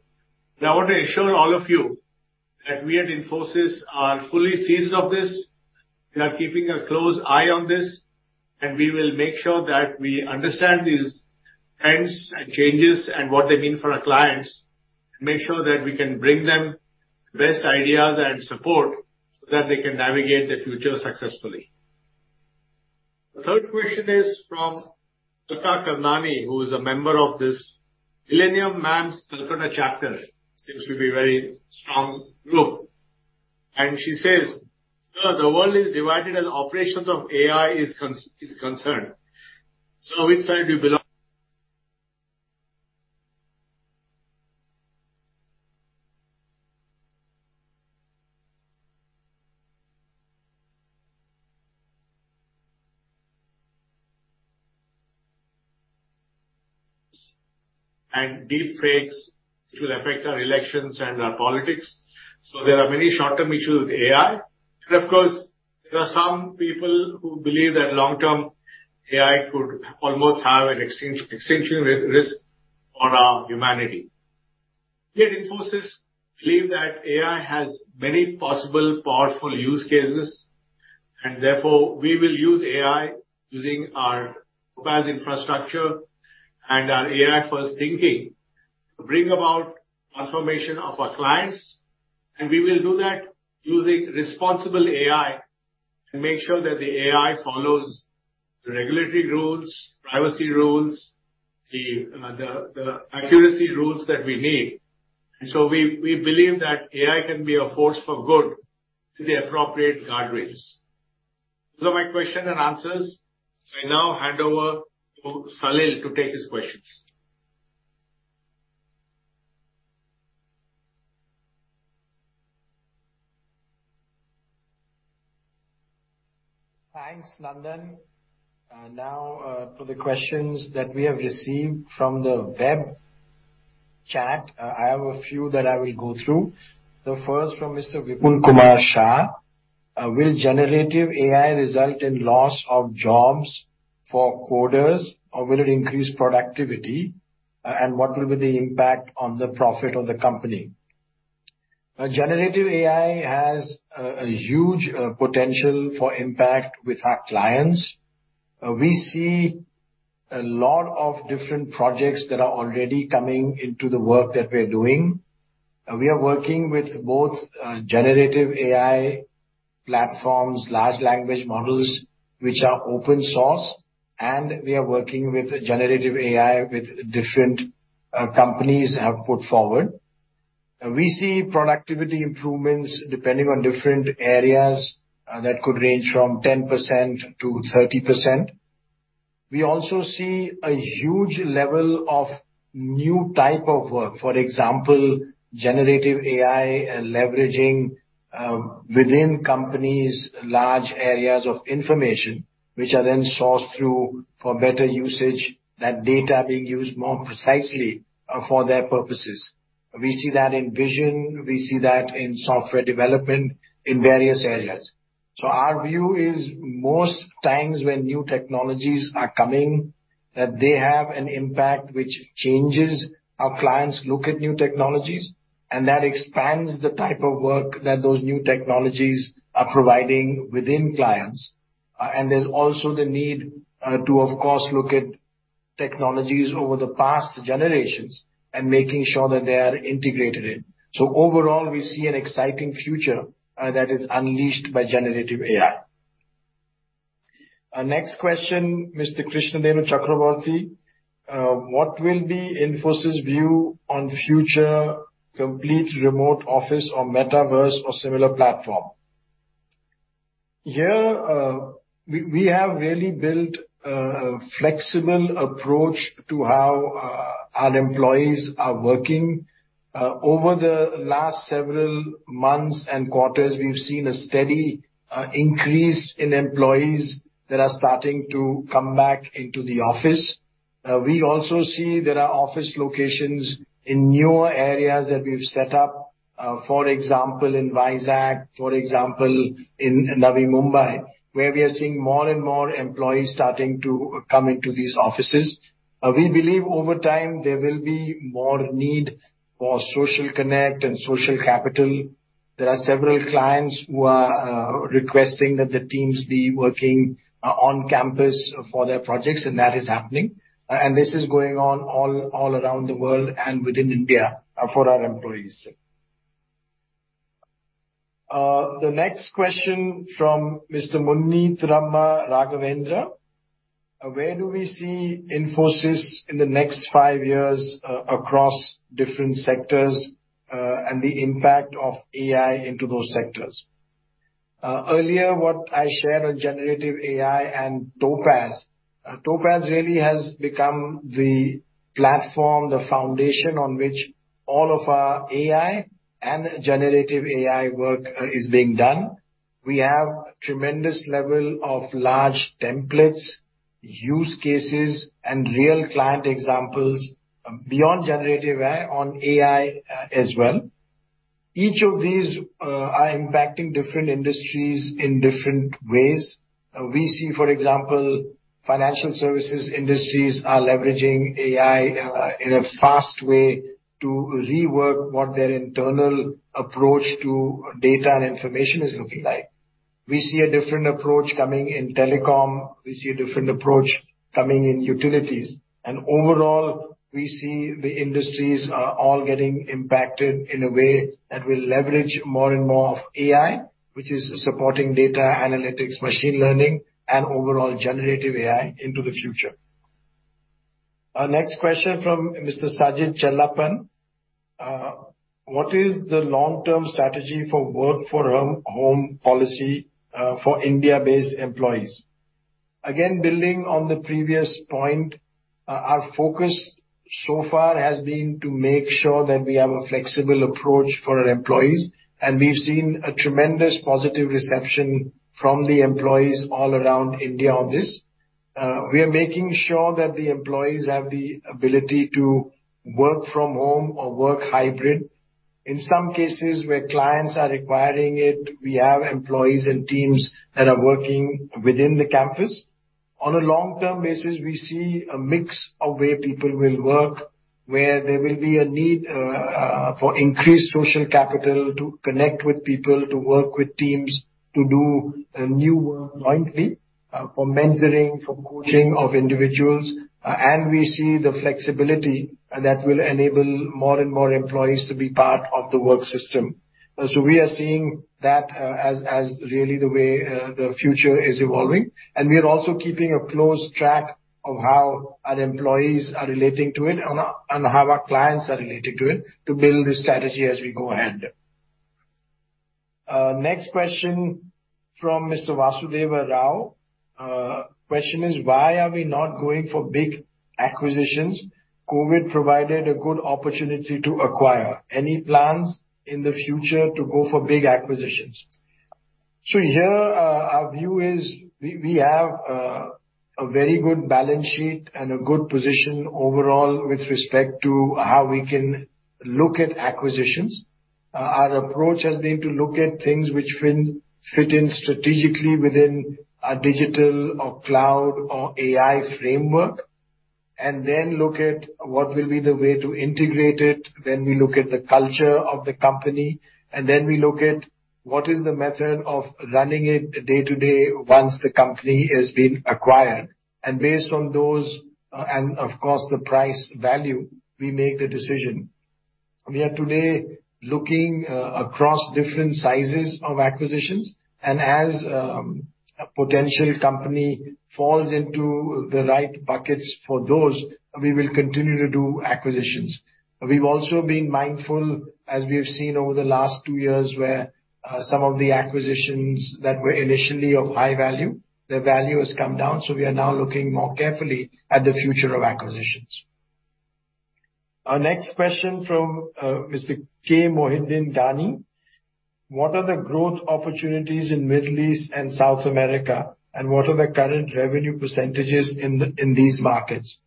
I want to assure all of you that we at Infosys are fully seized of this. We are keeping a close eye on this, and we will make sure that we understand these trends and changes and what they mean for our clients, to make sure that we can bring them the best ideas and support so that they can navigate the future successfully. The third question is from Alka Karnani, who is a member of this Millennium Mams' Kolkata chapter. Seems to be a very strong group. She says: "Sir, the world is divided as operations of AI is concerned. Which side do you belong?" Deep fakes, which will affect our elections and our politics. There are many short-term issues with AI. Of course, there are some people who believe that long-term AI could almost have an extinction risk on our humanity. Here at Infosys believe that AI has many possible powerful use cases, and therefore we will use AI using our advanced infrastructure and our AI-first thinking to bring about transformation of our clients. We will do that using responsible AI to make sure that the AI follows the regulatory rules, privacy rules, the accuracy rules that we need. We, we believe that AI can be a force for good to the appropriate guardrails. Those are my question and answers. I now hand over to Salil to take his questions. Thanks, Nandan. Now, for the questions that we have received from the web chat, I have a few that I will go through. The first from Mr. Vipul Kumar Shah. Will generative AI result in loss of jobs for coders, or will it increase productivity? What will be the impact on the profit of the company? Generative AI has a huge potential for impact with our clients. We see a lot of different projects that are already coming into the work that we're doing. We are working with both, generative AI platforms, large language models, which are open source, and we are working with generative AI, with different companies have put forward. We see productivity improvements depending on different areas, that could range from 10%-30%. We also see a huge level of new type of work. For example, generative AI, leveraging within companies, large areas of information, which are then sourced through for better usage, that data being used more precisely for their purposes. We see that in vision, we see that in software development in various areas. Our view is, most times when new technologies are coming, that they have an impact which changes how clients look at new technologies, and that expands the type of work that those new technologies are providing within clients. There's also the need to, of course, look at technologies over the past generations and making sure that they are integrated in. Overall, we see an exciting future that is unleashed by generative AI. Next question, Mr. Krishna Nehru Chakraborty. What will be Infosys view on future complete remote office or metaverse or similar platform? Here, we have really built a flexible approach to how our employees are working. Over the last several months and quarters, we've seen a steady increase in employees that are starting to come back into the office. We also see there are office locations in newer areas that we've set up, for example, in Vizag, for example, in Navi Mumbai, where we are seeing more and more employees starting to come into these offices. We believe over time there will be more need for social connect and social capital. There are several clients who are requesting that the teams be working on campus for their projects, and that is happening. This is going on all around the world and within India, for our employees. The next question from Mr. Muneet Rama Raghavendra. Where do we see Infosys in the next five years across different sectors, and the impact of AI into those sectors? Earlier, what I shared on generative AI and Topaz. Topaz really has become the platform, the foundation on which all of our AI and generative AI work, is being done. We have tremendous level of large templates, use cases, and real client examples beyond generative AI, on AI, as well. Each of these are impacting different industries in different ways. We see, for example, financial services industries are leveraging AI, in a fast way to rework what their internal approach to data and information is looking like. We see a different approach coming in telecom. We see a different approach coming in utilities. Overall, we see the industries are all getting impacted in a way that will leverage more and more of AI, which is supporting data analytics, machine learning, and overall generative AI into the future. Our next question from Mr. Sajit Chellappan. What is the long-term strategy for work from home policy for India-based employees? Again, building on the previous point, our focus so far has been to make sure that we have a flexible approach for our employees, and we've seen a tremendous positive reception from the employees all around India on this. We are making sure that the employees have the ability to work from home or work hybrid. In some cases, where clients are requiring it, we have employees and teams that are working within the campus. On a long-term basis, we see a mix of where people will work, where there will be a need for increased social capital to connect with people, to work with teams, to do new work jointly, for mentoring, for coaching of individuals. We see the flexibility that will enable more and more employees to be part of the work system. We are seeing that as really the way the future is evolving. We are also keeping a close track of how our employees are relating to it and how our clients are relating to it, to build this strategy as we go ahead. Next question from Mr. Vasudeva Rao. Question is: Why are we not going for big acquisitions? Covid provided a good opportunity to acquire. Any plans in the future to go for big acquisitions? Here, our view is we have a very good balance sheet and a good position overall with respect to how we can look at acquisitions. Our approach has been to look at things which will fit in strategically within a digital or cloud or AI framework, and then look at what will be the way to integrate it. Then we look at the culture of the company, and then we look at what is the method of running it day-to-day once the company has been acquired. Based on those, and of course, the price value, we make the decision. We are today looking, across different sizes of acquisitions, and as, a potential company falls into the right buckets for those, we will continue to do acquisitions. We've also been mindful, as we've seen over the last two years, where, some of the acquisitions that were initially of high value, their value has come down, so we are now looking more carefully at the future of acquisitions. Our next question from Mr. K. Mohideen Gani: What are the growth opportunities in Middle East and South America, and what are the current revenue % in these markets?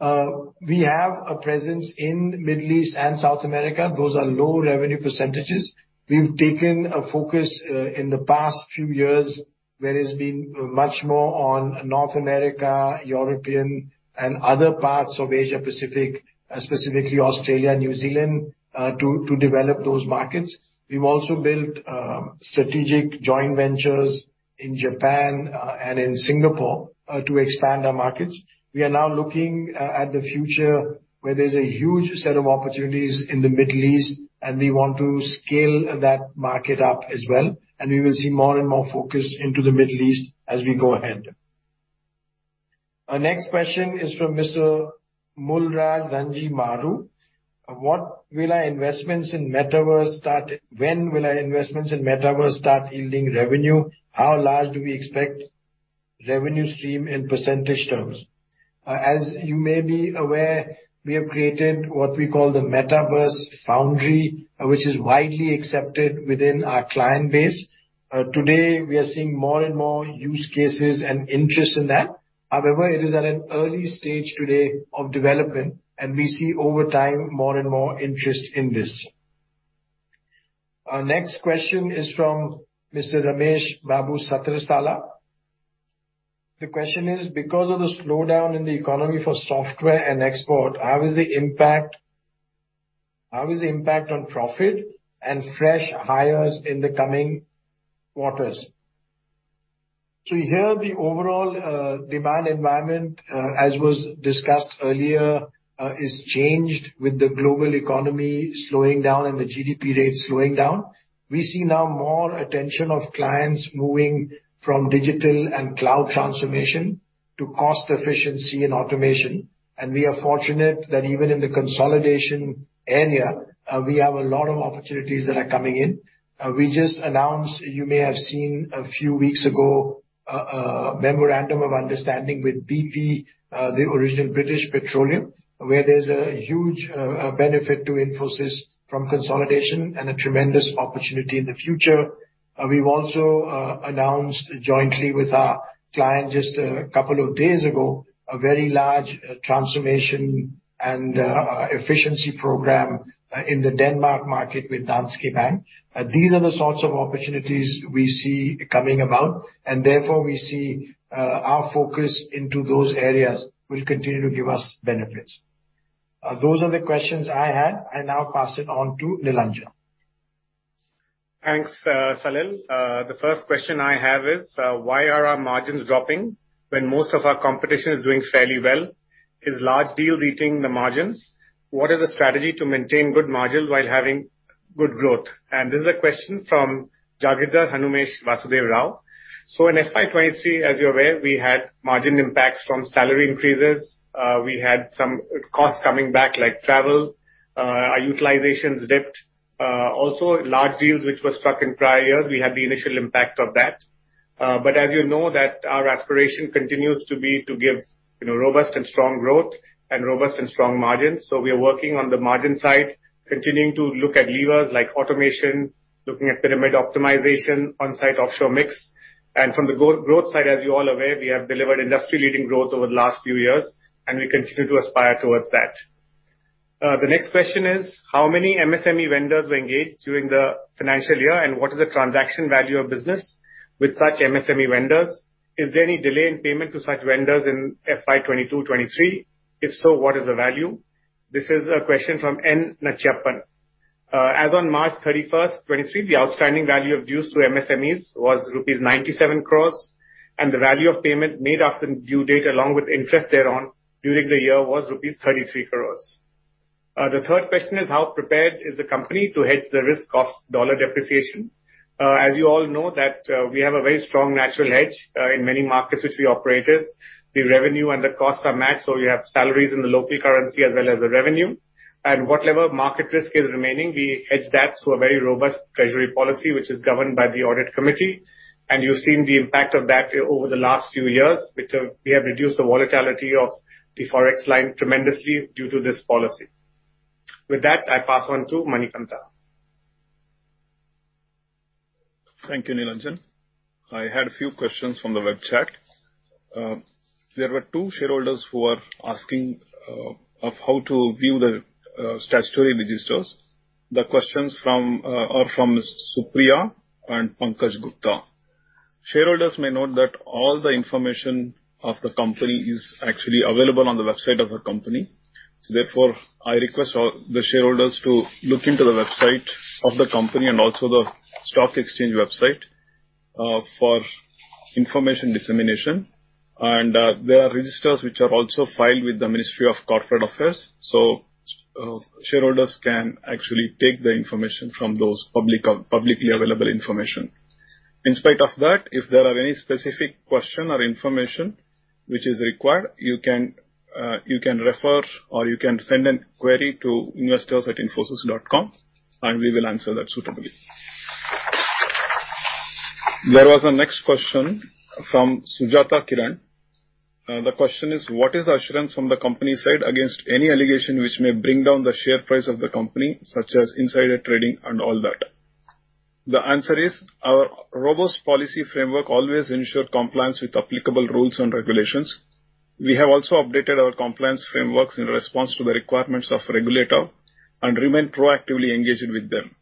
We have a presence in Middle East and South America. Those are low revenue %. We've taken a focus in the past few years, where it's been much more on North America, European, and other parts of Asia Pacific, specifically Australia and New Zealand, to develop those markets. We've also built strategic joint ventures in Japan, and in Singapore, to expand our markets. We are now looking at the future, where there's a huge set of opportunities in the Middle East, and we want to scale that market up as well. We will see more and more focus into the Middle East as we go ahead. Our next question is from Mr. Mulraj Ranji Maru: When will our investments in Metaverse start yielding revenue? How large do we expect revenue stream in % terms? As you may be aware, we have created what we call the Metaverse Foundry, which is widely accepted within our client base. Today, we are seeing more and more use cases and interest in that. However, it is at an early stage today of development, and we see over time, more and more interest in this. Our next question is from Mr. Ramesh Babu Satrasala. The question is: Because of the slowdown in the economy for software and export, how is the impact on profit and fresh hires in the coming quarters? Here, the overall demand environment, as was discussed earlier, is changed with the global economy slowing down and the GDP rate slowing down. We see now more attention of clients moving from digital and cloud transformation to cost efficiency and automation. We are fortunate that even in the consolidation area, we have a lot of opportunities that are coming in. We just announced, you may have seen a few weeks ago, a memorandum of understanding with BP, the original British Petroleum, where there's a huge benefit to Infosys from consolidation and a tremendous opportunity in the future. We've also announced jointly with our client just a couple of days ago, a very large transformation and efficiency program in the Denmark market with Danske Bank. These are the sorts of opportunities we see coming about, and therefore we see our focus into those areas will continue to give us benefits. Those are the questions I had. I now pass it on to Nilanjan. Thanks, Salil. The first question I have is: Why are our margins dropping when most of our competition is doing fairly well? Is large deals eating the margins? What is the strategy to maintain good margins while having good growth? This is a question from Jagirda Hanumesh Vasudeva Rao. In FY 2023, as you're aware, we had margin impacts from salary increases. We had some costs coming back, like travel. Our utilizations dipped. Also large deals, which were struck in prior years, we had the initial impact of that. As you know, that our aspiration continues to be to give, you know, robust and strong growth and robust and strong margins. We are working on the margin side, continuing to look at levers like automation, looking at pyramid optimization, on-site, offshore mix. From the growth side, as you're all aware, we have delivered industry-leading growth over the last few years, and we continue to aspire towards that. The next question is: How many MSME vendors were engaged during the financial year, and what is the transaction value of business with such MSME vendors? Is there any delay in payment to such vendors in FY 2022-2023? If so, what is the value? This is a question from N. Nachiappan. As on March 31, 2023, the outstanding value of dues to MSMEs was rupees 97 crores, and the value of payment made after due date, along with interest thereon, during the year was rupees 33 crores. The third question is: How prepared is the company to hedge the risk of dollar depreciation? As you all know, that we have a very strong natural hedge in many markets which we operate in. The revenue and the costs are matched, so we have salaries in the local currency as well as the revenue. Whatever market risk is remaining, we hedge that to a very robust treasury policy, which is governed by the Audit Committee. You've seen the impact of that over the last few years, which we have reduced the volatility of the Forex line tremendously due to this policy. With that, I pass on to Manikantha. Thank you, Nilanjan. I had a few questions from the web chat. There were two shareholders who were asking of how to view the statutory registers. The questions from are from Supriya and Pankaj Gupta. Shareholders may note that all the information of the company is actually available on the website of our company. Therefore, I request all the shareholders to look into the website of the company and also the stock exchange website for information dissemination. There are registers which are also filed with the Ministry of Corporate Affairs, shareholders can actually take the information from those publicly available information. In spite of that, if there are any specific question or information which is required, you can refer, or you can send an query to investors@infosys.com, we will answer that suitably. There was a next question from Sujata Kiran. The question is: What is assurance from the company's side against any allegation which may bring down the share price of the company, such as insider trading and all that? The answer is, our robust policy framework always ensure compliance with applicable rules and regulations. We have also updated our compliance frameworks in response to the requirements of regulator and remain proactively engaged with them.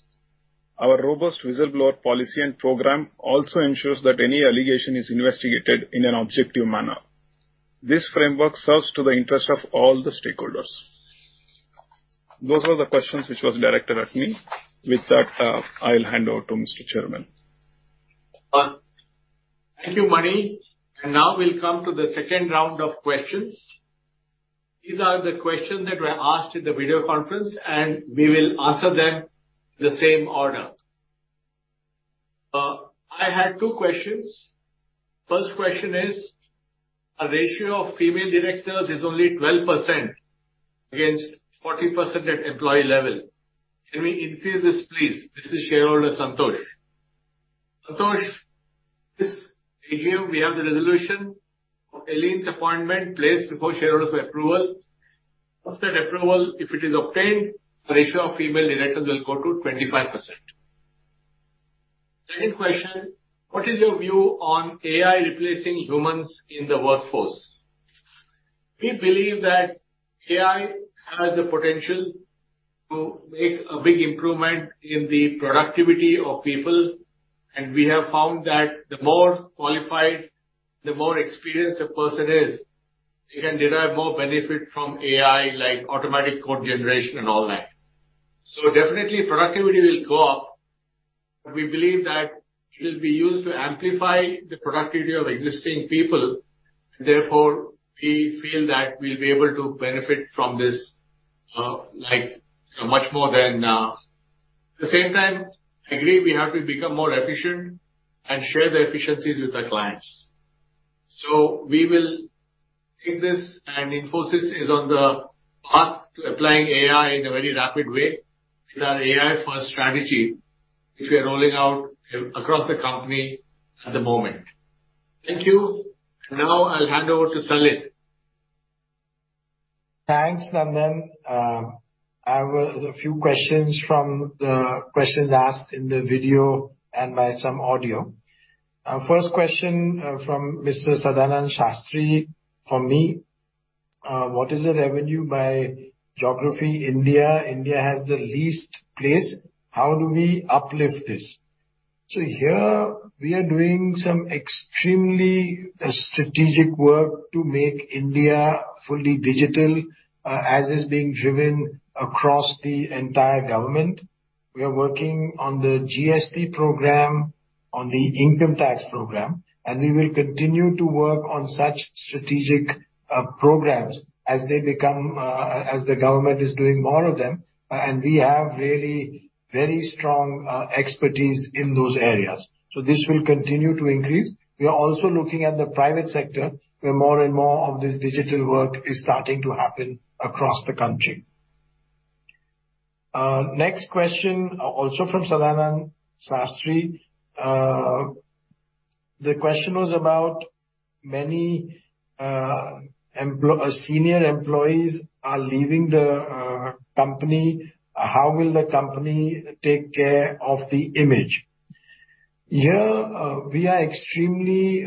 Our robust whistleblower policy and program also ensures that any allegation is investigated in an objective manner. This framework serves to the interest of all the stakeholders. Those are the questions which was directed at me. With that, I'll hand over to Mr. Chairman. Thank you, Mani. Now we'll come to the second round of questions. These are the questions that were asked in the video conference, and we will answer them the same order. I had two questions. First question is: A ratio of female directors is only 12% against 40% at employee level. Can we increase this, please? This is shareholder Santosh. Santosh, this AGM, we have the resolution of Elaine's appointment placed before shareholder for approval. After that approval, if it is obtained, the ratio of female directors will go to 25%. Second question: What is your view on AI replacing humans in the workforce? We believe that AI has the potential to make a big improvement in the productivity of people, and we have found that the more qualified, the more experienced a person is, they can derive more benefit from AI, like automatic code generation and all that. Definitely, productivity will go up, but we believe that it will be used to amplify the productivity of existing people. Therefore, we feel that we'll be able to benefit from this, like, much more than. At the same time, I agree we have to become more efficient and share the efficiencies with our clients. We will take this, and Infosys is on the path to applying AI in a very rapid way, with our AI first strategy, which we are rolling out across the company at the moment. Thank you. Now, I'll hand over to Salil. Thanks, Nandan. I have a few questions from the questions asked in the video and by some audio. First question from Mr. Sadananda Shastri for me. What is the revenue by geography, India? India has the least place. How do we uplift this? Here we are doing some extremely strategic work to make India fully digital as is being driven across the entire government. We are working on the GST program, on the income tax program, and we will continue to work on such strategic programs as they become as the government is doing more of them, and we have really very strong expertise in those areas. This will continue to increase. We are also looking at the private sector, where more and more of this digital work is starting to happen across the country. Next question, also from Sadanand Shastri. The question was about many senior employees are leaving the company. How will the company take care of the image? Here, we are extremely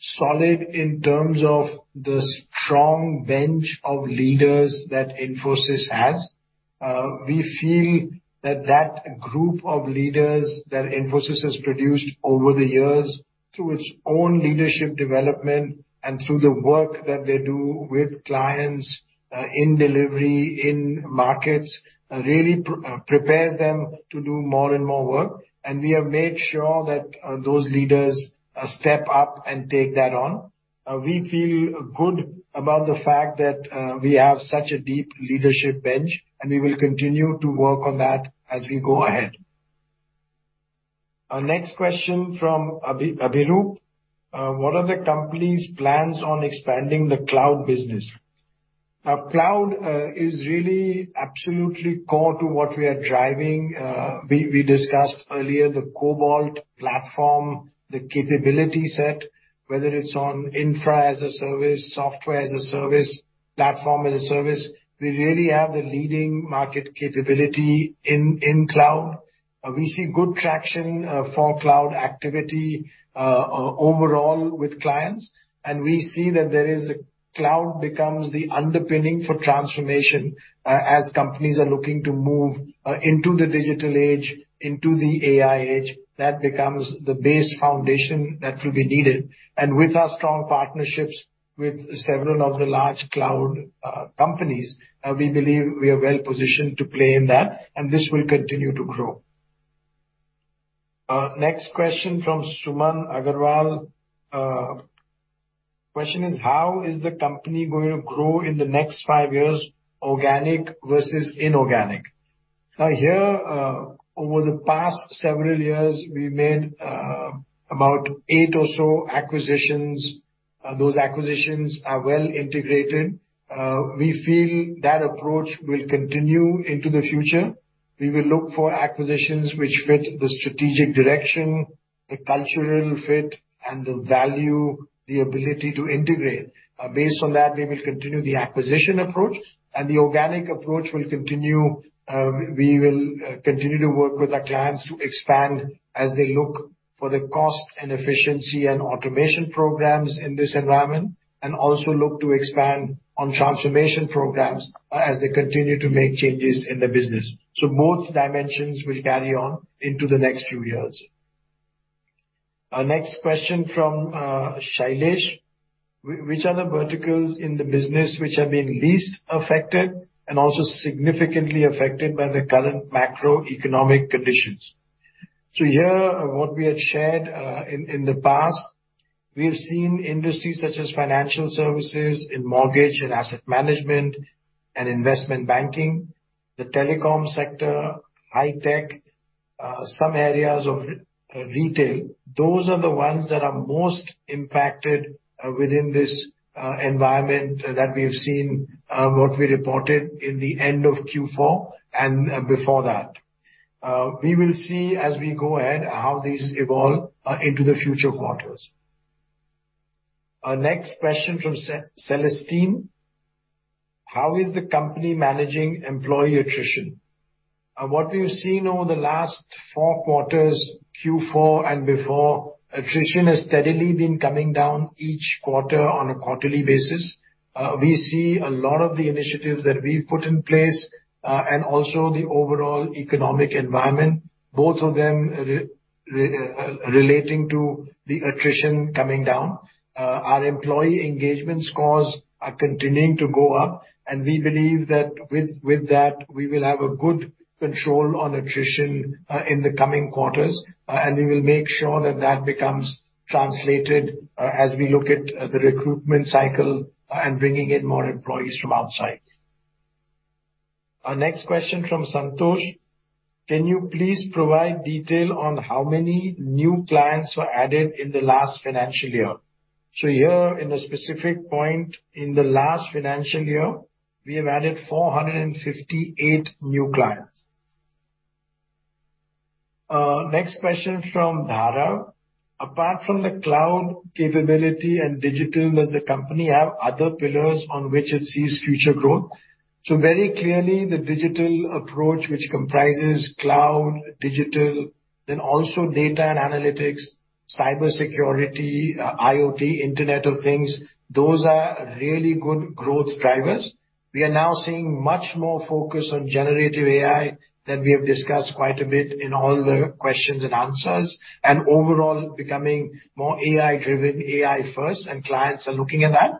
solid in terms of the strong bench of leaders that Infosys has. We feel that that group of leaders that Infosys has produced over the years, through its own leadership development and through the work that they do with clients, in delivery, in markets, really prepares them to do more and more work. We have made sure that those leaders step up and take that on. We feel good about the fact that we have such a deep leadership bench, and we will continue to work on that as we go ahead. Our next question from Abhirup: What are the company's plans on expanding the cloud business? Cloud is really absolutely core to what we are driving. We discussed earlier the Cobalt platform, the capability set, whether it's on infra as a service, software as a service, platform as a service. We really have the leading market capability in cloud. We see good traction for cloud activity overall with clients. We see that cloud becomes the underpinning for transformation as companies are looking to move into the digital age, into the AI age. That becomes the base foundation that will be needed. With our strong partnerships with several of the large cloud companies, we believe we are well positioned to play in that, and this will continue to grow. Our next question from Suman Agarwal. Question is: How is the company going to grow in the next 5 years, organic versus inorganic? Here, over the past several years, we've made about 8 or so acquisitions. Those acquisitions are well integrated. We feel that approach will continue into the future. We will look for acquisitions which fit the strategic direction, the cultural fit, and the value, the ability to integrate. Based on that, we will continue the acquisition approach, and the organic approach will continue. We will continue to work with our clients to expand as they look for the cost and efficiency and automation programs in this environment, and also look to expand on transformation programs as they continue to make changes in their business. Both dimensions will carry on into the next few years. Our next question from Shailesh: Which are the verticals in the business which have been least affected and also significantly affected by the current macroeconomic conditions? Here, what we had shared in the past, we have seen industries such as financial services, in mortgage and asset management and investment banking, the telecom sector, high tech, some areas of retail. Those are the ones that are most impacted within this environment that we have seen, what we reported in the end of Q4 and before that. We will see as we go ahead, how these evolve into the future quarters. Our next question from Celestine: How is the company managing employee attrition? What we've seen over the last four quarters, Q4 and before, attrition has steadily been coming down each quarter on a quarterly basis. We see a lot of the initiatives that we've put in place, also the overall economic environment, both of them relating to the attrition coming down. Our employee engagement scores are continuing to go up, we believe that with that, we will have a good control on attrition in the coming quarters. We will make sure that that becomes translated as we look at the recruitment cycle, bringing in more employees from outside. Our next question from Santosh: Can you please provide detail on how many new clients were added in the last financial year? Here, in a specific point, in the last financial year, we have added 458 new clients. Next question from Dhara: Apart from the cloud capability and digital, does the company have other pillars on which it sees future growth? Very clearly, the digital approach, which comprises cloud, digital, then also data and analytics, cybersecurity, IoT, Internet of Things, those are really good growth drivers. We are now seeing much more focus on generative AI than we have discussed quite a bit in all the questions and answers, and overall becoming more AI driven, AI first, and clients are looking at that.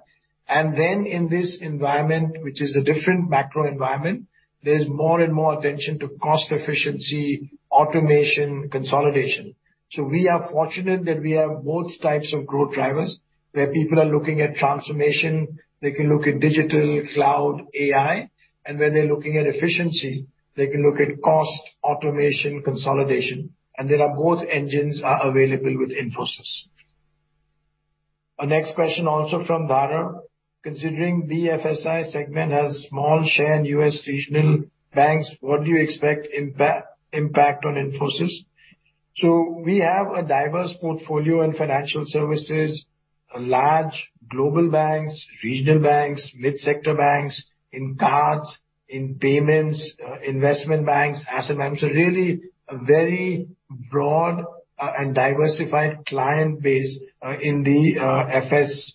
Then in this environment, which is a different macro environment, there's more and more attention to cost efficiency, automation, consolidation. We are fortunate that we have both types of growth drivers, where people are looking at transformation, they can look at digital, cloud, AI, and where they're looking at efficiency, they can look at cost, automation, consolidation, and there are both engines are available with Infosys. Our next question, also from Dhara: Considering the FSI segment has small share in U.S. regional banks, what do you expect impact on Infosys? We have a diverse portfolio in financial services. A large global banks, regional banks, mid-sector banks, in cards, in payments, investment banks, asset banks. Really a very broad and diversified client base in the FS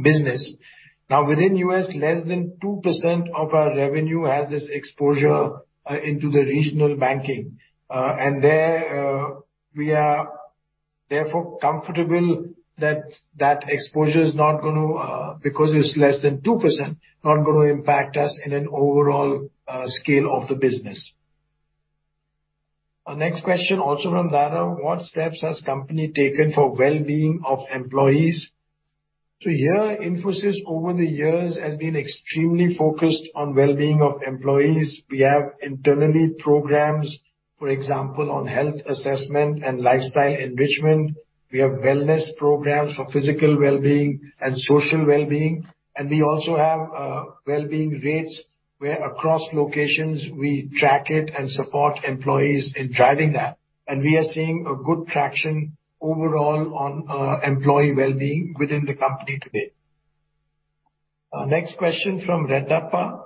business. Now, within U.S., less than 2% of our revenue has this exposure into the regional banking. There, we are therefore comfortable that that exposure is not gonna, because it's less than 2%, not gonna impact us in an overall scale of the business. Our next question also from Dhara: What steps has company taken for well-being of employees? Here, Infosys over the years has been extremely focused on well-being of employees. We have internally programs, for example, on health assessment and lifestyle enrichment. We have wellness programs for physical well-being and social well-being, and we also have well-being rates, where across locations, we track it and support employees in driving that. We are seeing a good traction overall on employee well-being within the company today. Next question from Reddeppa: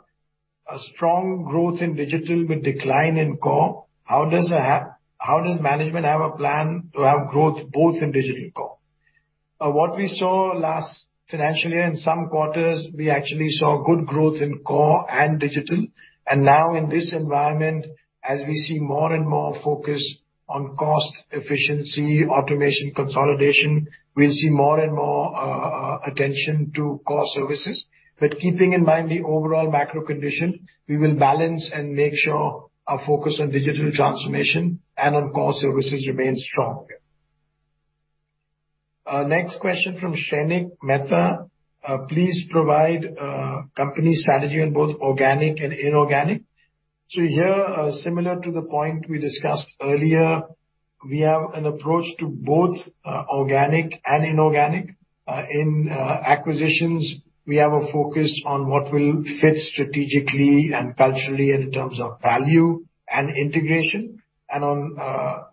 A strong growth in digital with decline in core, how does management have a plan to have growth both in digital core? What we saw last financial year, in some quarters, we actually saw good growth in core and digital. Now in this environment, as we see more and more focus on cost, efficiency, automation, consolidation, we see more and more attention to core services. Keeping in mind the overall macro condition, we will balance and make sure our focus on digital transformation and on core services remains strong. Our next question from Shrenik Mehta: Please provide company strategy on both organic and inorganic. Here, similar to the point we discussed earlier, we have an approach to both organic and inorganic. In acquisitions, we have a focus on what will fit strategically and culturally in terms of value and integration. On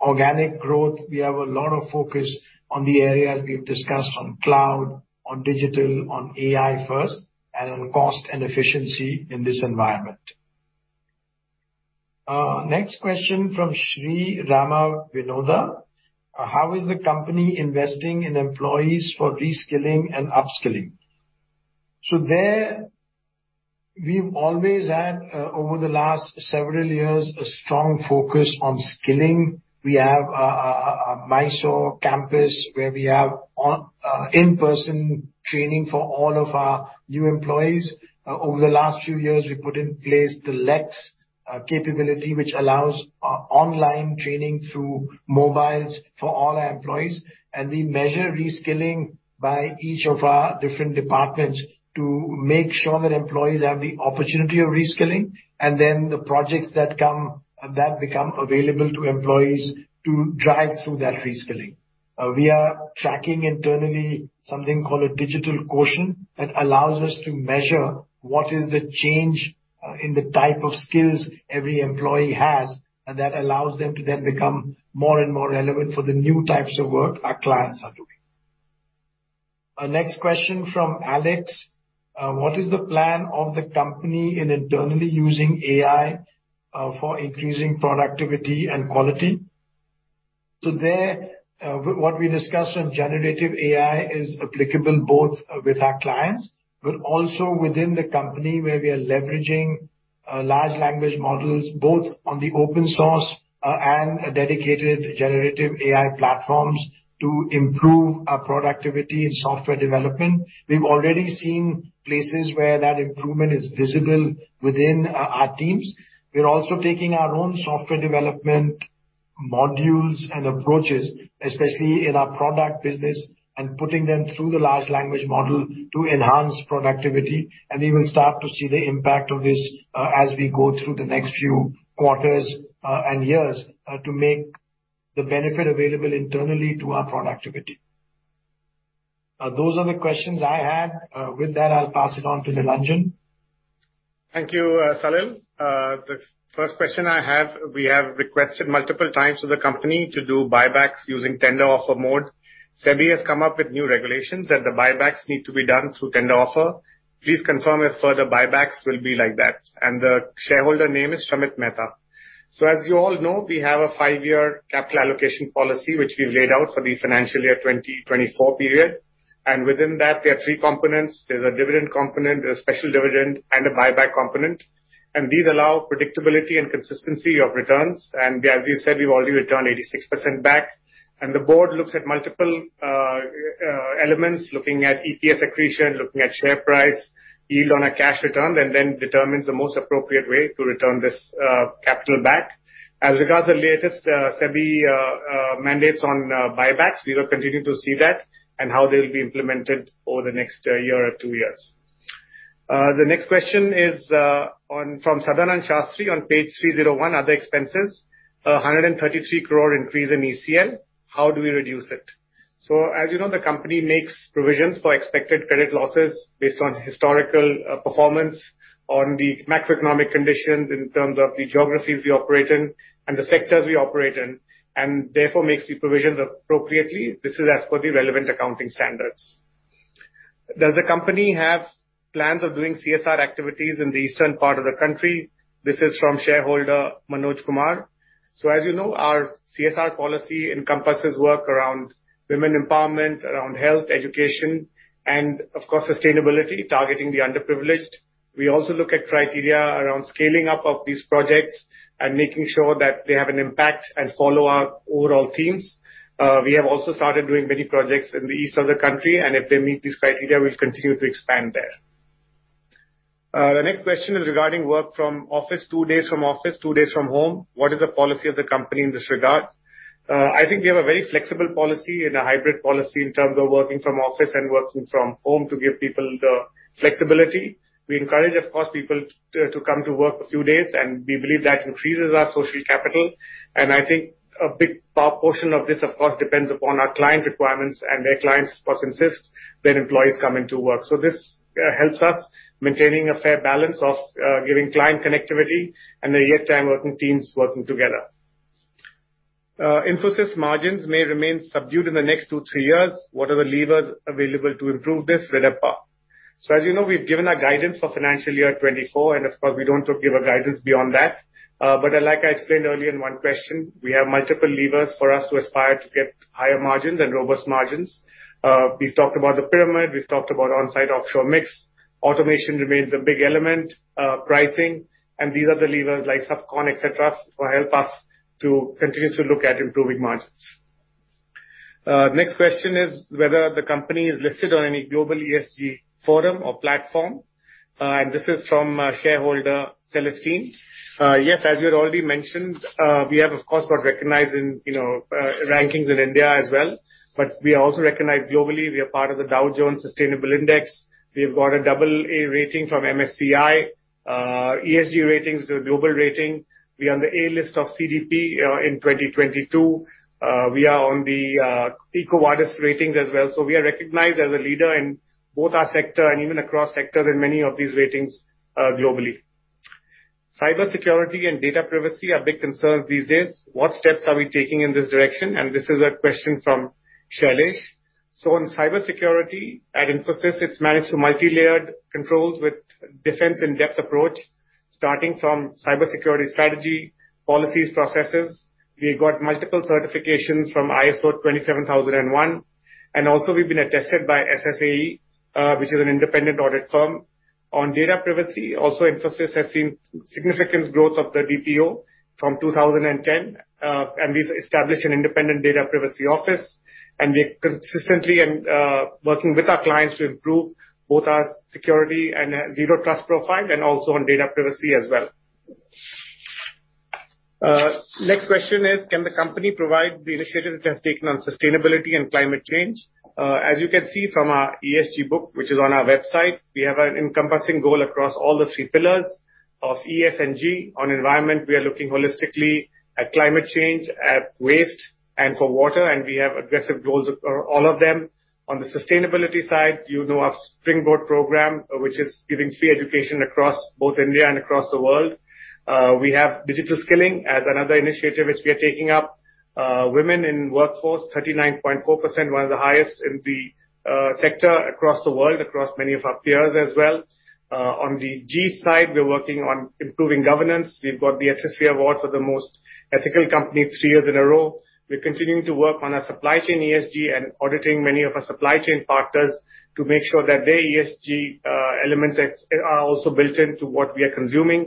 organic growth, we have a lot of focus on the areas we've discussed on cloud, on digital, on AI first, and on cost and efficiency in this environment. Next question from Srirama Vinoda: How is the company investing in employees for reskilling and upskilling? There, we've always had over the last several years, a strong focus on skilling. We have a Mysore campus, where we have in-person training for all of our new employees. Over the last few years, we put in place the Lex capability, which allows online training through mobiles for all our employees. We measure reskilling by each of our different departments to make sure that employees have the opportunity of reskilling, and then the projects that come, that become available to employees to drive through that reskilling. We are tracking internally something called a Digital Quotient, that allows us to measure what is the change in the type of skills every employee has, and that allows them to then become more and more relevant for the new types of work our clients are doing. Our next question from Alex: What is the plan of the company in internally using AI for increasing productivity and quality? There, what we discussed on generative AI is applicable both with our clients, but also within the company, where we are leveraging large language models, both on the open source and a dedicated generative AI platforms to improve our productivity in software development. We've already seen places where that improvement is visible within our teams. We're also taking our own software development modules and approaches, especially in our product business, and putting them through the large language model to enhance productivity. We will start to see the impact of this as we go through the next few quarters and years to make the benefit available internally to our productivity. Those are the questions I had. With that, I'll pass it on to Nilanjan. Thank you, Salil. The first question I have: We have requested multiple times for the company to do buybacks using tender offer mode. SEBI has come up with new regulations that the buybacks need to be done through tender offer. Please confirm if further buybacks will be like that. The shareholder name is Shamit Mehta. As you all know, we have a five-year capital allocation policy, which we've laid out for the financial year 2024 period, and within that, there are three components. There's a dividend component, there's a special dividend, and a buyback component. These allow predictability and consistency of returns. As we said, we've already returned 86% back. The board looks at multiple elements, looking at EPS accretion, looking at share price, yield on a cash return, and then determines the most appropriate way to return this capital back. Regards the latest SEBI mandates on buybacks, we will continue to see that and how they'll be implemented over the next year or two years. The next question is from Sadananda Shastri on page 301, other expenses, 133 crore increase in ECL. How do we reduce it? As you know, the company makes provisions for expected credit losses based on historical performance, on the macroeconomic conditions in terms of the geographies we operate in and the sectors we operate in, and therefore, makes the provisions appropriately. This is as per the relevant accounting standards. Does the company have plans of doing CSR activities in the eastern part of the country? This is from shareholder, Manoj Kumar. As you know, our CSR policy encompasses work around women empowerment, around health, education, and of course, sustainability, targeting the underprivileged. We also look at criteria around scaling up of these projects and making sure that they have an impact and follow our overall themes. We have also started doing many projects in the east of the country, and if they meet these criteria, we'll continue to expand there. The next question is regarding work from office, 2 days from office, 2 days from home. What is the policy of the company in this regard? I think we have a very flexible policy and a hybrid policy in terms of working from office and working from home to give people the flexibility. We encourage, of course, people to come to work a few days, and we believe that increases our social capital. I think a big portion of this, of course, depends upon our client requirements, and their clients, of course, insist their employees come into work. This helps us maintaining a fair balance of giving client connectivity and yet time working teams working together. Infosys margins may remain subdued in the next two, three years. What are the levers available to improve this with APA? As you know, we've given our guidance for financial year 2024, and of course, we don't give a guidance beyond that. Like I explained earlier in one question, we have multiple levers for us to aspire to get higher margins and robust margins. We've talked about the pyramid, we've talked about on-site, offshore mix. Automation remains a big element, pricing, and these are the levers like SubCon, et cetera, will help us to continuously look at improving margins. Next question is whether the company is listed on any global ESG forum or platform? This is from shareholder Celestine. Yes, as we had already mentioned, we have, of course, got recognized in, you know, rankings in India as well, but we are also recognized globally. We are part of the Dow Jones Sustainability Index. We've got a AA rating from MSCI, ESG ratings, the global rating. We are on the A-list of CDP in 2022. We are on the EcoVadis ratings as well. We are recognized as a leader in both our sector and even across sectors in many of these ratings globally. Cybersecurity and data privacy are big concerns these days. What steps are we taking in this direction? This is a question from Shailesh. On cybersecurity, at Infosys, it's managed through multilayered controls with defense in-depth approach, starting from cybersecurity strategy, policies, processes. We've got multiple certifications from ISO 27001, and also we've been attested by SSAE, which is an independent audit firm. On data privacy, also, Infosys has seen significant growth of the DPO from 2010, and we've established an independent data privacy office, and we are consistently and working with our clients to improve both our security and zero trust profile and also on data privacy as well. Next question is, can the company provide the initiative it has taken on sustainability and climate change? As you can see from our ESG book, which is on our website, we have an encompassing goal across all the three pillars of ESG. On environment, we are looking holistically at climate change, at waste, and for water, and we have aggressive goals for all of them. On the sustainability side, you know our Springboard program, which is giving free education across both India and across the world. We have digital skilling as another initiative which we are taking up. Women in workforce, 39.4%, one of the highest in the sector across the world, across many of our peers as well. On the G side, we're working on improving governance. We've got the ESSI Award for the most ethical company 3 years in a row. We're continuing to work on our supply chain ESG and auditing many of our supply chain partners to make sure that their ESG elements are also built into what we are consuming.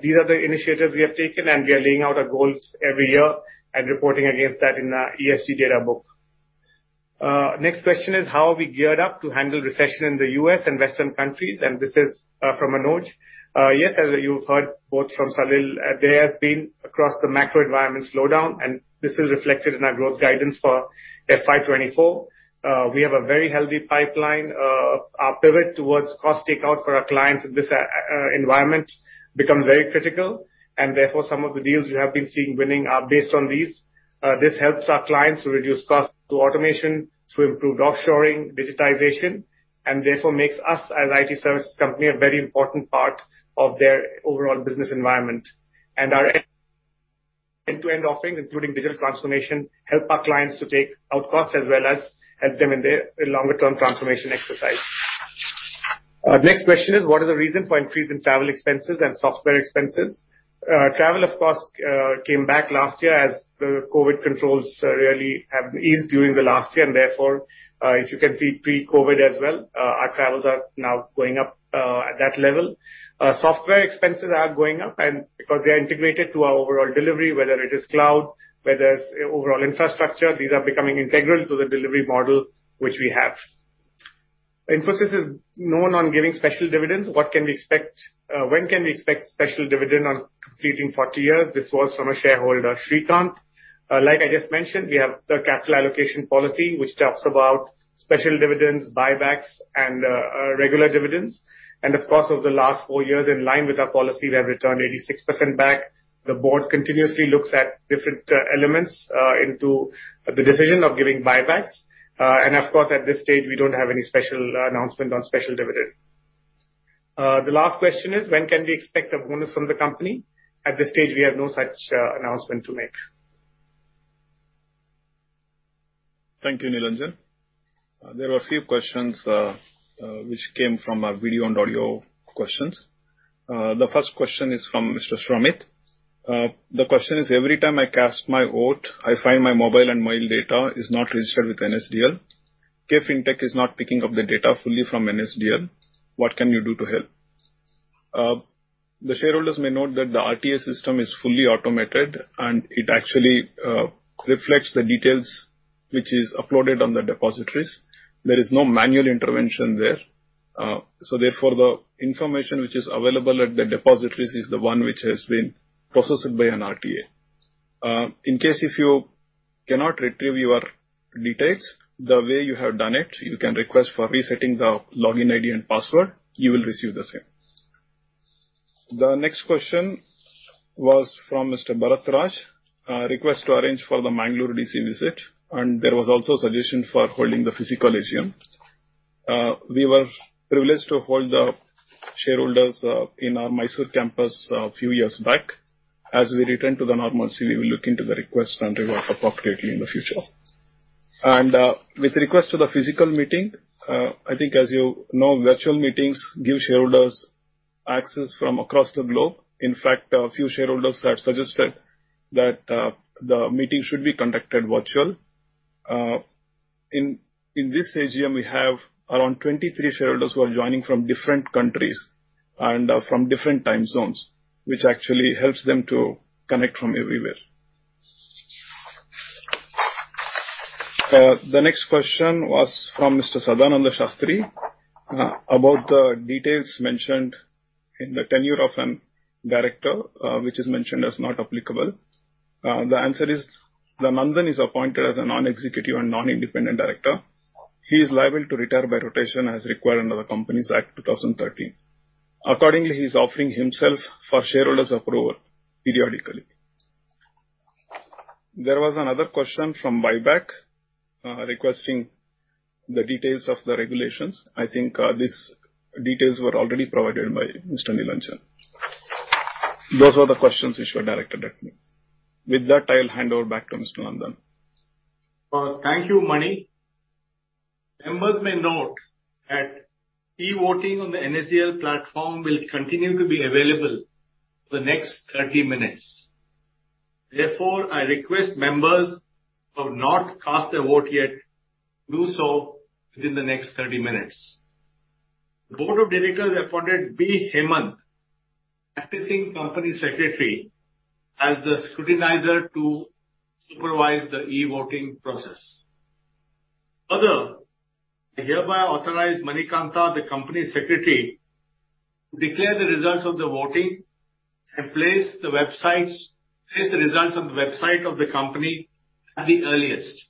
These are the initiatives we have taken, and we are laying out our goals every year and reporting against that in our ESG data book. Next question is, how are we geared up to handle recession in the U.S. and Western countries? This is from Manoj. Yes, as you've heard, both from Salil, there has been across the macro environment slowdown, and this is reflected in our growth guidance for FY 2024. We have a very healthy pipeline. Our pivot towards cost takeout for our clients in this environment become very critical, and therefore, some of the deals we have been seeing winning are based on these. This helps our clients to reduce costs through automation, through improved offshoring, digitization, and therefore makes us, as IT services company, a very important part of their overall business environment. Our end-to-end offerings, including digital transformation, help our clients to take out costs as well as help them in their longer-term transformation exercise. Next question is: What are the reason for increase in travel expenses and software expenses? Travel, of course, came back last year as the COVID controls really have eased during the last year, and therefore, if you can see pre-COVID as well, our travels are now going up at that level. Software expenses are going up and because they are integrated to our overall delivery, whether it is cloud, whether it's overall infrastructure, these are becoming integral to the delivery model which we have. Infosys is known on giving special dividends. When can we expect special dividend on completing 40 years? This was from a shareholder, Shrikant. Like I just mentioned, we have the capital allocation policy, which talks about special dividends, buybacks, and regular dividends. Of course, over the last four years, in line with our policy, we have returned 86% back. The board continuously looks at different elements into the decision of giving buybacks. Of course, at this stage, we don't have any special announcement on special dividend. The last question is, when can we expect a bonus from the company? At this stage, we have no such announcement to make. Thank you, Nilanjan. There were a few questions which came from our video and audio questions. The first question is from Mr. Shamit. The question is: Every time I cast my vote, I find my mobile and my data is not registered with NSDL. KFin Technologies is not picking up the data fully from NSDL. What can you do to help? The shareholders may note that the RTA system is fully automated, and it actually reflects the details which is uploaded on the depositories. There is no manual intervention there. Therefore, the information which is available at the depositories is the one which has been processed by an RTA. In case if you cannot retrieve your details the way you have done it, you can request for resetting the login ID and password, you will receive the same. The next question was from Mr. Bharat Raj. request to arrange for the Mangalore D.C. visit, and there was also suggestion for holding the physical AGM. We were privileged to hold the shareholders in our Mysore campus a few years back. As we return to the normalcy, we will look into the request and arrange appropriately in the future. With request to the physical meeting, I think as you know, virtual meetings give shareholders access from across the globe. In fact, a few shareholders have suggested that the meeting should be conducted virtual. In this AGM, we have around 23 shareholders who are joining from different countries and from different time zones, which actually helps them to connect from everywhere. The next question was from Mr. Sadananda Shastri, about the details mentioned in the tenure of an director, which is mentioned as not applicable. The answer is, Nandan is appointed as a non-executive and non-independent director. He is liable to retire by rotation as required under the Companies Act, 2013. Accordingly, he's offering himself for shareholders approval periodically. There was another question from buyback, requesting the details of the regulations. I think, these details were already provided by Mr. Nilanjan. Those are the questions which were directed at me. With that, I'll hand over back to Mr. Nandan. Thank you, Mani. Members may note that e-voting on the NSDL platform will continue to be available for the next 30 minutes. I request members who have not cast their vote yet, do so within the next 30 minutes. The board of directors appointed Hemanth Holla, practicing company secretary, as the scrutinizer to supervise the e-voting process. I hereby authorize Manikantha, the company secretary, to declare the results of the voting and place the results on the website of the company at the earliest.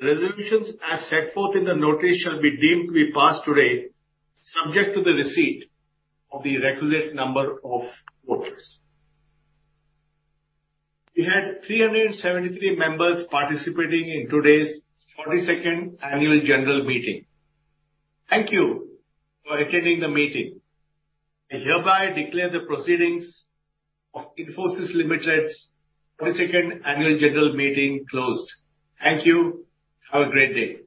Resolutions as set forth in the notice shall be deemed to be passed today, subject to the receipt of the requisite number of voters. We had 373 members participating in today's 42nd Annual General Meeting. Thank you for attending the meeting. I hereby declare the proceedings of Infosys Limited's 42nd Annual General Meeting closed. Thank you. Have a great day.